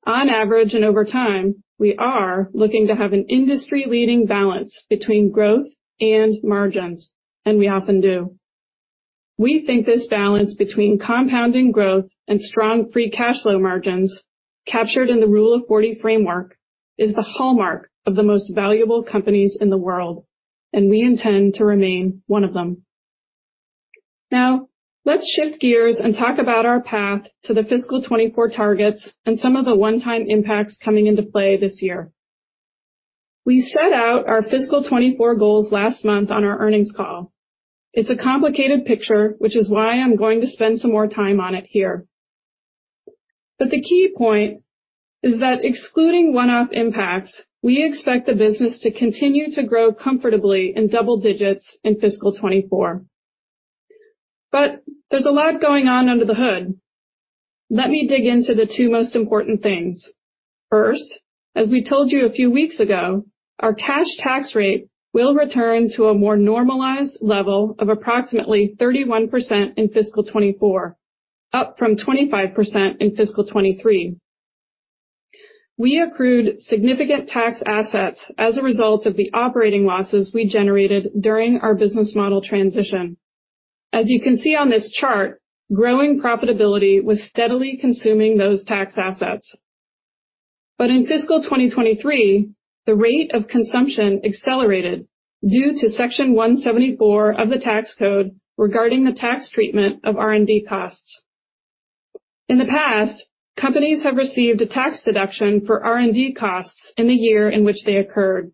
On average and over time, we are looking to have an industry-leading balance between growth and margins, and we often do. We think this balance between compounding growth and strong free cash flow margins captured in the Rule of 40 framework is the hallmark of the most valuable companies in the world, and we intend to remain one of them. Let's shift gears and talk about our path to the fiscal 2024 targets and some of the one-time impacts coming into play this year. We set out our fiscal 2024 goals last month on our earnings call. It's a complicated picture, which is why I'm going to spend some more time on it here. The key point is that excluding one-off impacts, we expect the business to continue to grow comfortably in double digits in fiscal 2024. There's a lot going on under the hood. Let me dig into the two most important things. First, as we told you a few weeks ago, our cash tax rate will return to a more normalized level of approximately 31% in fiscal 2024, up from 25% in fiscal 2023. We accrued significant tax assets as a result of the operating losses we generated during our business model transition. As you can see on this chart, growing profitability was steadily consuming those tax assets. In fiscal 2023, the rate of consumption accelerated due to Section 174 of the tax code regarding the tax treatment of R&D costs. In the past, companies have received a tax deduction for R&D costs in the year in which they occurred.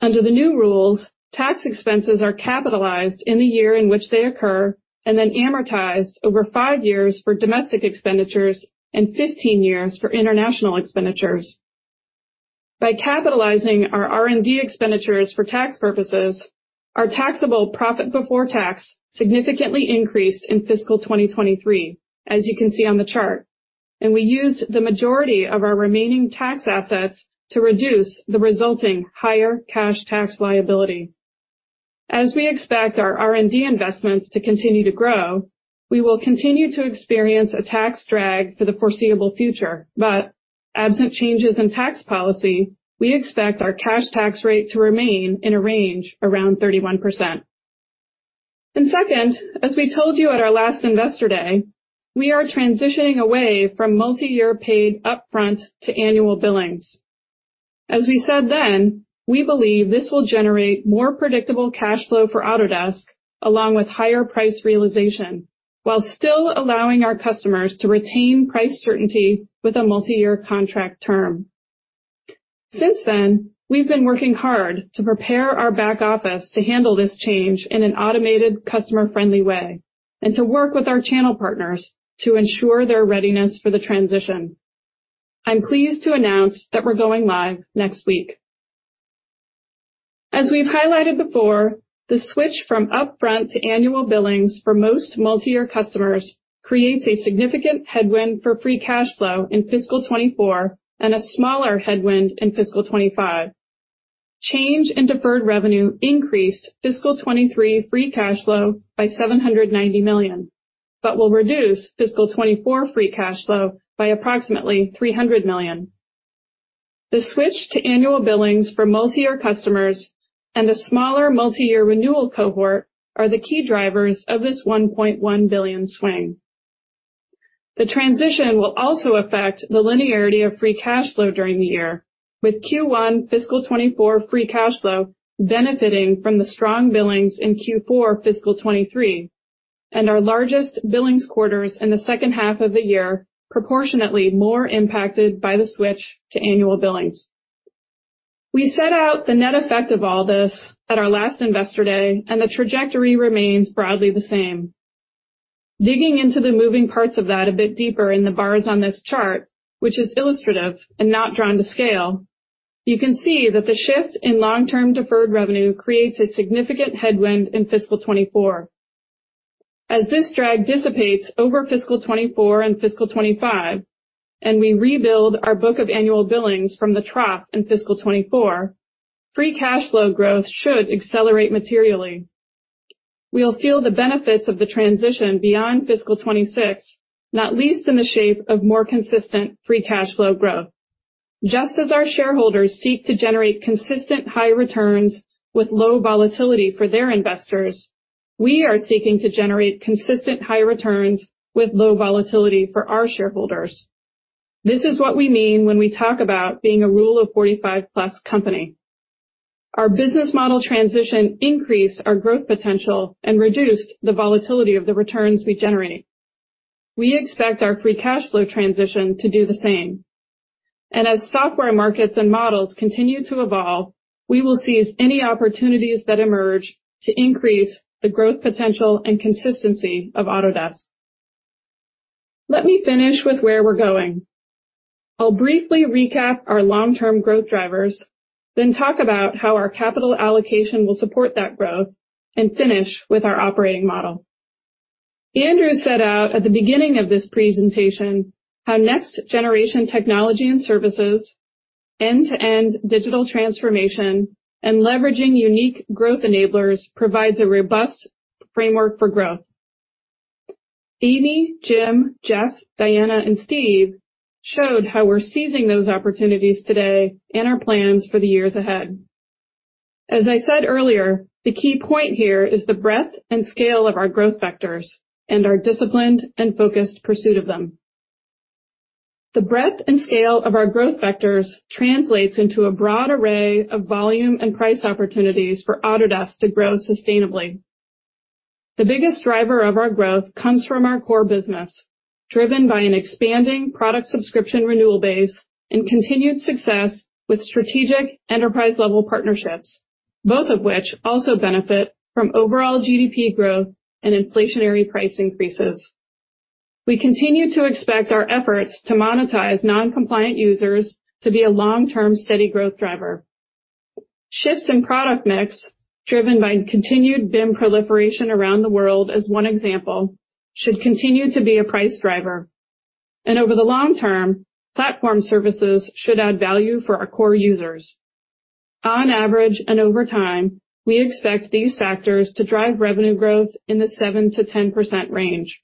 Under the new rules, tax expenses are capitalized in the year in which they occur, and then amortized over five years for domestic expenditures and 15 years for international expenditures. By capitalizing our R&D expenditures for tax purposes, our taxable profit before tax significantly increased in fiscal 2023, as you can see on the chart, and we used the majority of our remaining tax assets to reduce the resulting higher cash tax liability. As we expect our R&D investments to continue to grow, we will continue to experience a tax drag for the foreseeable future. Absent changes in tax policy, we expect our cash tax rate to remain in a range around 31%. Second, as we told you at our last Investor Day, we are transitioning away from multi-year paid up-front to annual billings. As we said then, we believe this will generate more predictable cash flow for Autodesk along with higher price realization, while still allowing our customers to retain price certainty with a multi-year contract term. Since then, we've been working hard to prepare our back office to handle this change in an automated customer-friendly way and to work with our channel partners to ensure their readiness for the transition. I'm pleased to announce that we're going live next week. As we've highlighted before, the switch from up-front to annual billings for most multi-year customers creates a significant headwind for free cash flow in fiscal 2024 and a smaller headwind in fiscal 2025. Change in deferred revenue increased fiscal 2023 free cash flow by $790 million, but will reduce fiscal 2024 free cash flow by approximately $300 million. The switch to annual billings for multi-year customers and a smaller multi-year renewal cohort are the key drivers of this $1.1 billion swing. The transition will also affect the linearity of free cash flow during the year, with Q1 fiscal 2024 free cash flow benefiting from the strong billings in Q4 fiscal 2023, and our largest billings quarters in the second half of the year proportionately more impacted by the switch to annual billings. We set out the net effect of all this at our last Investor Day, and the trajectory remains broadly the same. Digging into the moving parts of that a bit deeper in the bars on this chart, which is illustrative and not drawn to scale. You can see that the shift in long-term deferred revenue creates a significant headwind in fiscal 2024. This drag dissipates over fiscal 2024 and fiscal 2025, and we rebuild our book of annual billings from the trough in fiscal 2024, free cash flow growth should accelerate materially. We'll feel the benefits of the transition beyond fiscal 2026, not least in the shape of more consistent free cash flow growth. Our shareholders seek to generate consistent high returns with low volatility for their investors, we are seeking to generate consistent high returns with low volatility for our shareholders. This is what we mean when we talk about being a Rule of 45+ company. Our business model transition increased our growth potential and reduced the volatility of the returns we generate. We expect our free cash flow transition to do the same. As software markets and models continue to evolve, we will seize any opportunities that emerge to increase the growth potential and consistency of Autodesk. Let me finish with where we're going. I'll briefly recap our long-term growth drivers, then talk about how our capital allocation will support that growth and finish with our operating model. Andrew set out at the beginning of this presentation how next generation technology and services, end-to-end digital transformation, and leveraging unique growth enablers provides a robust framework for growth. Amy, Jim, Jeff, Diana, and Steve showed how we're seizing those opportunities today and our plans for the years ahead. As I said earlier, the key point here is the breadth and scale of our growth vectors and our disciplined and focused pursuit of them. The breadth and scale of our growth vectors translates into a broad array of volume and price opportunities for Autodesk to grow sustainably. The biggest driver of our growth comes from our core business, driven by an expanding product subscription renewal base and continued success with strategic enterprise-level partnerships, both of which also benefit from overall GDP growth and inflationary price increases. We continue to expect our efforts to monetize non-compliant users to be a long-term steady growth driver. Shifts in product mix, driven by continued BIM proliferation around the world as one example, should continue to be a price driver. And over the long term, platform services should add value for our core users. On average and over time, we expect these factors to drive revenue growth in the 7%-10% range.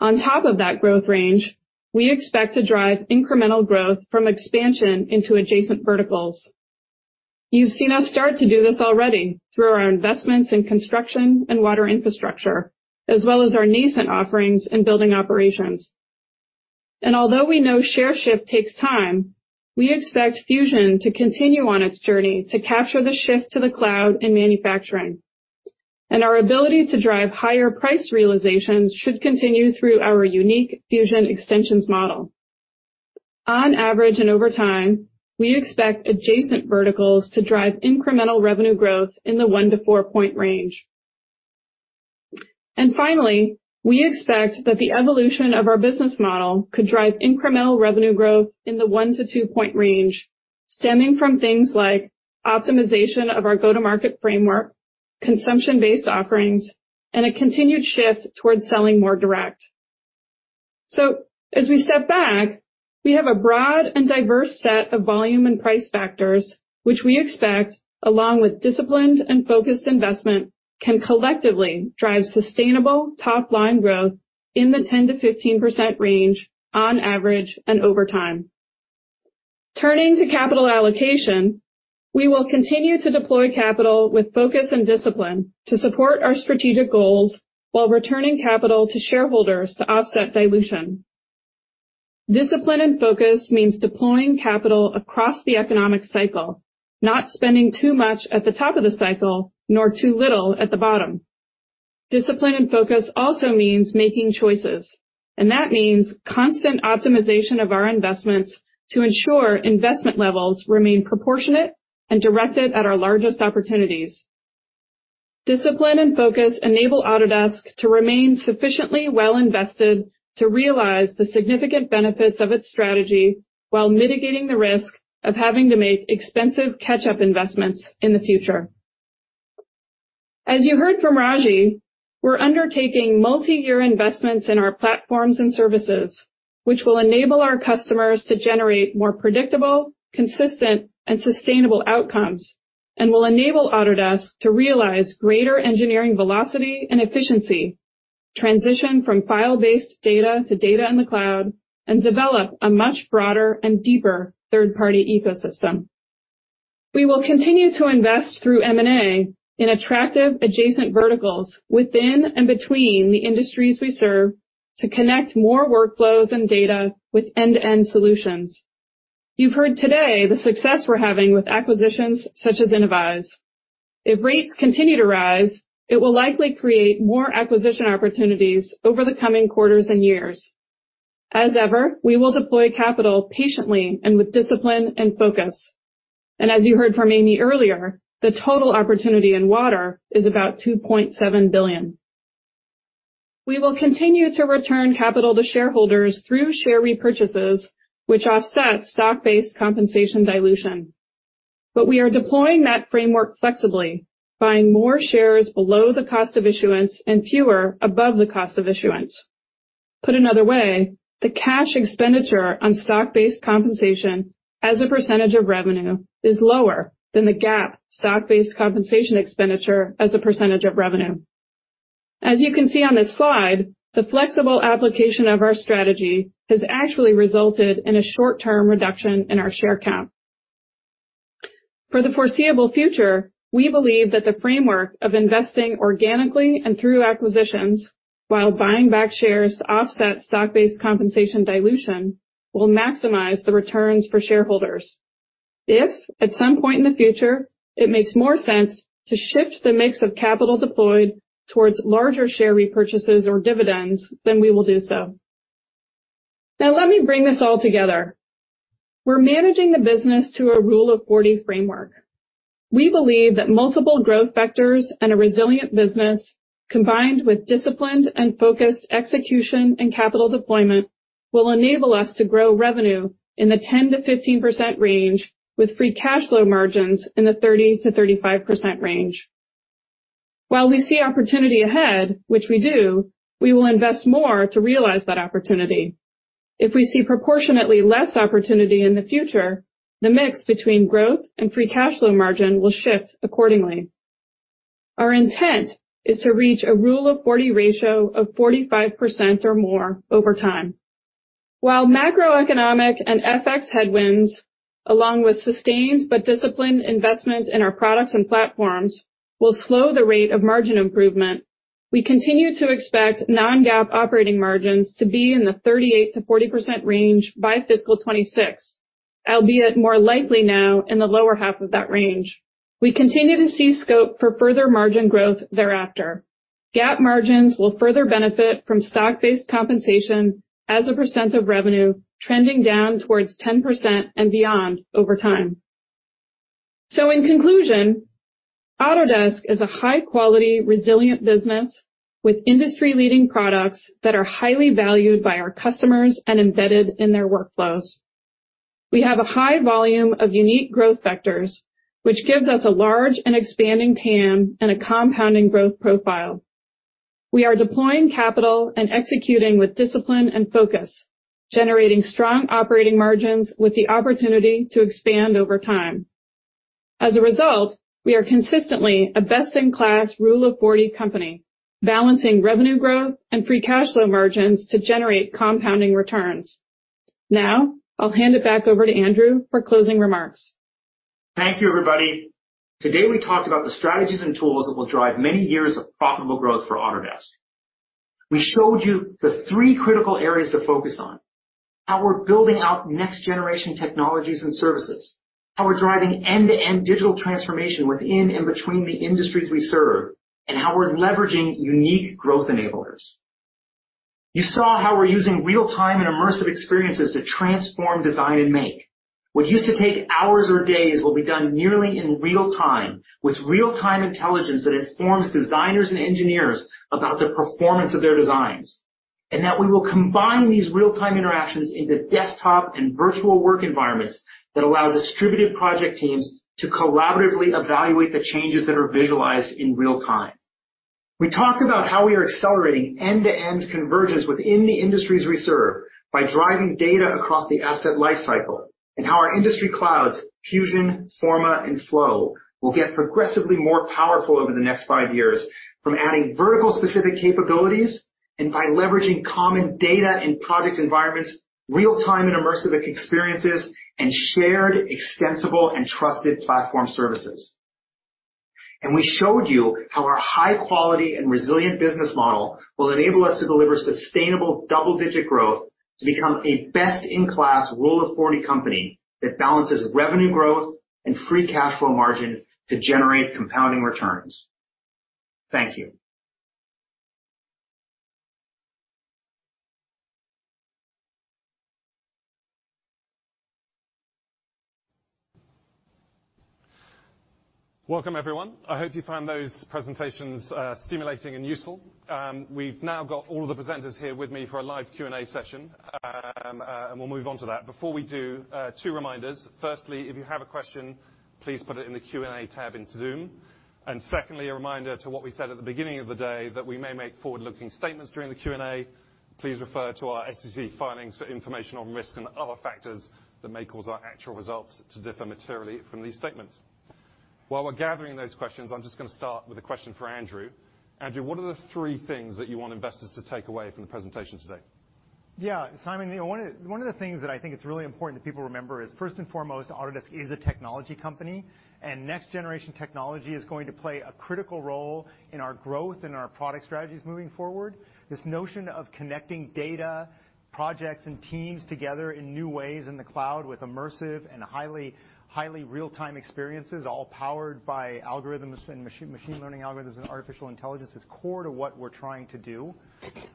On top of that growth range, we expect to drive incremental growth from expansion into adjacent verticals. You've seen us start to do this already through our investments in construction and water infrastructure, as well as our nascent offerings in building operations. Although we know share shift takes time, we expect Fusion to continue on its journey to capture the shift to the cloud in manufacturing, and our ability to drive higher price realizations should continue through our unique Fusion extensions model. On average and over time, we expect adjacent verticals to drive incremental revenue growth in the 1-point to 4-point range. Finally, we expect that the evolution of our business model could drive incremental revenue growth in the 1%-2% range, stemming from things like optimization of our go-to-market framework, consumption-based offerings, and a continued shift towards selling more direct. As we step back, we have a broad and diverse set of volume and price factors, which we expect, along with disciplined and focused investment, can collectively drive sustainable top-line growth in the 10%-15% range on average and over time. Turning to capital allocation, we will continue to deploy capital with focus and discipline to support our strategic goals while returning capital to shareholders to offset dilution. Discipline and focus means deploying capital across the economic cycle, not spending too much at the top of the cycle, nor too little at the bottom. Discipline and focus also means making choices. That means constant optimization of our investments to ensure investment levels remain proportionate and directed at our largest opportunities. Discipline and focus enable Autodesk to remain sufficiently well invested to realize the significant benefits of its strategy while mitigating the risk of having to make expensive catch-up investments in the future. As you heard from Raji, we're undertaking multi-year investments in our platforms and services, which will enable our customers to generate more predictable, consistent, and sustainable outcomes and will enable Autodesk to realize greater engineering velocity and efficiency, transition from file-based data to data in the cloud, and develop a much broader and deeper third-party ecosystem. We will continue to invest through M&A in attractive adjacent verticals within and between the industries we serve to connect more workflows and data with end-to-end solutions. You've heard today the success we're having with acquisitions such as Innovyze. If rates continue to rise, it will likely create more acquisition opportunities over the coming quarters and years. As ever, we will deploy capital patiently and with discipline and focus. As you heard from Amy earlier, the total opportunity in water is about $2.7 billion. We will continue to return capital to shareholders through share repurchases, which offset stock-based compensation dilution. We are deploying that framework flexibly, buying more shares below the cost of issuance and fewer above the cost of issuance. Put another way, the cash expenditure on stock-based compensation as a percentage of revenue is lower than the GAAP stock-based compensation expenditure as a percentage of revenue. As you can see on this slide, the flexible application of our strategy has actually resulted in a short-term reduction in our share count. For the foreseeable future, we believe that the framework of investing organically and through acquisitions while buying back shares to offset stock-based compensation dilution will maximize the returns for shareholders. If, at some point in the future, it makes more sense to shift the mix of capital deployed towards larger share repurchases or dividends, then we will do so. Let me bring this all together. We're managing the business to a rule of 40 framework. We believe that multiple growth vectors and a resilient business, combined with disciplined and focused execution and capital deployment, will enable us to grow revenue in the 10%-15% range with free cash flow margins in the 30%-35% range. While we see opportunity ahead, which we do, we will invest more to realize that opportunity. If we see proportionately less opportunity in the future, the mix between growth and free cash flow margin will shift accordingly. Our intent is to reach a Rule of 40 ratio of 45% or more over time. While macroeconomic and FX headwinds, along with sustained but disciplined investments in our products and platforms, will slow the rate of margin improvement, we continue to expect non-GAAP operating margins to be in the 38%-40% range by fiscal 2026, albeit more likely now in the lower half of that range. We continue to see scope for further margin growth thereafter. GAAP margins will further benefit from stock-based compensation as a percent of revenue trending down towards 10% and beyond over time. In conclusion, Autodesk is a high-quality, resilient business with industry-leading products that are highly valued by our customers and embedded in their workflows. We have a high volume of unique growth vectors, which gives us a large and expanding TAM and a compounding growth profile. We are deploying capital and executing with discipline and focus, generating strong operating margins with the opportunity to expand over time. As a result, we are consistently a best-in-class Rule of 40 company, balancing revenue growth and free cash flow margins to generate compounding returns. I'll hand it back over to Andrew for closing remarks. Thank you, everybody. Today, we talked about the strategies and tools that will drive many years of profitable growth for Autodesk. We showed you the three critical areas to focus on, how we're building out next-generation technologies and services, how we're driving end-to-end digital transformation within and between the industries we serve, and how we're leveraging unique growth enablers. You saw how we're using real-time and immersive experiences to transform design and make. What used to take hours or days will be done nearly in real time with real-time intelligence that informs designers and engineers about the performance of their designs. That we will combine these real-time interactions into desktop and virtual work environments that allow distributed project teams to collaboratively evaluate the changes that are visualized in real time. We talked about how we are accelerating end-to-end convergence within the industries we serve by driving data across the asset life cycle and how our industry clouds, Fusion, Forma, and Flow, will get progressively more powerful over the next five years from adding vertical specific capabilities and by leveraging common data in project environments, real-time and immersive experiences, and shared extensible and trusted platform services. We showed you how our high quality and resilient business model will enable us to deliver sustainable double-digit growth to become a best-in-class Rule of 40 company that balances revenue growth and free cash flow margin to generate compounding returns. Thank you. Welcome, everyone. I hope you found those presentations stimulating and useful. We've now got all of the presenters here with me for a live Q&A session. We'll move on to that. Before we do, two reminders. Firstly, if you have a question, please put it in the Q&A tab in Zoom. Secondly, a reminder to what we said at the beginning of the day, that we may make forward-looking statements during the Q&A. Please refer to our SEC filings for information on risks and other factors that may cause our actual results to differ materially from these statements. While we're gathering those questions, I'm just gonna start with a question for Andrew. Andrew, what are the three things that you want investors to take away from the presentation today? Simon, the, one of the, one of the things that I think is really important that people remember is, first and foremost, Autodesk is a technology company, and next-generation technology is going to play a critical role in our growth and our product strategies moving forward. This notion of connecting data, projects, and teams together in new ways in the cloud with immersive and highly real-time experiences, all powered by algorithms and machine learning algorithms and artificial intelligence is core to what we're trying to do.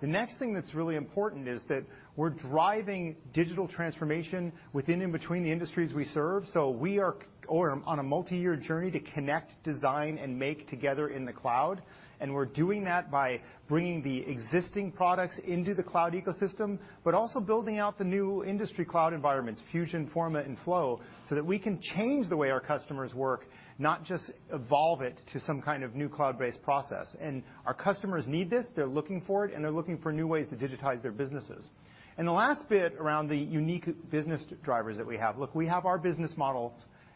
The next thing that's really important is that we're driving digital transformation within and between the industries we serve, so we are on a multiyear journey to connect, design, and make together in the cloud. We're doing that by bringing the existing products into the cloud ecosystem, but also building out the new industry cloud environments, Fusion, Forma, and Flow, so that we can change the way our customers work, not just evolve it to some kind of new cloud-based process. Our customers need this, they're looking for it, and they're looking for new ways to digitize their businesses. The last bit around the unique business drivers that we have. Look, we have our business models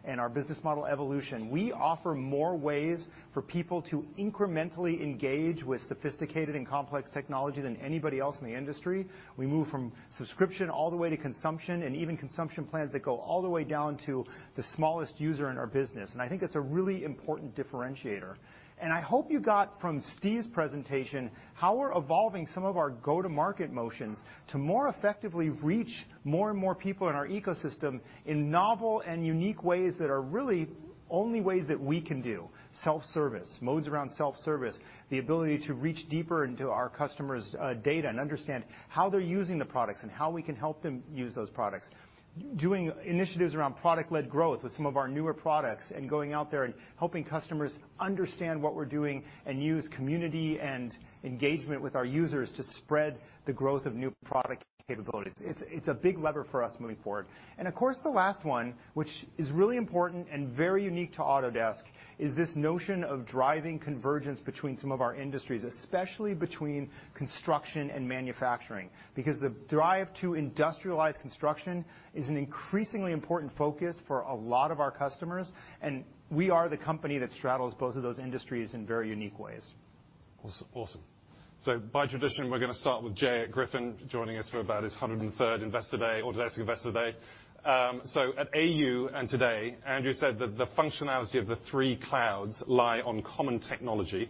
and our business model evolution. We offer more ways for people to incrementally engage with sophisticated and complex technology than anybody else in the industry. We move from subscription all the way to consumption and even consumption plans that go all the way down to the smallest user in our business. I think that's a really important differentiator. I hope you got from Steve's presentation how we're evolving some of our go-to-market motions to more effectively reach more and more people in our ecosystem in novel and unique ways that are really only ways that we can do. Self-service, modes around self-service, the ability to reach deeper into our customers' data and understand how they're using the products and how we can help them use those products. Doing initiatives around product-led growth with some of our newer products and going out there and helping customers understand what we're doing and use community and engagement with our users to spread the growth of new product capabilities. It's a big lever for us moving forward. Of course, the last one, which is really important and very unique to Autodesk, is this notion of driving convergence between some of our industries, especially between construction and manufacturing. The drive to industrialize construction is an increasingly important focus for a lot of our customers, and we are the company that straddles both of those industries in very unique ways. Awesome. By tradition, we're gonna start with Jay at Griffin, joining us for about his 103rd Investor Day, Autodesk Investor Day. At AU and today, Andrew said that the functionality of the three clouds lie on common technology.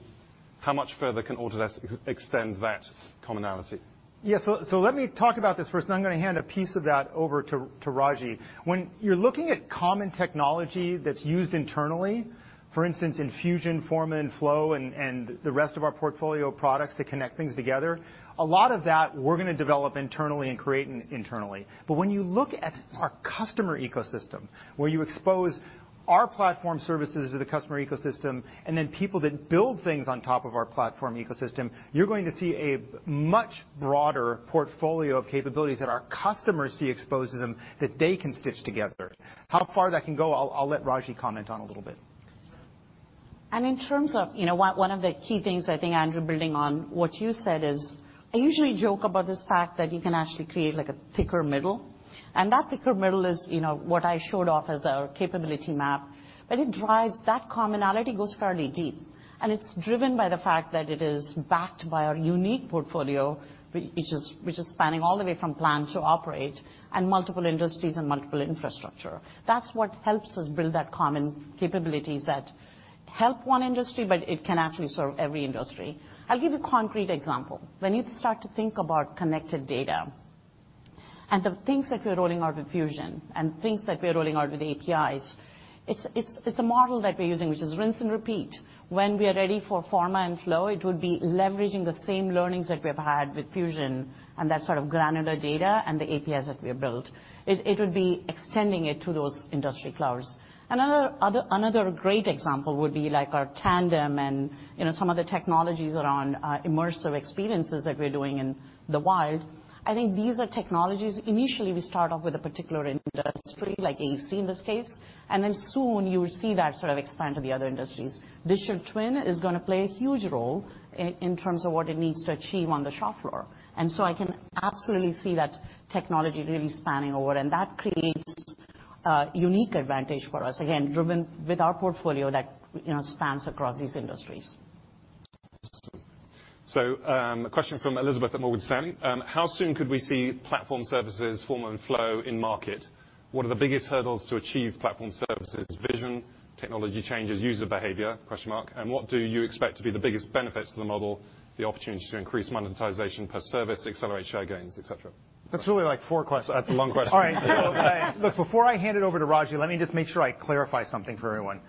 How much further can Autodesk extend that commonality? Let me talk about this first, and then I'm gonna hand a piece of that over to Raji. When you're looking at common technology that's used internally, for instance, in Fusion, Forma, and Flow and the rest of our portfolio of products that connect things together, a lot of that we're gonna develop internally and create internally. When you look at our customer ecosystem, where you expose our Platform Services to the customer ecosystem, and then people that build things on top of our platform ecosystem, you're going to see a much broader portfolio of capabilities that our customers see exposed to them that they can stitch together. How far that can go, I'll let Raji comment on a little bit. In terms of, you know, one of the key things, I think, Andrew, building on what you said is, I usually joke about this fact that you can actually create like a thicker middle. That thicker middle is, you know, what I showed off as our capability map. That commonality goes fairly deep, and it's driven by the fact that it is backed by our unique portfolio which is spanning all the way from plan to operate and multiple industries and multiple infrastructure. That's what helps us build that common capabilities that help one industry, but it can actually serve every industry. I'll give you concrete example. When you start to think about connected data and the things that we're rolling out with Fusion and things that we're rolling out with APIs, it's a model that we're using, which is rinse and repeat. When we are ready for Forma and Flow, it would be leveraging the same learnings that we have had with Fusion and that sort of granular data and the APIs that we have built. It would be extending it to those industry clouds. Another great example would be like our Tandem and, you know, some of the technologies around immersive experiences that we're doing in the wild. I think these are technologies. Initially, we start off with a particular industry, like AEC in this case. Then soon you will see that sort of expand to the other industries. Digital twin is gonna play a huge role in terms of what it means to achieve on the shop floor. I can absolutely see that technology really spanning over, and that creates unique advantage for us, again, driven with our portfolio that, you know, spans across these industries. A question from Elizabeth at Morgan Stanley. How soon could we see Platform Services, Forma and Flow, in market? What are the biggest hurdles to achieve Platform Services' vision, technology changes, user behavior? What do you expect to be the biggest benefits to the model, the opportunity to increase monetization per service, accelerate share gains, et cetera? That's really like four questions. That's a long question. Look, before I hand it over to Raji, let me just make sure I clarify something for everyone.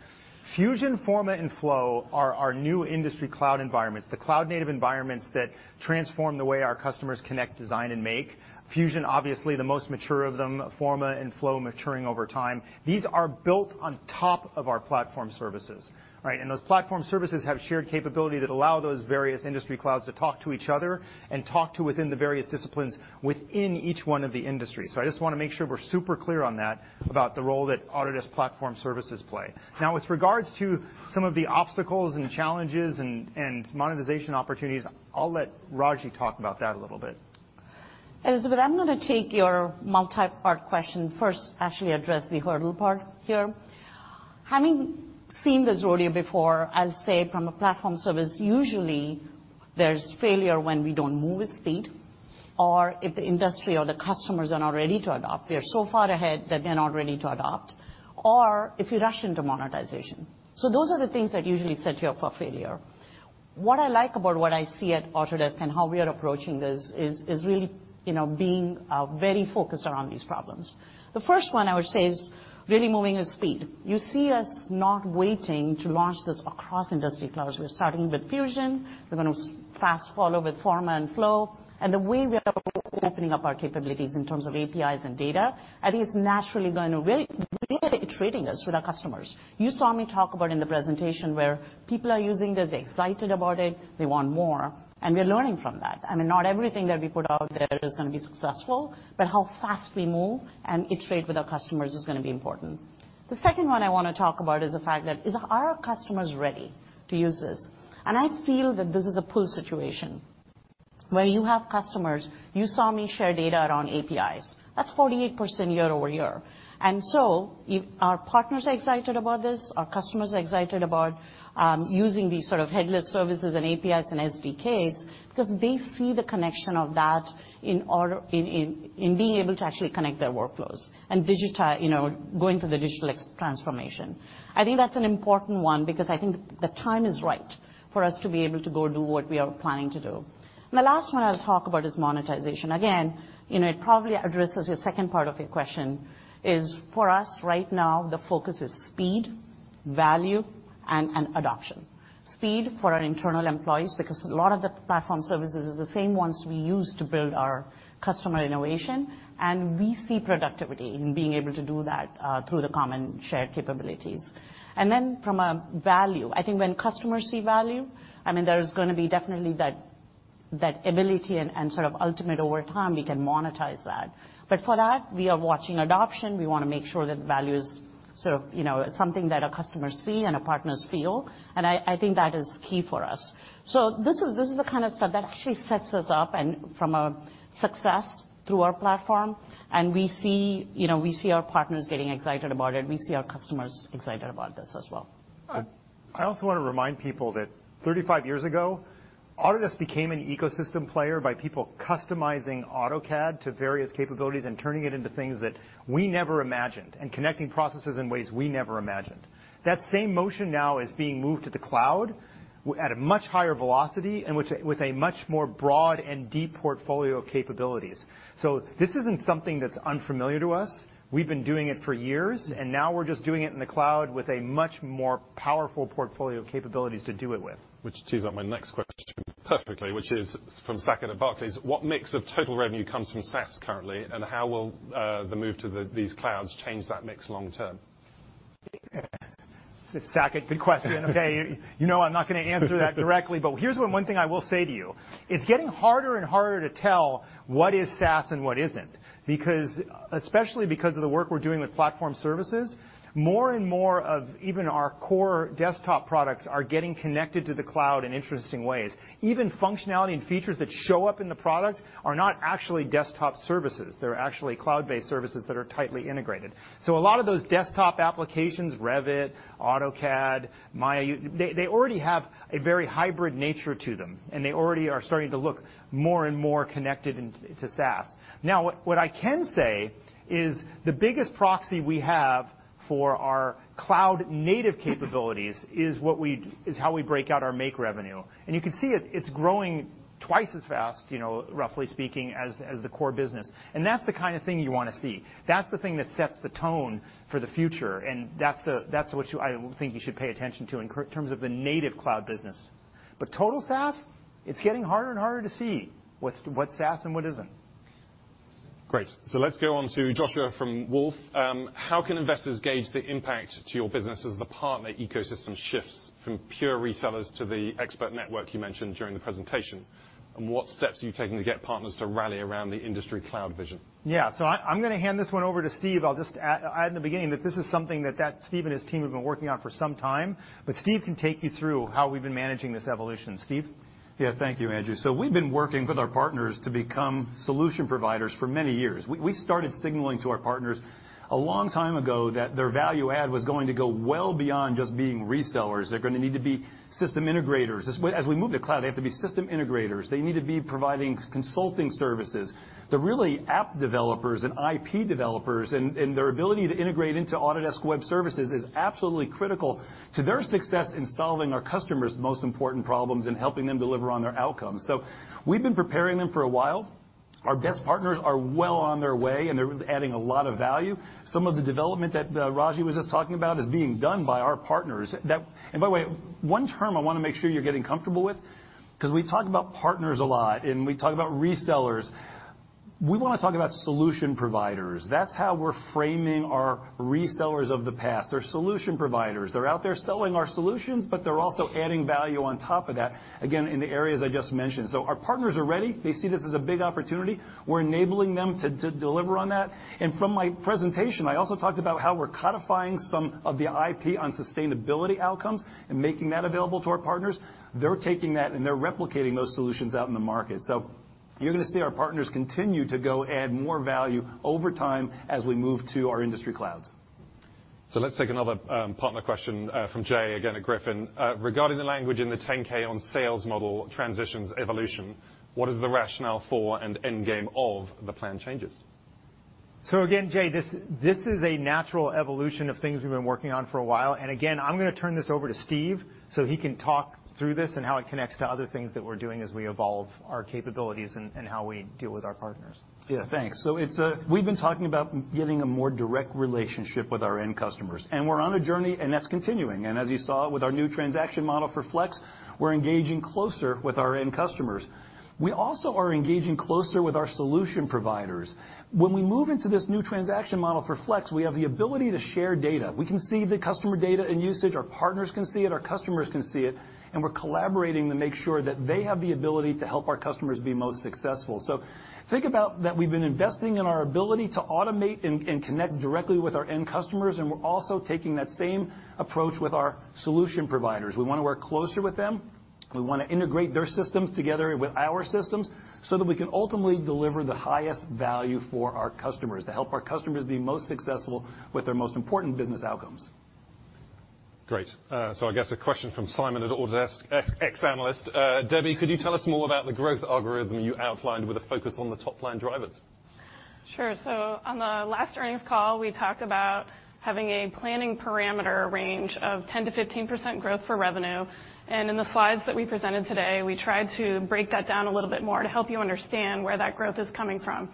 Fusion, Forma, and Flow are our new industry cloud environments, the cloud-native environments that transform the way our customers connect, design, and make. Fusion, obviously the most mature of them, Forma and Flow maturing over time. These are built on top of our Autodesk Platform Services, right? Those Autodesk Platform Services have shared capability that allow those various industry clouds to talk to each other and talk to within the various disciplines within each one of the industries. I just wanna make sure we're super clear on that, about the role that Autodesk Platform Services play. With regards to some of the obstacles and challenges and monetization opportunities, I'll let Raji talk about that a little bit. Elizabeth, I'm gonna take your multi-part question. First, actually address the hurdle part here. Having seen this rodeo before, I'll say from a platform service, usually there's failure when we don't move with speed or if the industry or the customers are not ready to adopt. We are so far ahead that they're not ready to adopt, or if you rush into monetization. Those are the things that usually set you up for failure. What I like about what I see at Autodesk and how we are approaching this is really, you know, being very focused around these problems. The first one I would say is really moving with speed. You see us not waiting to launch this across industry clouds. We're starting with Fusion. We're gonna fast follow with Forma and Flow. The way we are opening up our capabilities in terms of APIs and data, I think it's naturally gonna really iterating us with our customers. You saw me talk about in the presentation where people are using this, they're excited about it, they want more, and we're learning from that. I mean, not everything that we put out there is gonna be successful, but how fast we move and iterate with our customers is gonna be important. The second one I wanna talk about is the fact that are our customers ready to use this? I feel that this is a pull situation where you have customers. You saw me share data around APIs. That's 48% year-over-year. Our partners are excited about this. Our customers are excited about using these sort of headless services and APIs and SDKs because they see the connection of that in being able to actually connect their workflows and you know, going through the digital transformation. I think that's an important one because I think the time is right for us to be able to go do what we are planning to do. The last one I'll talk about is monetization. Again, you know, it probably addresses the second part of your question is for us right now the focus is speed, value, and adoption. Speed for our internal employees because a lot of the platform services is the same ones we use to build our customer innovation, and we see productivity in being able to that through the common shared capabilities. From a value, I think when customers see value, I mean, there is gonna be definitely that ability and sort of ultimate over time we can monetize that. For that, we are watching adoption. We wanna make sure that the value is sort of, you know, something that our customers see and our partners feel, and I think that is key for us. This is the kind of stuff that actually sets us up and from a success through our platform, and we see our partners getting excited about it. We see our customers excited about this as well. I also wanna remind people that 35 years ago, Autodesk became an ecosystem player by people customizing AutoCAD to various capabilities and turning it into things that we never imagined and connecting processes in ways we never imagined. That same motion now is being moved to the cloud at a much higher velocity and with a much more broad and deep portfolio of capabilities. This isn't something that's unfamiliar to us. We've been doing it for years, and now we're just doing it in the cloud with a much more powerful portfolio of capabilities to do it with. Which tees up my next question perfectly, which is from Saket at Barclays. What mix of total revenue comes from SaaS currently, and how will the move to these clouds change that mix long term? Saket, good question. Okay. You know I'm not gonna answer that directly, here's one thing I will say to you. It's getting harder and harder to tell what is SaaS and what isn't because, especially because of the work we're doing with platform services, more and more of even our core desktop products are getting connected to the cloud in interesting ways. Even functionality and features that show up in the product are not actually desktop services. They're actually cloud-based services that are tightly integrated. A lot of those desktop applications, Revit, AutoCAD, Maya, they already have a very hybrid nature to them, and they already are starting to look more and more connected into SaaS. What I can say is the biggest proxy we have for our cloud-native capabilities is how we break out our Make revenue. You can see it's growing twice as fast, you know, roughly speaking, as the core business. That's the kind of thing you wanna see. That's the thing that sets the tone for the future, that's what you I think you should pay attention to in terms of the native cloud business. Total SaaS, it's getting harder and harder to see what's SaaS and what isn't. Great. Let's go on to Joshua from Wolfe. How can investors gauge the impact to your business as the partner ecosystem shifts from pure resellers to the expert network you mentioned during the presentation? What steps are you taking to get partners to rally around the industry cloud vision? Yeah. I'm gonna hand this one over to Steve. I'll just add in the beginning that this is something that Steve and his team have been working on for some time. Steve can take you through how we've been managing this evolution. Steve? Yeah. Thank you, Andrew. We've been working with our partners to become solution providers for many years. We started signaling to our partners a long time ago that their value add was going to go well beyond just being resellers. They're gonna need to be system integrators. As we move to cloud, they have to be system integrators. They need to be providing consulting services. They're really app developers and IP developers, and their ability to integrate into Autodesk web services is absolutely critical to their success in solving our customers' most important problems and helping them deliver on their outcomes. We've been preparing them for a while. Our best partners are well on their way, and they're adding a lot of value. Some of the development that Raji was just talking about is being done by our partners. By the way, one term I wanna make sure you're getting comfortable with, 'cause we talk about partners a lot, and we talk about resellers. We wanna talk about solution providers. That's how we're framing our resellers of the past. They're solution providers. They're out there selling our solutions, but they're also adding value on top of that, again, in the areas I just mentioned. Our partners are ready. They see this as a big opportunity. We're enabling them to deliver on that. From my presentation, I also talked about how we're codifying some of the IP on sustainability outcomes and making that available to our partners. They're taking that, and they're replicating those solutions out in the market. You're gonna see our partners continue to go add more value over time as we move to our industry clouds. Let's take another partner question from Jay, again at Griffin. Regarding the language in the 10-K on sales model transitions evolution, what is the rationale for and end game of the plan changes? Again, Jay, this is a natural evolution of things we've been working on for a while. Again, I'm gonna turn this over to Steve so he can talk through this and how it connects to other things that we're doing as we evolve our capabilities and how we deal with our partners. Thanks. It's, we've been talking about getting a more direct relationship with our end customers. We're on a journey, and that's continuing. As you saw with our new transaction model for Flex, we're engaging closer with our end customers. We also are engaging closer with our solution providers. When we move into this new transaction model for Flex, we have the ability to share data. We can see the customer data and usage, our partners can see it, our customers can see it, and we're collaborating to make sure that they have the ability to help our customers be most successful. Think about that we've been investing in our ability to automate and connect directly with our end customers, and we're also taking that same approach with our solution providers. We wanna work closer with them. We wanna integrate their systems together with our systems, so that we can ultimately deliver the highest value for our customers, to help our customers be most successful with their most important business outcomes. Great. I guess a question from Simon at Autodesk, ex-analyst. Debbie, could you tell us more about the growth algorithm you outlined with a focus on the top-line drivers? Sure. On the last earnings call, we talked about having a planning parameter range of 10%-15% growth for revenue. In the slides that we presented today, we tried to break that down a little bit more to help you understand where that growth is coming from.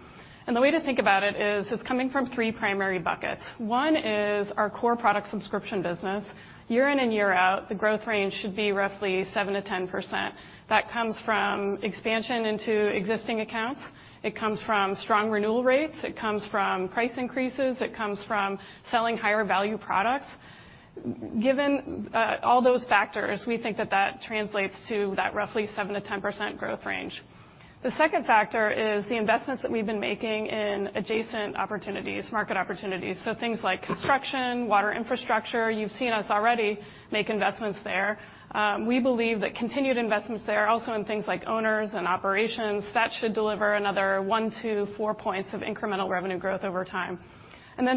The way to think about it is it's coming from three primary buckets. One is our core product subscription business. Year in and year out, the growth range should be roughly 7%-10%. That comes from expansion into existing accounts. It comes from strong renewal rates. It comes from price increases. It comes from selling higher value products. Given all those factors, we think that that translates to that roughly 7%-10% growth range. The second factor is the investments that we've been making in adjacent opportunities, market opportunities, so things like construction, water infrastructure. You've seen us already make investments there. We believe that continued investments there, also in things like owners and operations, that should deliver another 1 point to 4 points of incremental revenue growth over time.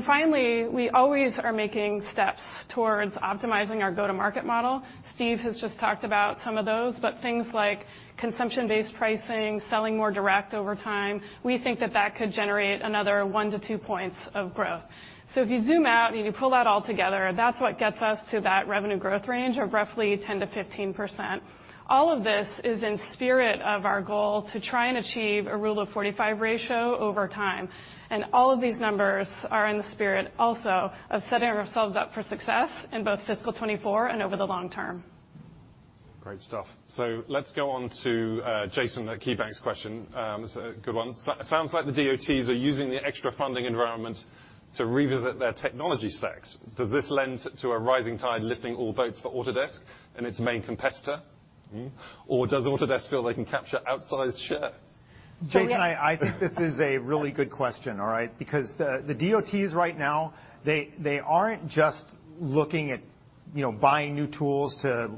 Finally, we always are making steps towards optimizing our go-to-market model. Steve has just talked about some of those, but things like consumption-based pricing, selling more direct over time, we think that that could generate another 1 point to 2 points of growth. If you zoom out and you pull that all together, that's what gets us to that revenue growth range of roughly 10%-15%. All of this is in spirit of our goal to try and achieve a Rule of 45 ratio over time. All of these numbers are in the spirit also of setting ourselves up for success in both fiscal 2024 and over the long term. Great stuff. Let's go on to Jason at KeyBank's question. It's a good one. Sounds like the DOTs are using the extra funding environment to revisit their technology stacks. Does this lend to a rising tide lifting all boats for Autodesk and its main competitor? Hmm. Or does Autodesk feel they can capture outsized share? Jason, I think this is a really good question, all right? The DOTs right now, they aren't just looking at, you know, buying new tools to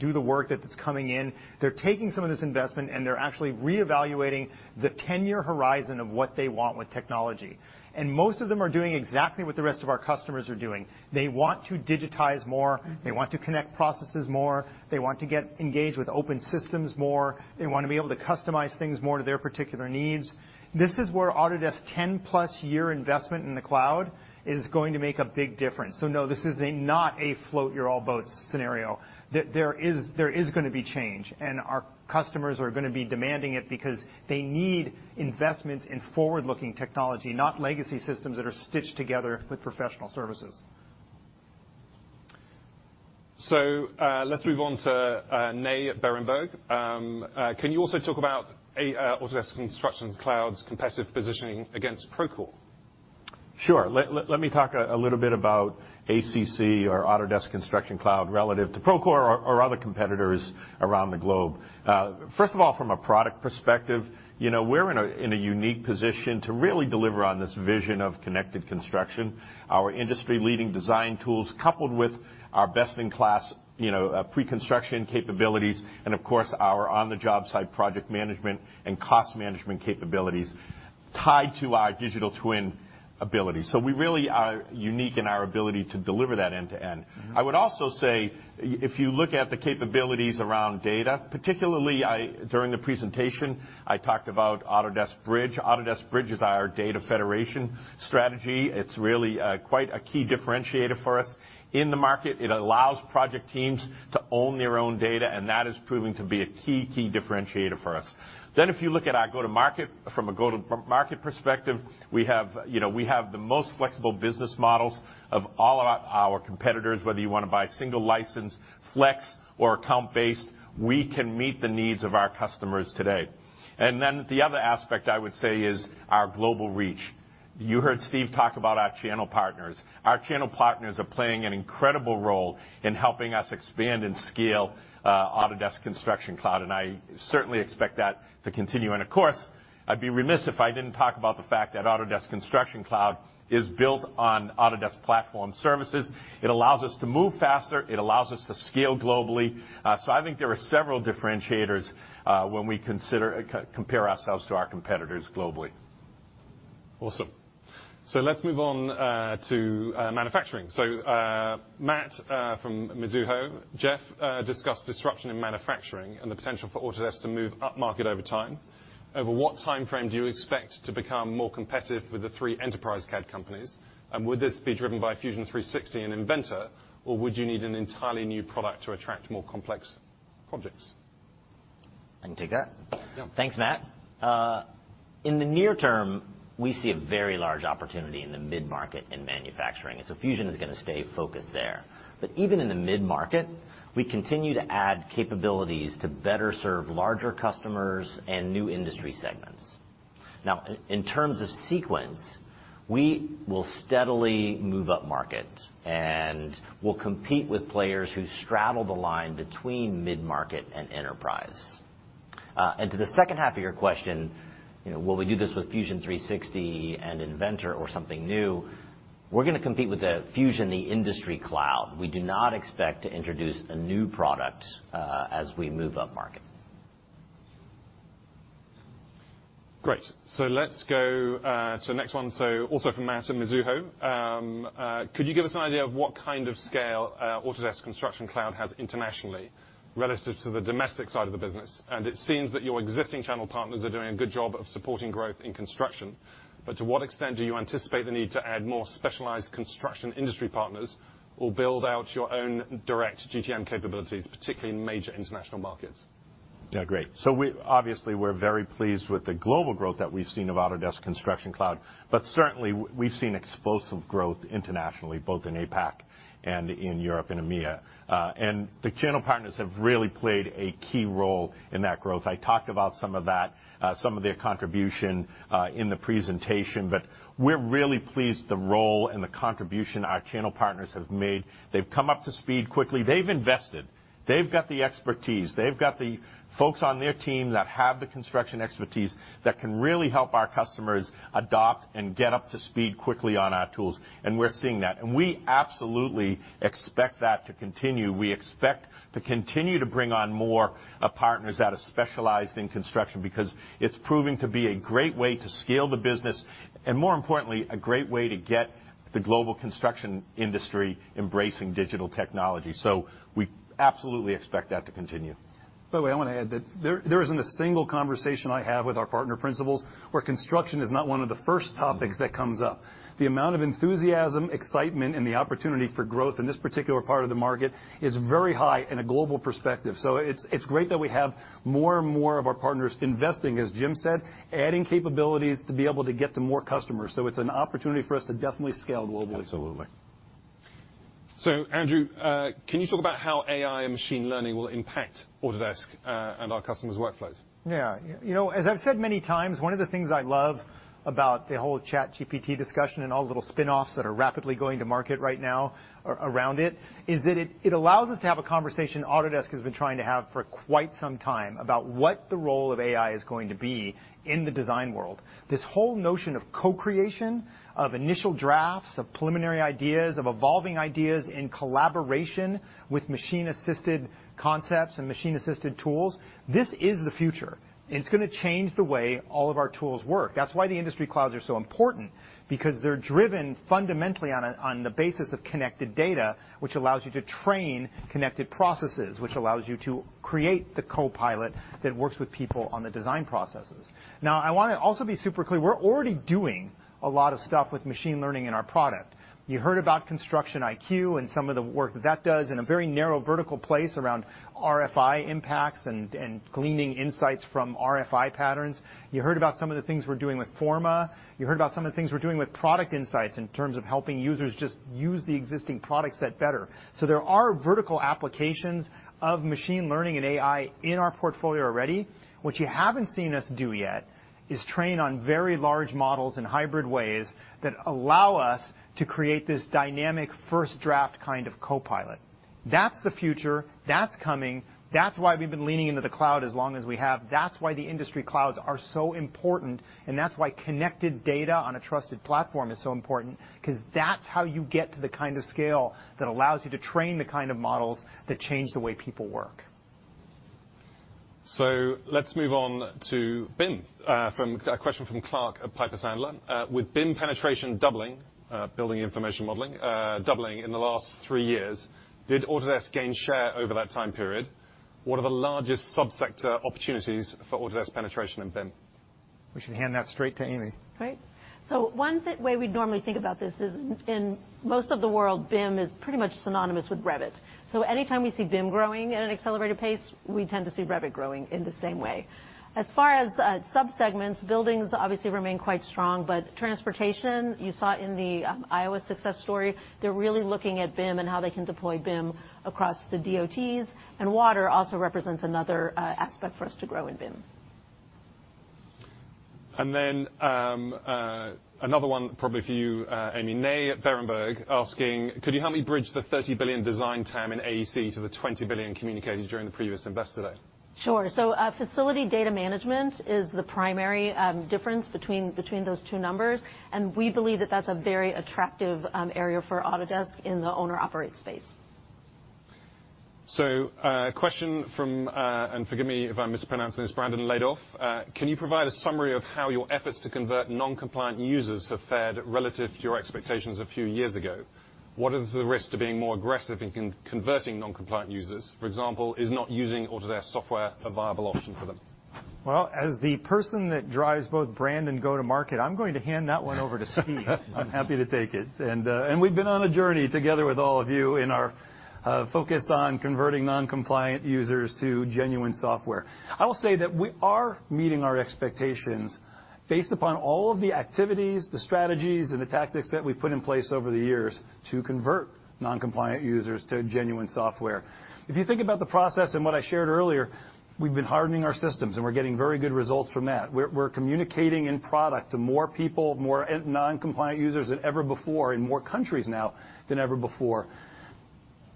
do the work that's coming in. They're taking some of this investment, they're actually reevaluating the 10-year horizon of what they want with technology. Most of them are doing exactly what the rest of our customers are doing. They want to digitize more. They want to connect processes more. They want to get engaged with open systems more. They wanna be able to customize things more to their particular needs. This is where Autodesk's 10+ year investment in the cloud is going to make a big difference. No, this is not a float your all boats scenario. There is gonna be change, and our customers are gonna be demanding it because they need investments in forward-looking technology, not legacy systems that are stitched together with professional services. Let's move on to Nay at Berenberg. Can you also talk about Autodesk Construction Cloud's competitive positioning against Procore? Sure. Let me talk a little bit about ACC or Autodesk Construction Cloud relative to Procore or other competitors around the globe. First of all, from a product perspective, you know, we're in a unique position to really deliver on this vision of connected construction. Our industry-leading design tools, coupled with our best-in-class, you know, pre-construction capabilities and, of course, our on-the-job site project management and cost management capabilities tie to our digital twin ability. We really are unique in our ability to deliver that end-to-end. I would also say, if you look at the capabilities around data, particularly during the presentation, I talked about Autodesk Bridge. Autodesk Bridge is our data federation strategy. It's really quite a key differentiator for us in the market. It allows project teams to own their own data, that is proving to be a key differentiator for us. If you look at our go-to-market, from a go-to-market perspective, we have, you know, we have the most flexible business models of all of our competitors. Whether you wanna buy single license, Flex, or account-based, we can meet the needs of our customers today. The other aspect I would say is our global reach. You heard Steve talk about our channel partners. Our channel partners are playing an incredible role in helping us expand and scale Autodesk Construction Cloud, I certainly expect that to continue. Of course, I'd be remiss if I didn't talk about the fact that Autodesk Construction Cloud is built on Autodesk Platform Services. It allows us to move faster. It allows us to scale globally. I think there are several differentiators, when we compare ourselves to our competitors globally. Awesome. Let's move on to manufacturing. Matt from Mizuho. Jeff discussed disruption in manufacturing and the potential for Autodesk to move upmarket over time. Over what timeframe do you expect to become more competitive with the three enterprise CAD companies? Would this be driven by Fusion 360 and Inventor, or would you need an entirely new product to attract more complex projects? I can take that. Yeah. Thanks, Matt. In the near term, we see a very large opportunity in the mid-market in manufacturing, Fusion is gonna stay focused there. Even in the mid-market, we continue to add capabilities to better serve larger customers and new industry segments. Now in terms of sequence, we will steadily move upmarket, and we'll compete with players who straddle the line between mid-market and enterprise. To the second half of your question, you know, will we do this with Fusion 360 and Inventor or something new, we're gonna compete with the Fusion, the Industry Cloud. We do not expect to introduce a new product as we move upmarket. Great. Let's go to the next one. Also from Matt at Mizuho, could you give us an idea of what kind of scale Autodesk Construction Cloud has internationally relative to the domestic side of the business? It seems that your existing channel partners are doing a good job of supporting growth in construction, but to what extent do you anticipate the need to add more specialized construction industry partners or build out your own direct GTM capabilities, particularly in major international markets? Yeah, great. Obviously we're very pleased with the global growth that we've seen of Autodesk Construction Cloud, but certainly we've seen explosive growth internationally, both in APAC and in Europe, in EMEA. The channel partners have really played a key role in that growth. I talked about some of that, some of their contribution in the presentation, but we're really pleased the role and the contribution our channel partners have made. They've come up to speed quickly. They've invested. They've got the expertise. They've got the folks on their team that have the construction expertise that can really help our customers adopt and get up to speed quickly on our tools, and we're seeing that. We absolutely expect that to continue. We expect to continue to bring on more partners that are specialized in construction because it's proving to be a great way to scale the business, and more importantly, a great way to get the global construction industry embracing digital technology. We absolutely expect that to continue. By the way, I wanna add that there isn't a single conversation I have with our partner principals where construction is not one of the first topics that comes up. The amount of enthusiasm, excitement, and the opportunity for growth in this particular part of the market is very high in a global perspective. It's great that we have more and more of our partners investing, as Jim said, adding capabilities to be able to get to more customers. It's an opportunity for us to definitely scale globally. Absolutely. Andrew, can you talk about how AI and machine learning will impact Autodesk, and our customers' workflows? Yeah. You know, as I've said many times, one of the things I love about the whole ChatGPT discussion and all the little spinoffs that are rapidly going to market right now around it is that it allows us to have a conversation Autodesk has been trying to have for quite some time about what the role of AI is going to be in the design world. This whole notion of co-creation, of initial drafts, of preliminary ideas, of evolving ideas in collaboration with machine-assisted concepts and machine-assisted tools, this is the future, and it's gonna change the way all of our tools work. That's why the industry clouds are so important, because they're driven fundamentally on the basis of connected data, which allows you to train connected processes, which allows you to create the copilot that works with people on the design processes. I wanna also be super clear, we're already doing a lot of stuff with machine learning in our product. You heard about Construction IQ and some of the work that does in a very narrow vertical place around RFI impacts and gleaning insights from RFI patterns. You heard about some of the things we're doing with Forma. You heard about some of the things we're doing with product insights in terms of helping users just use the existing product set better. There are vertical applications of machine learning and AI in our portfolio already. What you haven't seen us do yet is train on very large models in hybrid ways that allow us to create this dynamic first draft kind of copilot. That's the future. That's coming. That's why we've been leaning into the cloud as long as we have. That's why the industry clouds are so important, and that's why connected data on a trusted platform is so important, 'cause that's how you get to the kind of scale that allows you to train the kind of models that change the way people work. Let's move on to BIM, a question from Clark at Piper Sandler. With BIM penetration doubling, building information modeling, doubling in the last three years, did Autodesk gain share over that time period? What are the largest subsector opportunities for Autodesk penetration in BIM? We should hand that straight to Amy. Great. One way we'd normally think about this is in most of the world, BIM is pretty much synonymous with Revit. Anytime we see BIM growing at an accelerated pace, we tend to see Revit growing in the same way. As far as subsegments, buildings obviously remain quite strong. Transportation, you saw it in the Iowa success story, they're really looking at BIM and how they can deploy BIM across the DOTs. Water also represents another aspect for us to grow in BIM. Another one probably for you, Amy. Nay at Berenberg asking, "Could you help me bridge the $30 billion design TAM in AEC to the $20 billion communicated during the previous Investor Day? Sure. Facility data management is the primary difference between those two numbers, and we believe that that's a very attractive area for Autodesk in the owner operate space. Question from, and forgive me if I'm mispronouncing this, Brandon at Laidlaw. Can you provide a summary of how your efforts to convert non-compliant users have fared relative to your expectations a few years ago? What is the risk to being more aggressive in converting non-compliant users? For example, is not using Autodesk software a viable option for them? Well, as the person that drives both brand and go-to-market, I'm going to hand that one over to Steve. I'm happy to take it. We've been on a journey together with all of you in our focus on converting non-compliant users to genuine software. I will say that we are meeting our expectations based upon all of the activities, the strategies, and the tactics that we've put in place over the years to convert non-compliant users to genuine software. If you think about the process and what I shared earlier, we've been hardening our systems and we're getting very good results from that. We're communicating in product to more people, more non-compliant users than ever before in more countries now than ever before.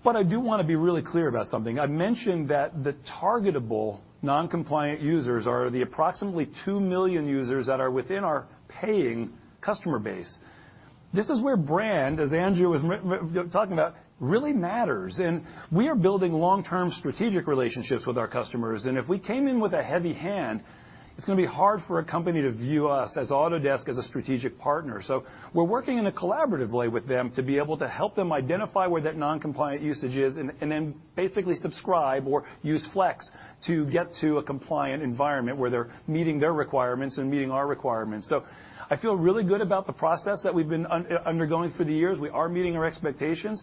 I do wanna be really clear about something. I mentioned that the targetable non-compliant users are the approximately 2 million users that are within our paying customer base. This is where brand, as Angela was talking about, really matters, and we are building long-term strategic relationships with our customers. If we came in with a heavy hand, it's gonna be hard for a company to view us as Autodesk as a strategic partner. We're working in a collaborative way with them to be able to help them identify where that non-compliant usage is and then basically subscribe or use Flex to get to a compliant environment where they're meeting their requirements and meeting our requirements. I feel really good about the process that we've been undergoing through the years. We are meeting our expectations.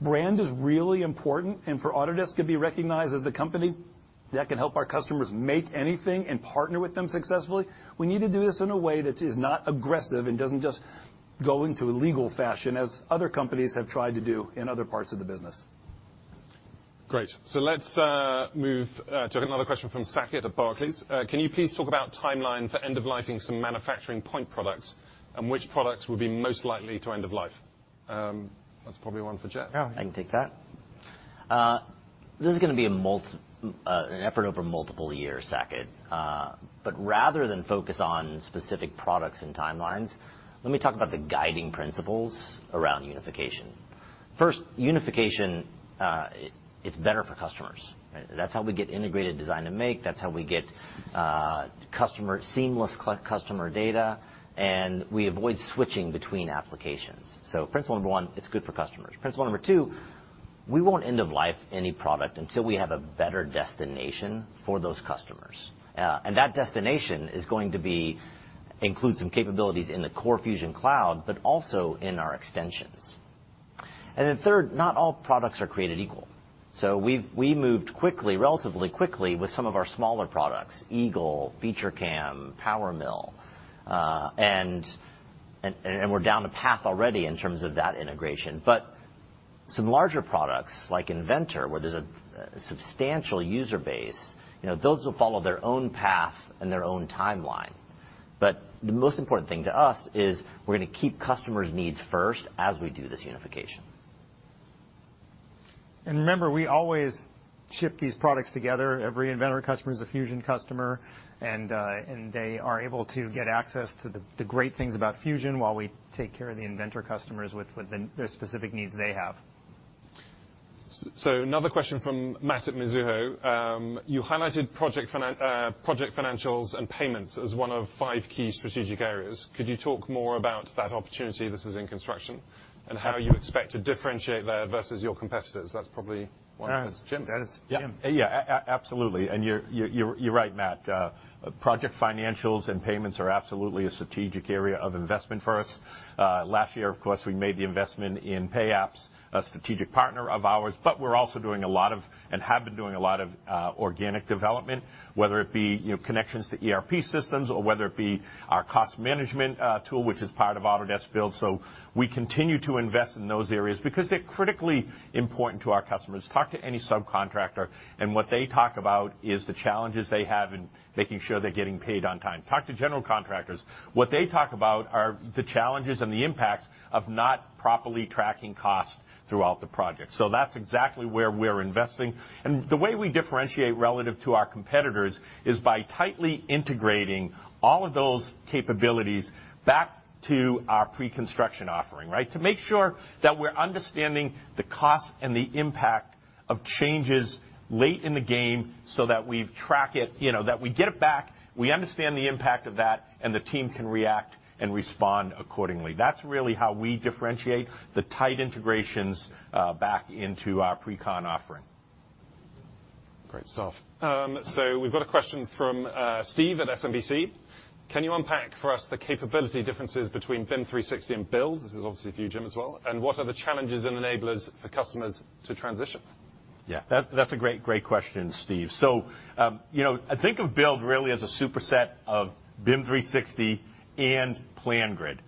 Brand is really important. For Autodesk to be recognized as the company that can help our customers make anything and partner with them successfully, we need to do this in a way that is not aggressive and doesn't just go into a legal fashion as other companies have tried to do in other parts of the business. Great. Let's move to another question from Saket at Barclays. Can you please talk about timeline for end of lifing some manufacturing point products, and which products will be most likely to end of life? That's probably one for Jeff. Yeah, I can take that. This is gonna be an effort over multiple years, Saket. Rather than focus on specific products and timelines, let me talk about the guiding principles around unification. First, unification, it's better for customers. That's how we get integrated design and make. That's how we get seamless customer data, and we avoid switching between applications. Principle number one, it's good for customers. Principle number two, we won't end of life any product until we have a better destination for those customers. That destination includes some capabilities in the core Fusion cloud, but also in our extensions. Third, not all products are created equal. We moved quickly, relatively quickly, with some of our smaller products, EAGLE, FeatureCAM, PowerMill, and we're down a path already in terms of that integration. Some larger products like Inventor, where there's a substantial user base, you know, those will follow their own path and their own timeline. The most important thing to us is we're gonna keep customers' needs first as we do this unification. Remember, we always ship these products together. Every Inventor customer is a Fusion customer, and they are able to get access to the great things about Fusion while we take care of the Inventor customers with the, their specific needs they have. Another question from Matt at Mizuho. You highlighted project financials and payments as one of five key strategic areas. Could you talk more about that opportunity, this is in construction, and how you expect to differentiate there versus your competitors? That's probably one for Jim. That is Jim. Yeah. Absolutely. You're right, Matt. Project financials and payments are absolutely a strategic area of investment for us. Last year, of course, we made the investment in Payapps, a strategic partner of ours, but we're also doing a lot of, and have been doing a lot of, organic development, whether it be, you know, connections to ERP systems or whether it be our cost management tool, which is part of Autodesk Build. We continue to invest in those areas because they're critically important to our customers. Talk to any subcontractor, what they talk about is the challenges they have in making sure they're getting paid on time. Talk to general contractors. What they talk about are the challenges and the impacts of not properly tracking costs throughout the project. That's exactly where we're investing. The way we differentiate relative to our competitors is by tightly integrating all of those capabilities back to our pre-construction offering, right? To make sure that we're understanding the cost and the impact of changes late in the game so that we've track it, you know, that we get it back, we understand the impact of that, and the team can react and respond accordingly. That's really how we differentiate the tight integrations back into our Precon offering. Great stuff. We've got a question from Steve at SMBC. Can you unpack for us the capability differences between BIM 360 and Build? This is obviously for you, Jim, as well. What are the challenges and enablers for customers to transition? Yeah. That's a great question, Steve. You know, think of Build really as a superset of BIM 360 and PlanGrid.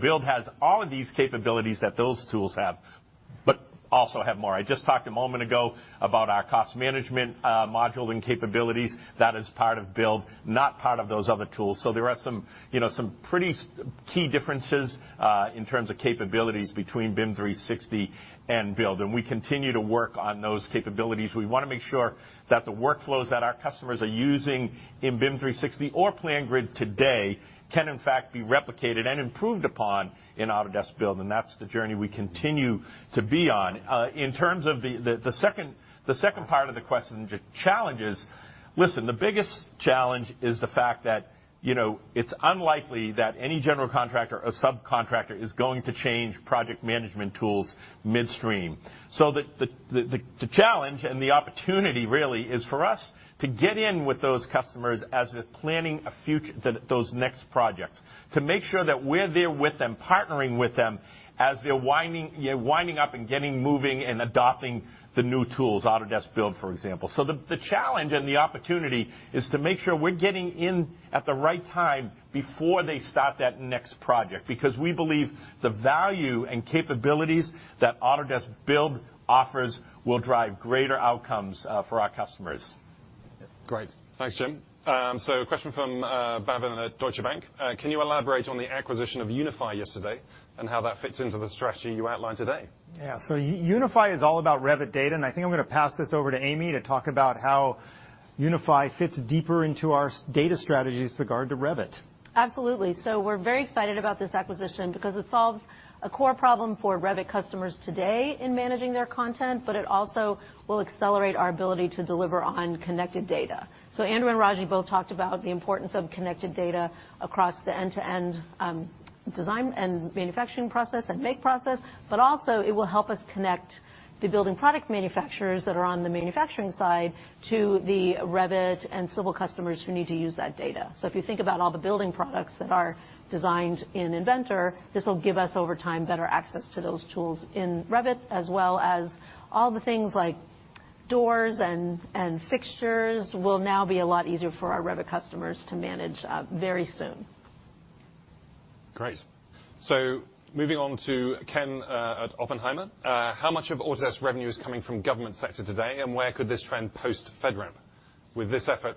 Build has all of these capabilities that those tools have. Also have more. I just talked a moment ago about our cost management, module and capabilities. That is part of Autodesk Build, not part of those other tools. There are some, you know, some pretty key differences, in terms of capabilities between BIM 360 and Autodesk Build, and we continue to work on those capabilities. We wanna make sure that the workflows that our customers are using in BIM 360 or PlanGrid today can, in fact, be replicated and improved upon in Autodesk Build, and that's the journey we continue to be on. In terms of the second part of the question, the challenges, listen, the biggest challenge is the fact that, you know, it's unlikely that any general contractor or subcontractor is going to change project management tools midstream. The challenge and the opportunity really is for us to get in with those customers as they're planning those next projects, to make sure that we're there with them, partnering with them as they're winding up and getting moving and adopting the new tools, Autodesk Build, for example. The challenge and the opportunity is to make sure we're getting in at the right time before they start that next project, because we believe the value and capabilities that Autodesk Build offers will drive greater outcomes for our customers. Great. Thanks, Jim. A question from Bhavin at Deutsche Bank. Can you elaborate on the acquisition of UNIFI yesterday and how that fits into the strategy you outlined today? Yeah. UNIFI is all about Revit data, and I think I'm gonna pass this over to Amy to talk about how UNIFI fits deeper into our data strategies with regard to Revit. Absolutely. We're very excited about this acquisition because it solves a core problem for Revit customers today in managing their content, but it also will accelerate our ability to deliver on connected data. Andrew and Raji both talked about the importance of connected data across the end-to-end design and manufacturing process and make process, but also it will help us connect the building product manufacturers that are on the manufacturing side to the Revit and civil customers who need to use that data. If you think about all the building products that are designed in Inventor, this will give us, over time, better access to those tools in Revit, as well as all the things like doors and fixtures will now be a lot easier for our Revit customers to manage very soon. Great. Moving on to Ken at Oppenheimer. How much of Autodesk revenue is coming from government sector today, and where could this trend post FedRAMP? Will this effort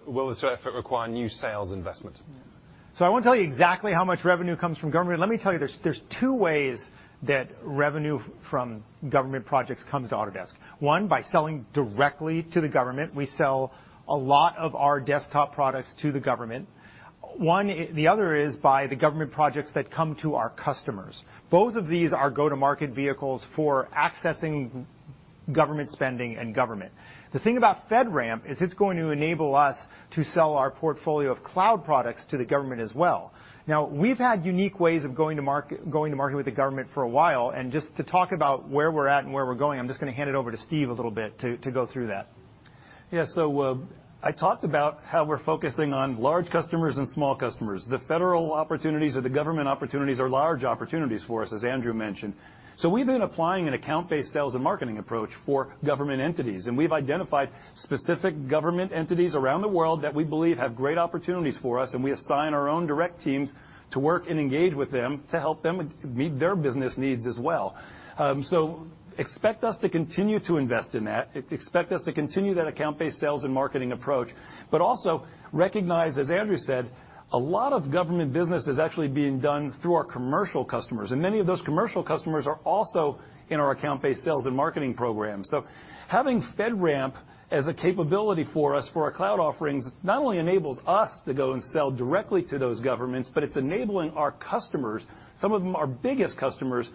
require new sales investment? I won't tell you exactly how much revenue comes from government. Let me tell you, there's two ways that revenue from government projects comes to Autodesk. One, by selling directly to the government. We sell a lot of our desktop products to the government. One, the other is by the government projects that come to our customers. Both of these are go-to-market vehicles for accessing government spending and government. The thing about FedRAMP is it's going to enable us to sell our portfolio of cloud products to the government as well. Now, we've had unique ways of going to market with the government for a while. Just to talk about where we're at and where we're going, I'm just gonna hand it over to Steve a little bit to go through that. I talked about how we're focusing on large customers and small customers. The federal opportunities or the government opportunities are large opportunities for us, as Andrew mentioned. We've been applying an account-based sales and marketing approach for government entities, and we've identified specific government entities around the world that we believe have great opportunities for us, and we assign our own direct teams to work and engage with them to help them meet their business needs as well. Expect us to continue to invest in that. Expect us to continue that account-based sales and marketing approach. Also recognize, as Andrew said, a lot of government business is actually being done through our commercial customers, and many of those commercial customers are also in our account-based sales and marketing program. Having FedRAMP as a capability for us for our cloud offerings not only enables us to go and sell directly to those governments, but it's enabling our customers, some of them our biggest customers,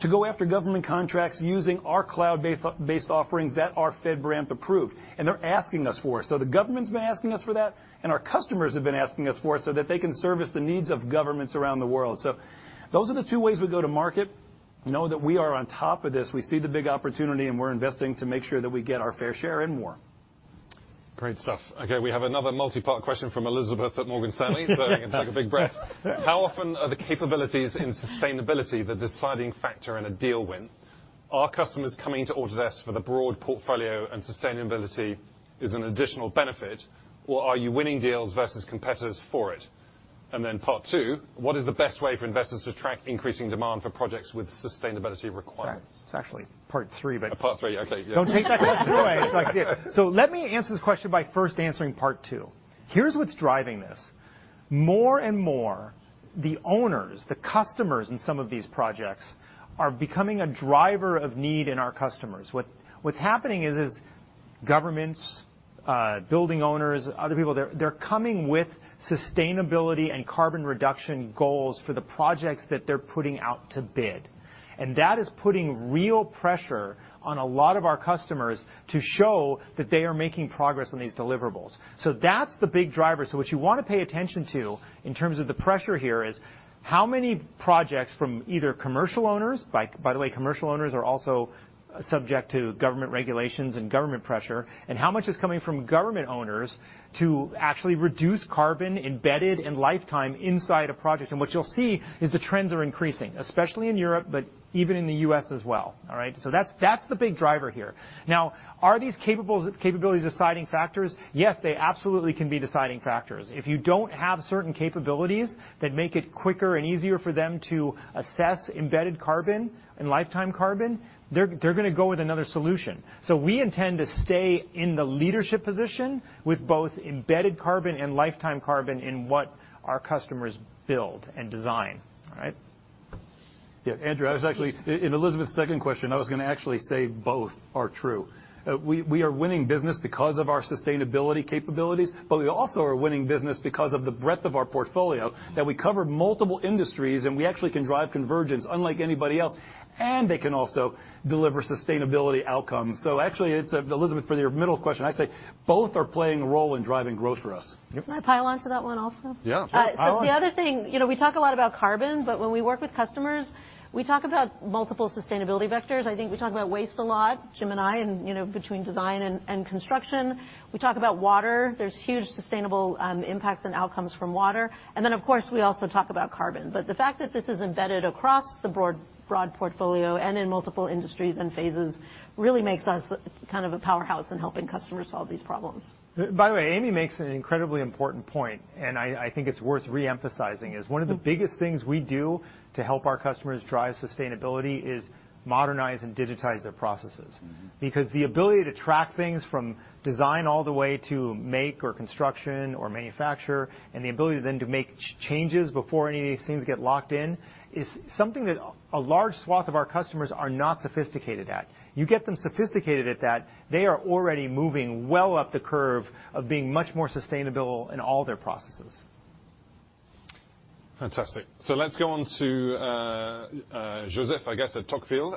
to go after government contracts using our cloud-based offerings that are FedRAMP approved. They're asking us for it. The government's been asking us for that, and our customers have been asking us for it so that they can service the needs of governments around the world. Those are the two ways we go to market. Know that we are on top of this. We see the big opportunity, and we're investing to make sure that we get our fair share and more. Great stuff. Okay, we have another multi-part question from Elizabeth at Morgan Stanley. You can take a big breath. How often are the capabilities in sustainability the deciding factor in a deal win? Are customers coming to Autodesk for the broad portfolio and sustainability is an additional benefit, or are you winning deals versus competitors for it? Part two, what is the best way for investors to track increasing demand for projects with sustainability requirements? It's actually part three. Part three. Okay. Yeah. Don't take that part away. It's like. Let me answer this question by first answering part two. Here's what's driving this. More and more, the owners, the customers in some of these projects are becoming a driver of need in our customers. What's happening is governments, building owners, other people, they're coming with sustainability and carbon reduction goals for the projects that they're putting out to bid. That is putting real pressure on a lot of our customers to show that they are making progress on these deliverables. That's the big driver. What you wanna pay attention to in terms of the pressure here is how many projects from either commercial owners, by the way, commercial owners are also subject to government regulations and government pressure, and how much is coming from government owners to actually reduce carbon embedded in lifetime inside a project. What you'll see is the trends are increasing, especially in Europe, but even in the U.S. as well, all right? That's the big driver here. Are these capabilities deciding factors? Yes, they absolutely can be deciding factors. If you don't have certain capabilities that make it quicker and easier for them to assess embedded carbon and lifetime carbon, they're gonna go with another solution. We intend to stay in the leadership position with both embedded carbon and lifetime carbon in what our customers build and design. All right? Yeah, Andrew, I was actually in Elizabeth's second question, I was gonna actually say both are true. We are winning business because of our sustainability capabilities, but we also are winning business because of the breadth of our portfolio, that we cover multiple industries, and we actually can drive convergence unlike anybody else, and they can also deliver sustainability outcomes. Actually, it's Elizabeth, for your middle question, I'd say both are playing a role in driving growth for us. Yep. Can I pile onto that one also? Yeah. The other thing, you know, we talk a lot about carbon, but when we work with customers, we talk about multiple sustainability vectors. I think we talk about waste a lot, Jim and I, and, you know, between design and construction. We talk about water. There's huge sustainable impacts and outcomes from water. Then, of course, we also talk about carbon. The fact that this is embedded across the broad portfolio and in multiple industries and phases really makes us kind of a powerhouse in helping customers solve these problems. Amy makes an incredibly important point, I think it's worth re-emphasizing, is one of the biggest things we do to help our customers drive sustainability is modernize and digitize their processes. Mm-hmm. The ability to track things from design all the way to make or construction or manufacture, and the ability then to make changes before any of these things get locked in, is something that a large swath of our customers are not sophisticated at. You get them sophisticated at that, they are already moving well up the curve of being much more sustainable in all their processes. Fantastic. Let's go on to Joseph, I guess, at Tocqueville.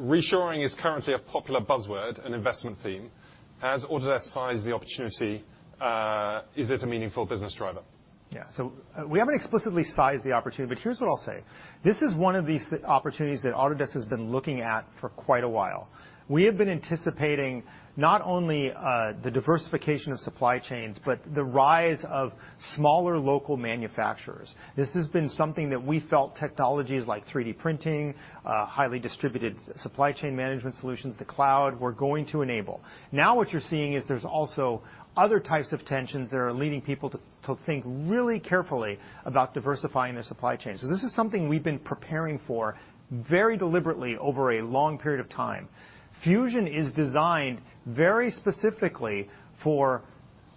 Reshoring is currently a popular buzzword and investment theme. Has Autodesk sized the opportunity? Is it a meaningful business driver? We haven't explicitly sized the opportunity, but here's what I'll say. This is one of these opportunities that Autodesk has been looking at for quite a while. We have been anticipating not only the diversification of supply chains, but the rise of smaller local manufacturers. This has been something that we felt technologies like 3D printing, highly distributed supply chain management solutions, the cloud, were going to enable. What you're seeing is there's also other types of tensions that are leading people to think really carefully about diversifying their supply chain. This is something we've been preparing for very deliberately over a long period of time. Fusion is designed very specifically for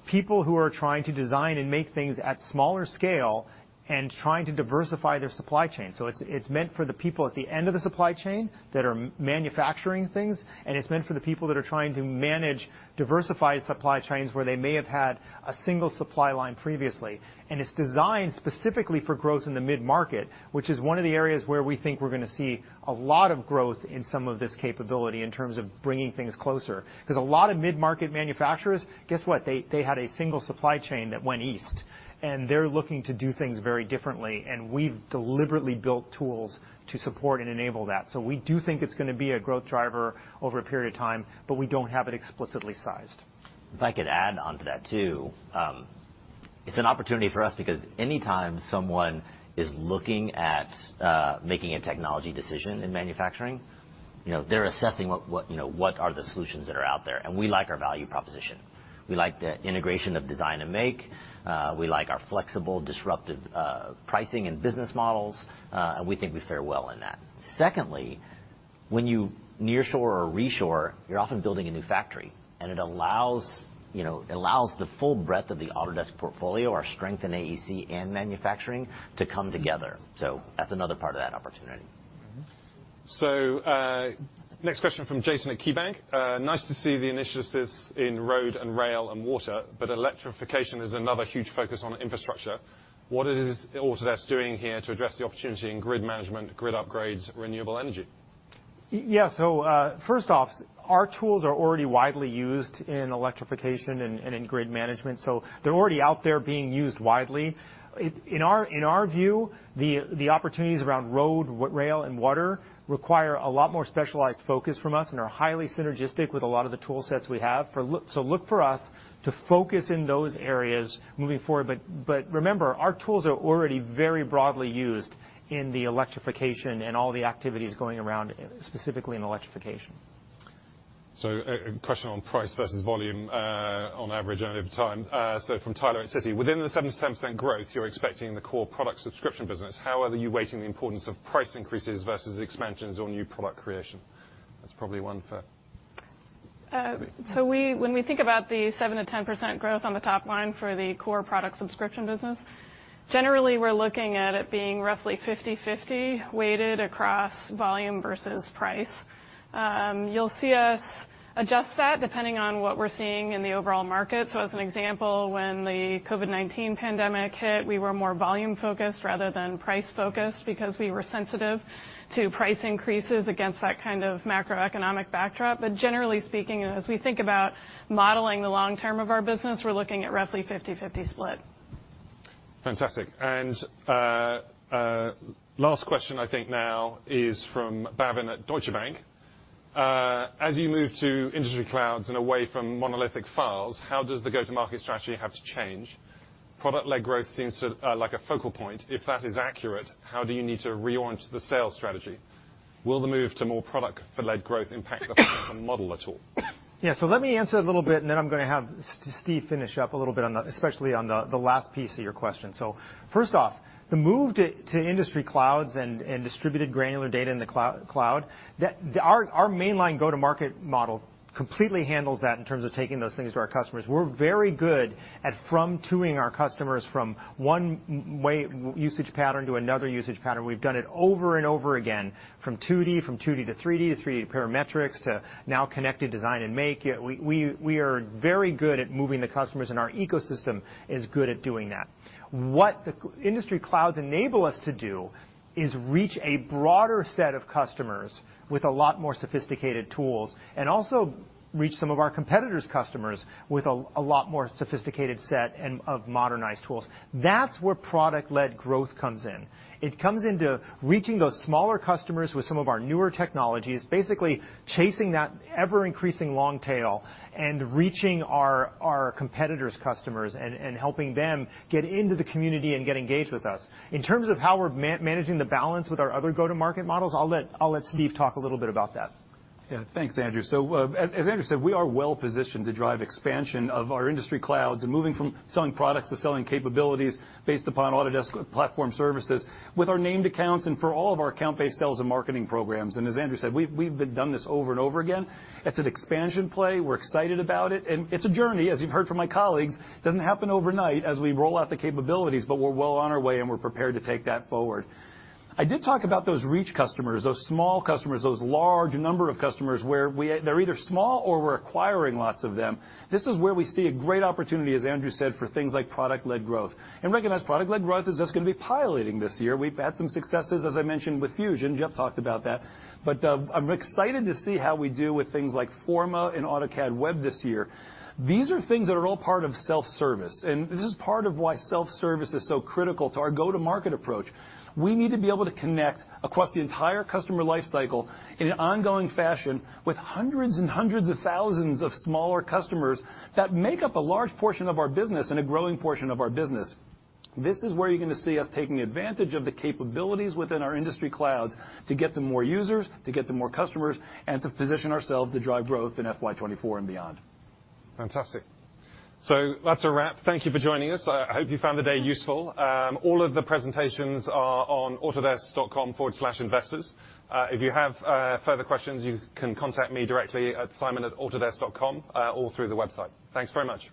people who are trying to design and make things at smaller scale and trying to diversify their supply chain. It's meant for the people at the end of the supply chain that are manufacturing things, and it's meant for the people that are trying to manage diversified supply chains where they may have had a single supply line previously. It's designed specifically for growth in the mid-market, which is one of the areas where we think we're gonna see a lot of growth in some of this capability in terms of bringing things closer. 'Cause a lot of mid-market manufacturers, guess what? They had a single supply chain that went east, and they're looking to do things very differently. We've deliberately built tools to support and enable that. We do think it's gonna be a growth driver over a period of time, but we don't have it explicitly sized. If I could add onto that too. It's an opportunity for us because any time someone is looking at making a technology decision in manufacturing, you know, they're assessing what, you know, what are the solutions that are out there. We like our value proposition. We like the integration of design and make. We like our flexible, disruptive, pricing and business models. We think we fare well in that. Secondly, when you nearshore or reshore, you're often building a new factory, and it allows, you know, it allows the full breadth of the Autodesk portfolio, our strength in AEC and manufacturing, to come together. That's another part of that opportunity. Next question from Jason at KeyBank. Nice to see the initiatives in road and rail and water, but electrification is another huge focus on infrastructure. What is Autodesk doing here to address the opportunity in grid management, grid upgrades, renewable energy? Yeah, first off, our tools are already widely used in electrification and in grid management. They're already out there being used widely. In our view, the opportunities around road, rail, and water require a lot more specialized focus from us and are highly synergistic with a lot of the tool sets we have. Look for us to focus in those areas moving forward. Remember, our tools are already very broadly used in the electrification and all the activities going around, specifically in electrification. A question on price versus volume, on average and over time, from Tyler at Citi. Within the 7%-10% growth you're expecting in the core product subscription business, how are you weighting the importance of price increases versus expansions or new product creation? That's probably one for... When we think about the 7%-10% growth on the top line for the core product subscription business, generally we're looking at it being roughly 50/50 weighted across volume versus price. You'll see us adjust that depending on what we're seeing in the overall market. As an example, when the COVID-19 pandemic hit, we were more volume-focused rather than price-focused because we were sensitive to price increases against that kind of macroeconomic backdrop. Generally speaking, as we think about modeling the long term of our business, we're looking at roughly 50/50 split. Fantastic. Last question I think now is from Bhavin at Deutsche Bank. As you move to industry clouds and away from monolithic files, how does the go-to-market strategy have to change? Product-led growth seems like a focal point. If that is accurate, how do you need to reorient the sales strategy? Will the move to more product for led growth impact the platform model at all? Yeah. Let me answer a little bit, and then I'm gonna have Steve finish up a little bit on the, especially on the last piece of your question. First off, the move to industry clouds and distributed granular data in the cloud, that our mainline go-to-market model completely handles that in terms of taking those things to our customers. We're very good at from-toing our customers from one usage pattern to another usage pattern. We've done it over and over again, from 2D to 3D, to 3D parametrics, to now connected design and make. We are very good at moving the customers, and our ecosystem is good at doing that. What the industry clouds enable us to do is reach a broader set of customers with a lot more sophisticated tools, and also reach some of our competitors' customers with a lot more sophisticated set of modernized tools. That's where product-led growth comes in. It comes into reaching those smaller customers with some of our newer technologies, basically chasing that ever-increasing long tail and reaching our competitors' customers and helping them get into the community and get engaged with us. In terms of how we're managing the balance with our other go-to-market models, I'll let Steve talk a little bit about that. Yeah. Thanks, Andrew. As Andrew said, we are well positioned to drive expansion of our industry clouds and moving from selling products to selling capabilities based upon Autodesk Platform Services with our named accounts and for all of our account-based sales and marketing programs. As Andrew said, we've done this over and over again. It's an expansion play. We're excited about it. It's a journey, as you've heard from my colleagues, doesn't happen overnight as we roll out the capabilities, but we're well on our way, and we're prepared to take that forward. I did talk about those reach customers, those small customers, those large number of customers where they're either small or we're acquiring lots of them. This is where we see a great opportunity, as Andrew said, for things like product-led growth. Recognize product-led growth is just gonna be piloting this year. We've had some successes, as I mentioned, with Fusion. Jeff talked about that. I'm excited to see how we do with things like Forma and AutoCAD Web this year. These are things that are all part of self-service, and this is part of why self-service is so critical to our go-to-market approach. We need to be able to connect across the entire customer life cycle in an ongoing fashion with hundreds and hundreds of thousands of smaller customers that make up a large portion of our business and a growing portion of our business. This is where you're gonna see us taking advantage of the capabilities within our industry clouds to get to more users, to get to more customers, and to position ourselves to drive growth in FY 2024 and beyond. Fantastic. That's a wrap. Thank you for joining us. I hope you found the day useful. All of the presentations are on autodesk.com/investors. If you have further questions, you can contact me directly at simon@autodesk.com or through the website. Thanks very much.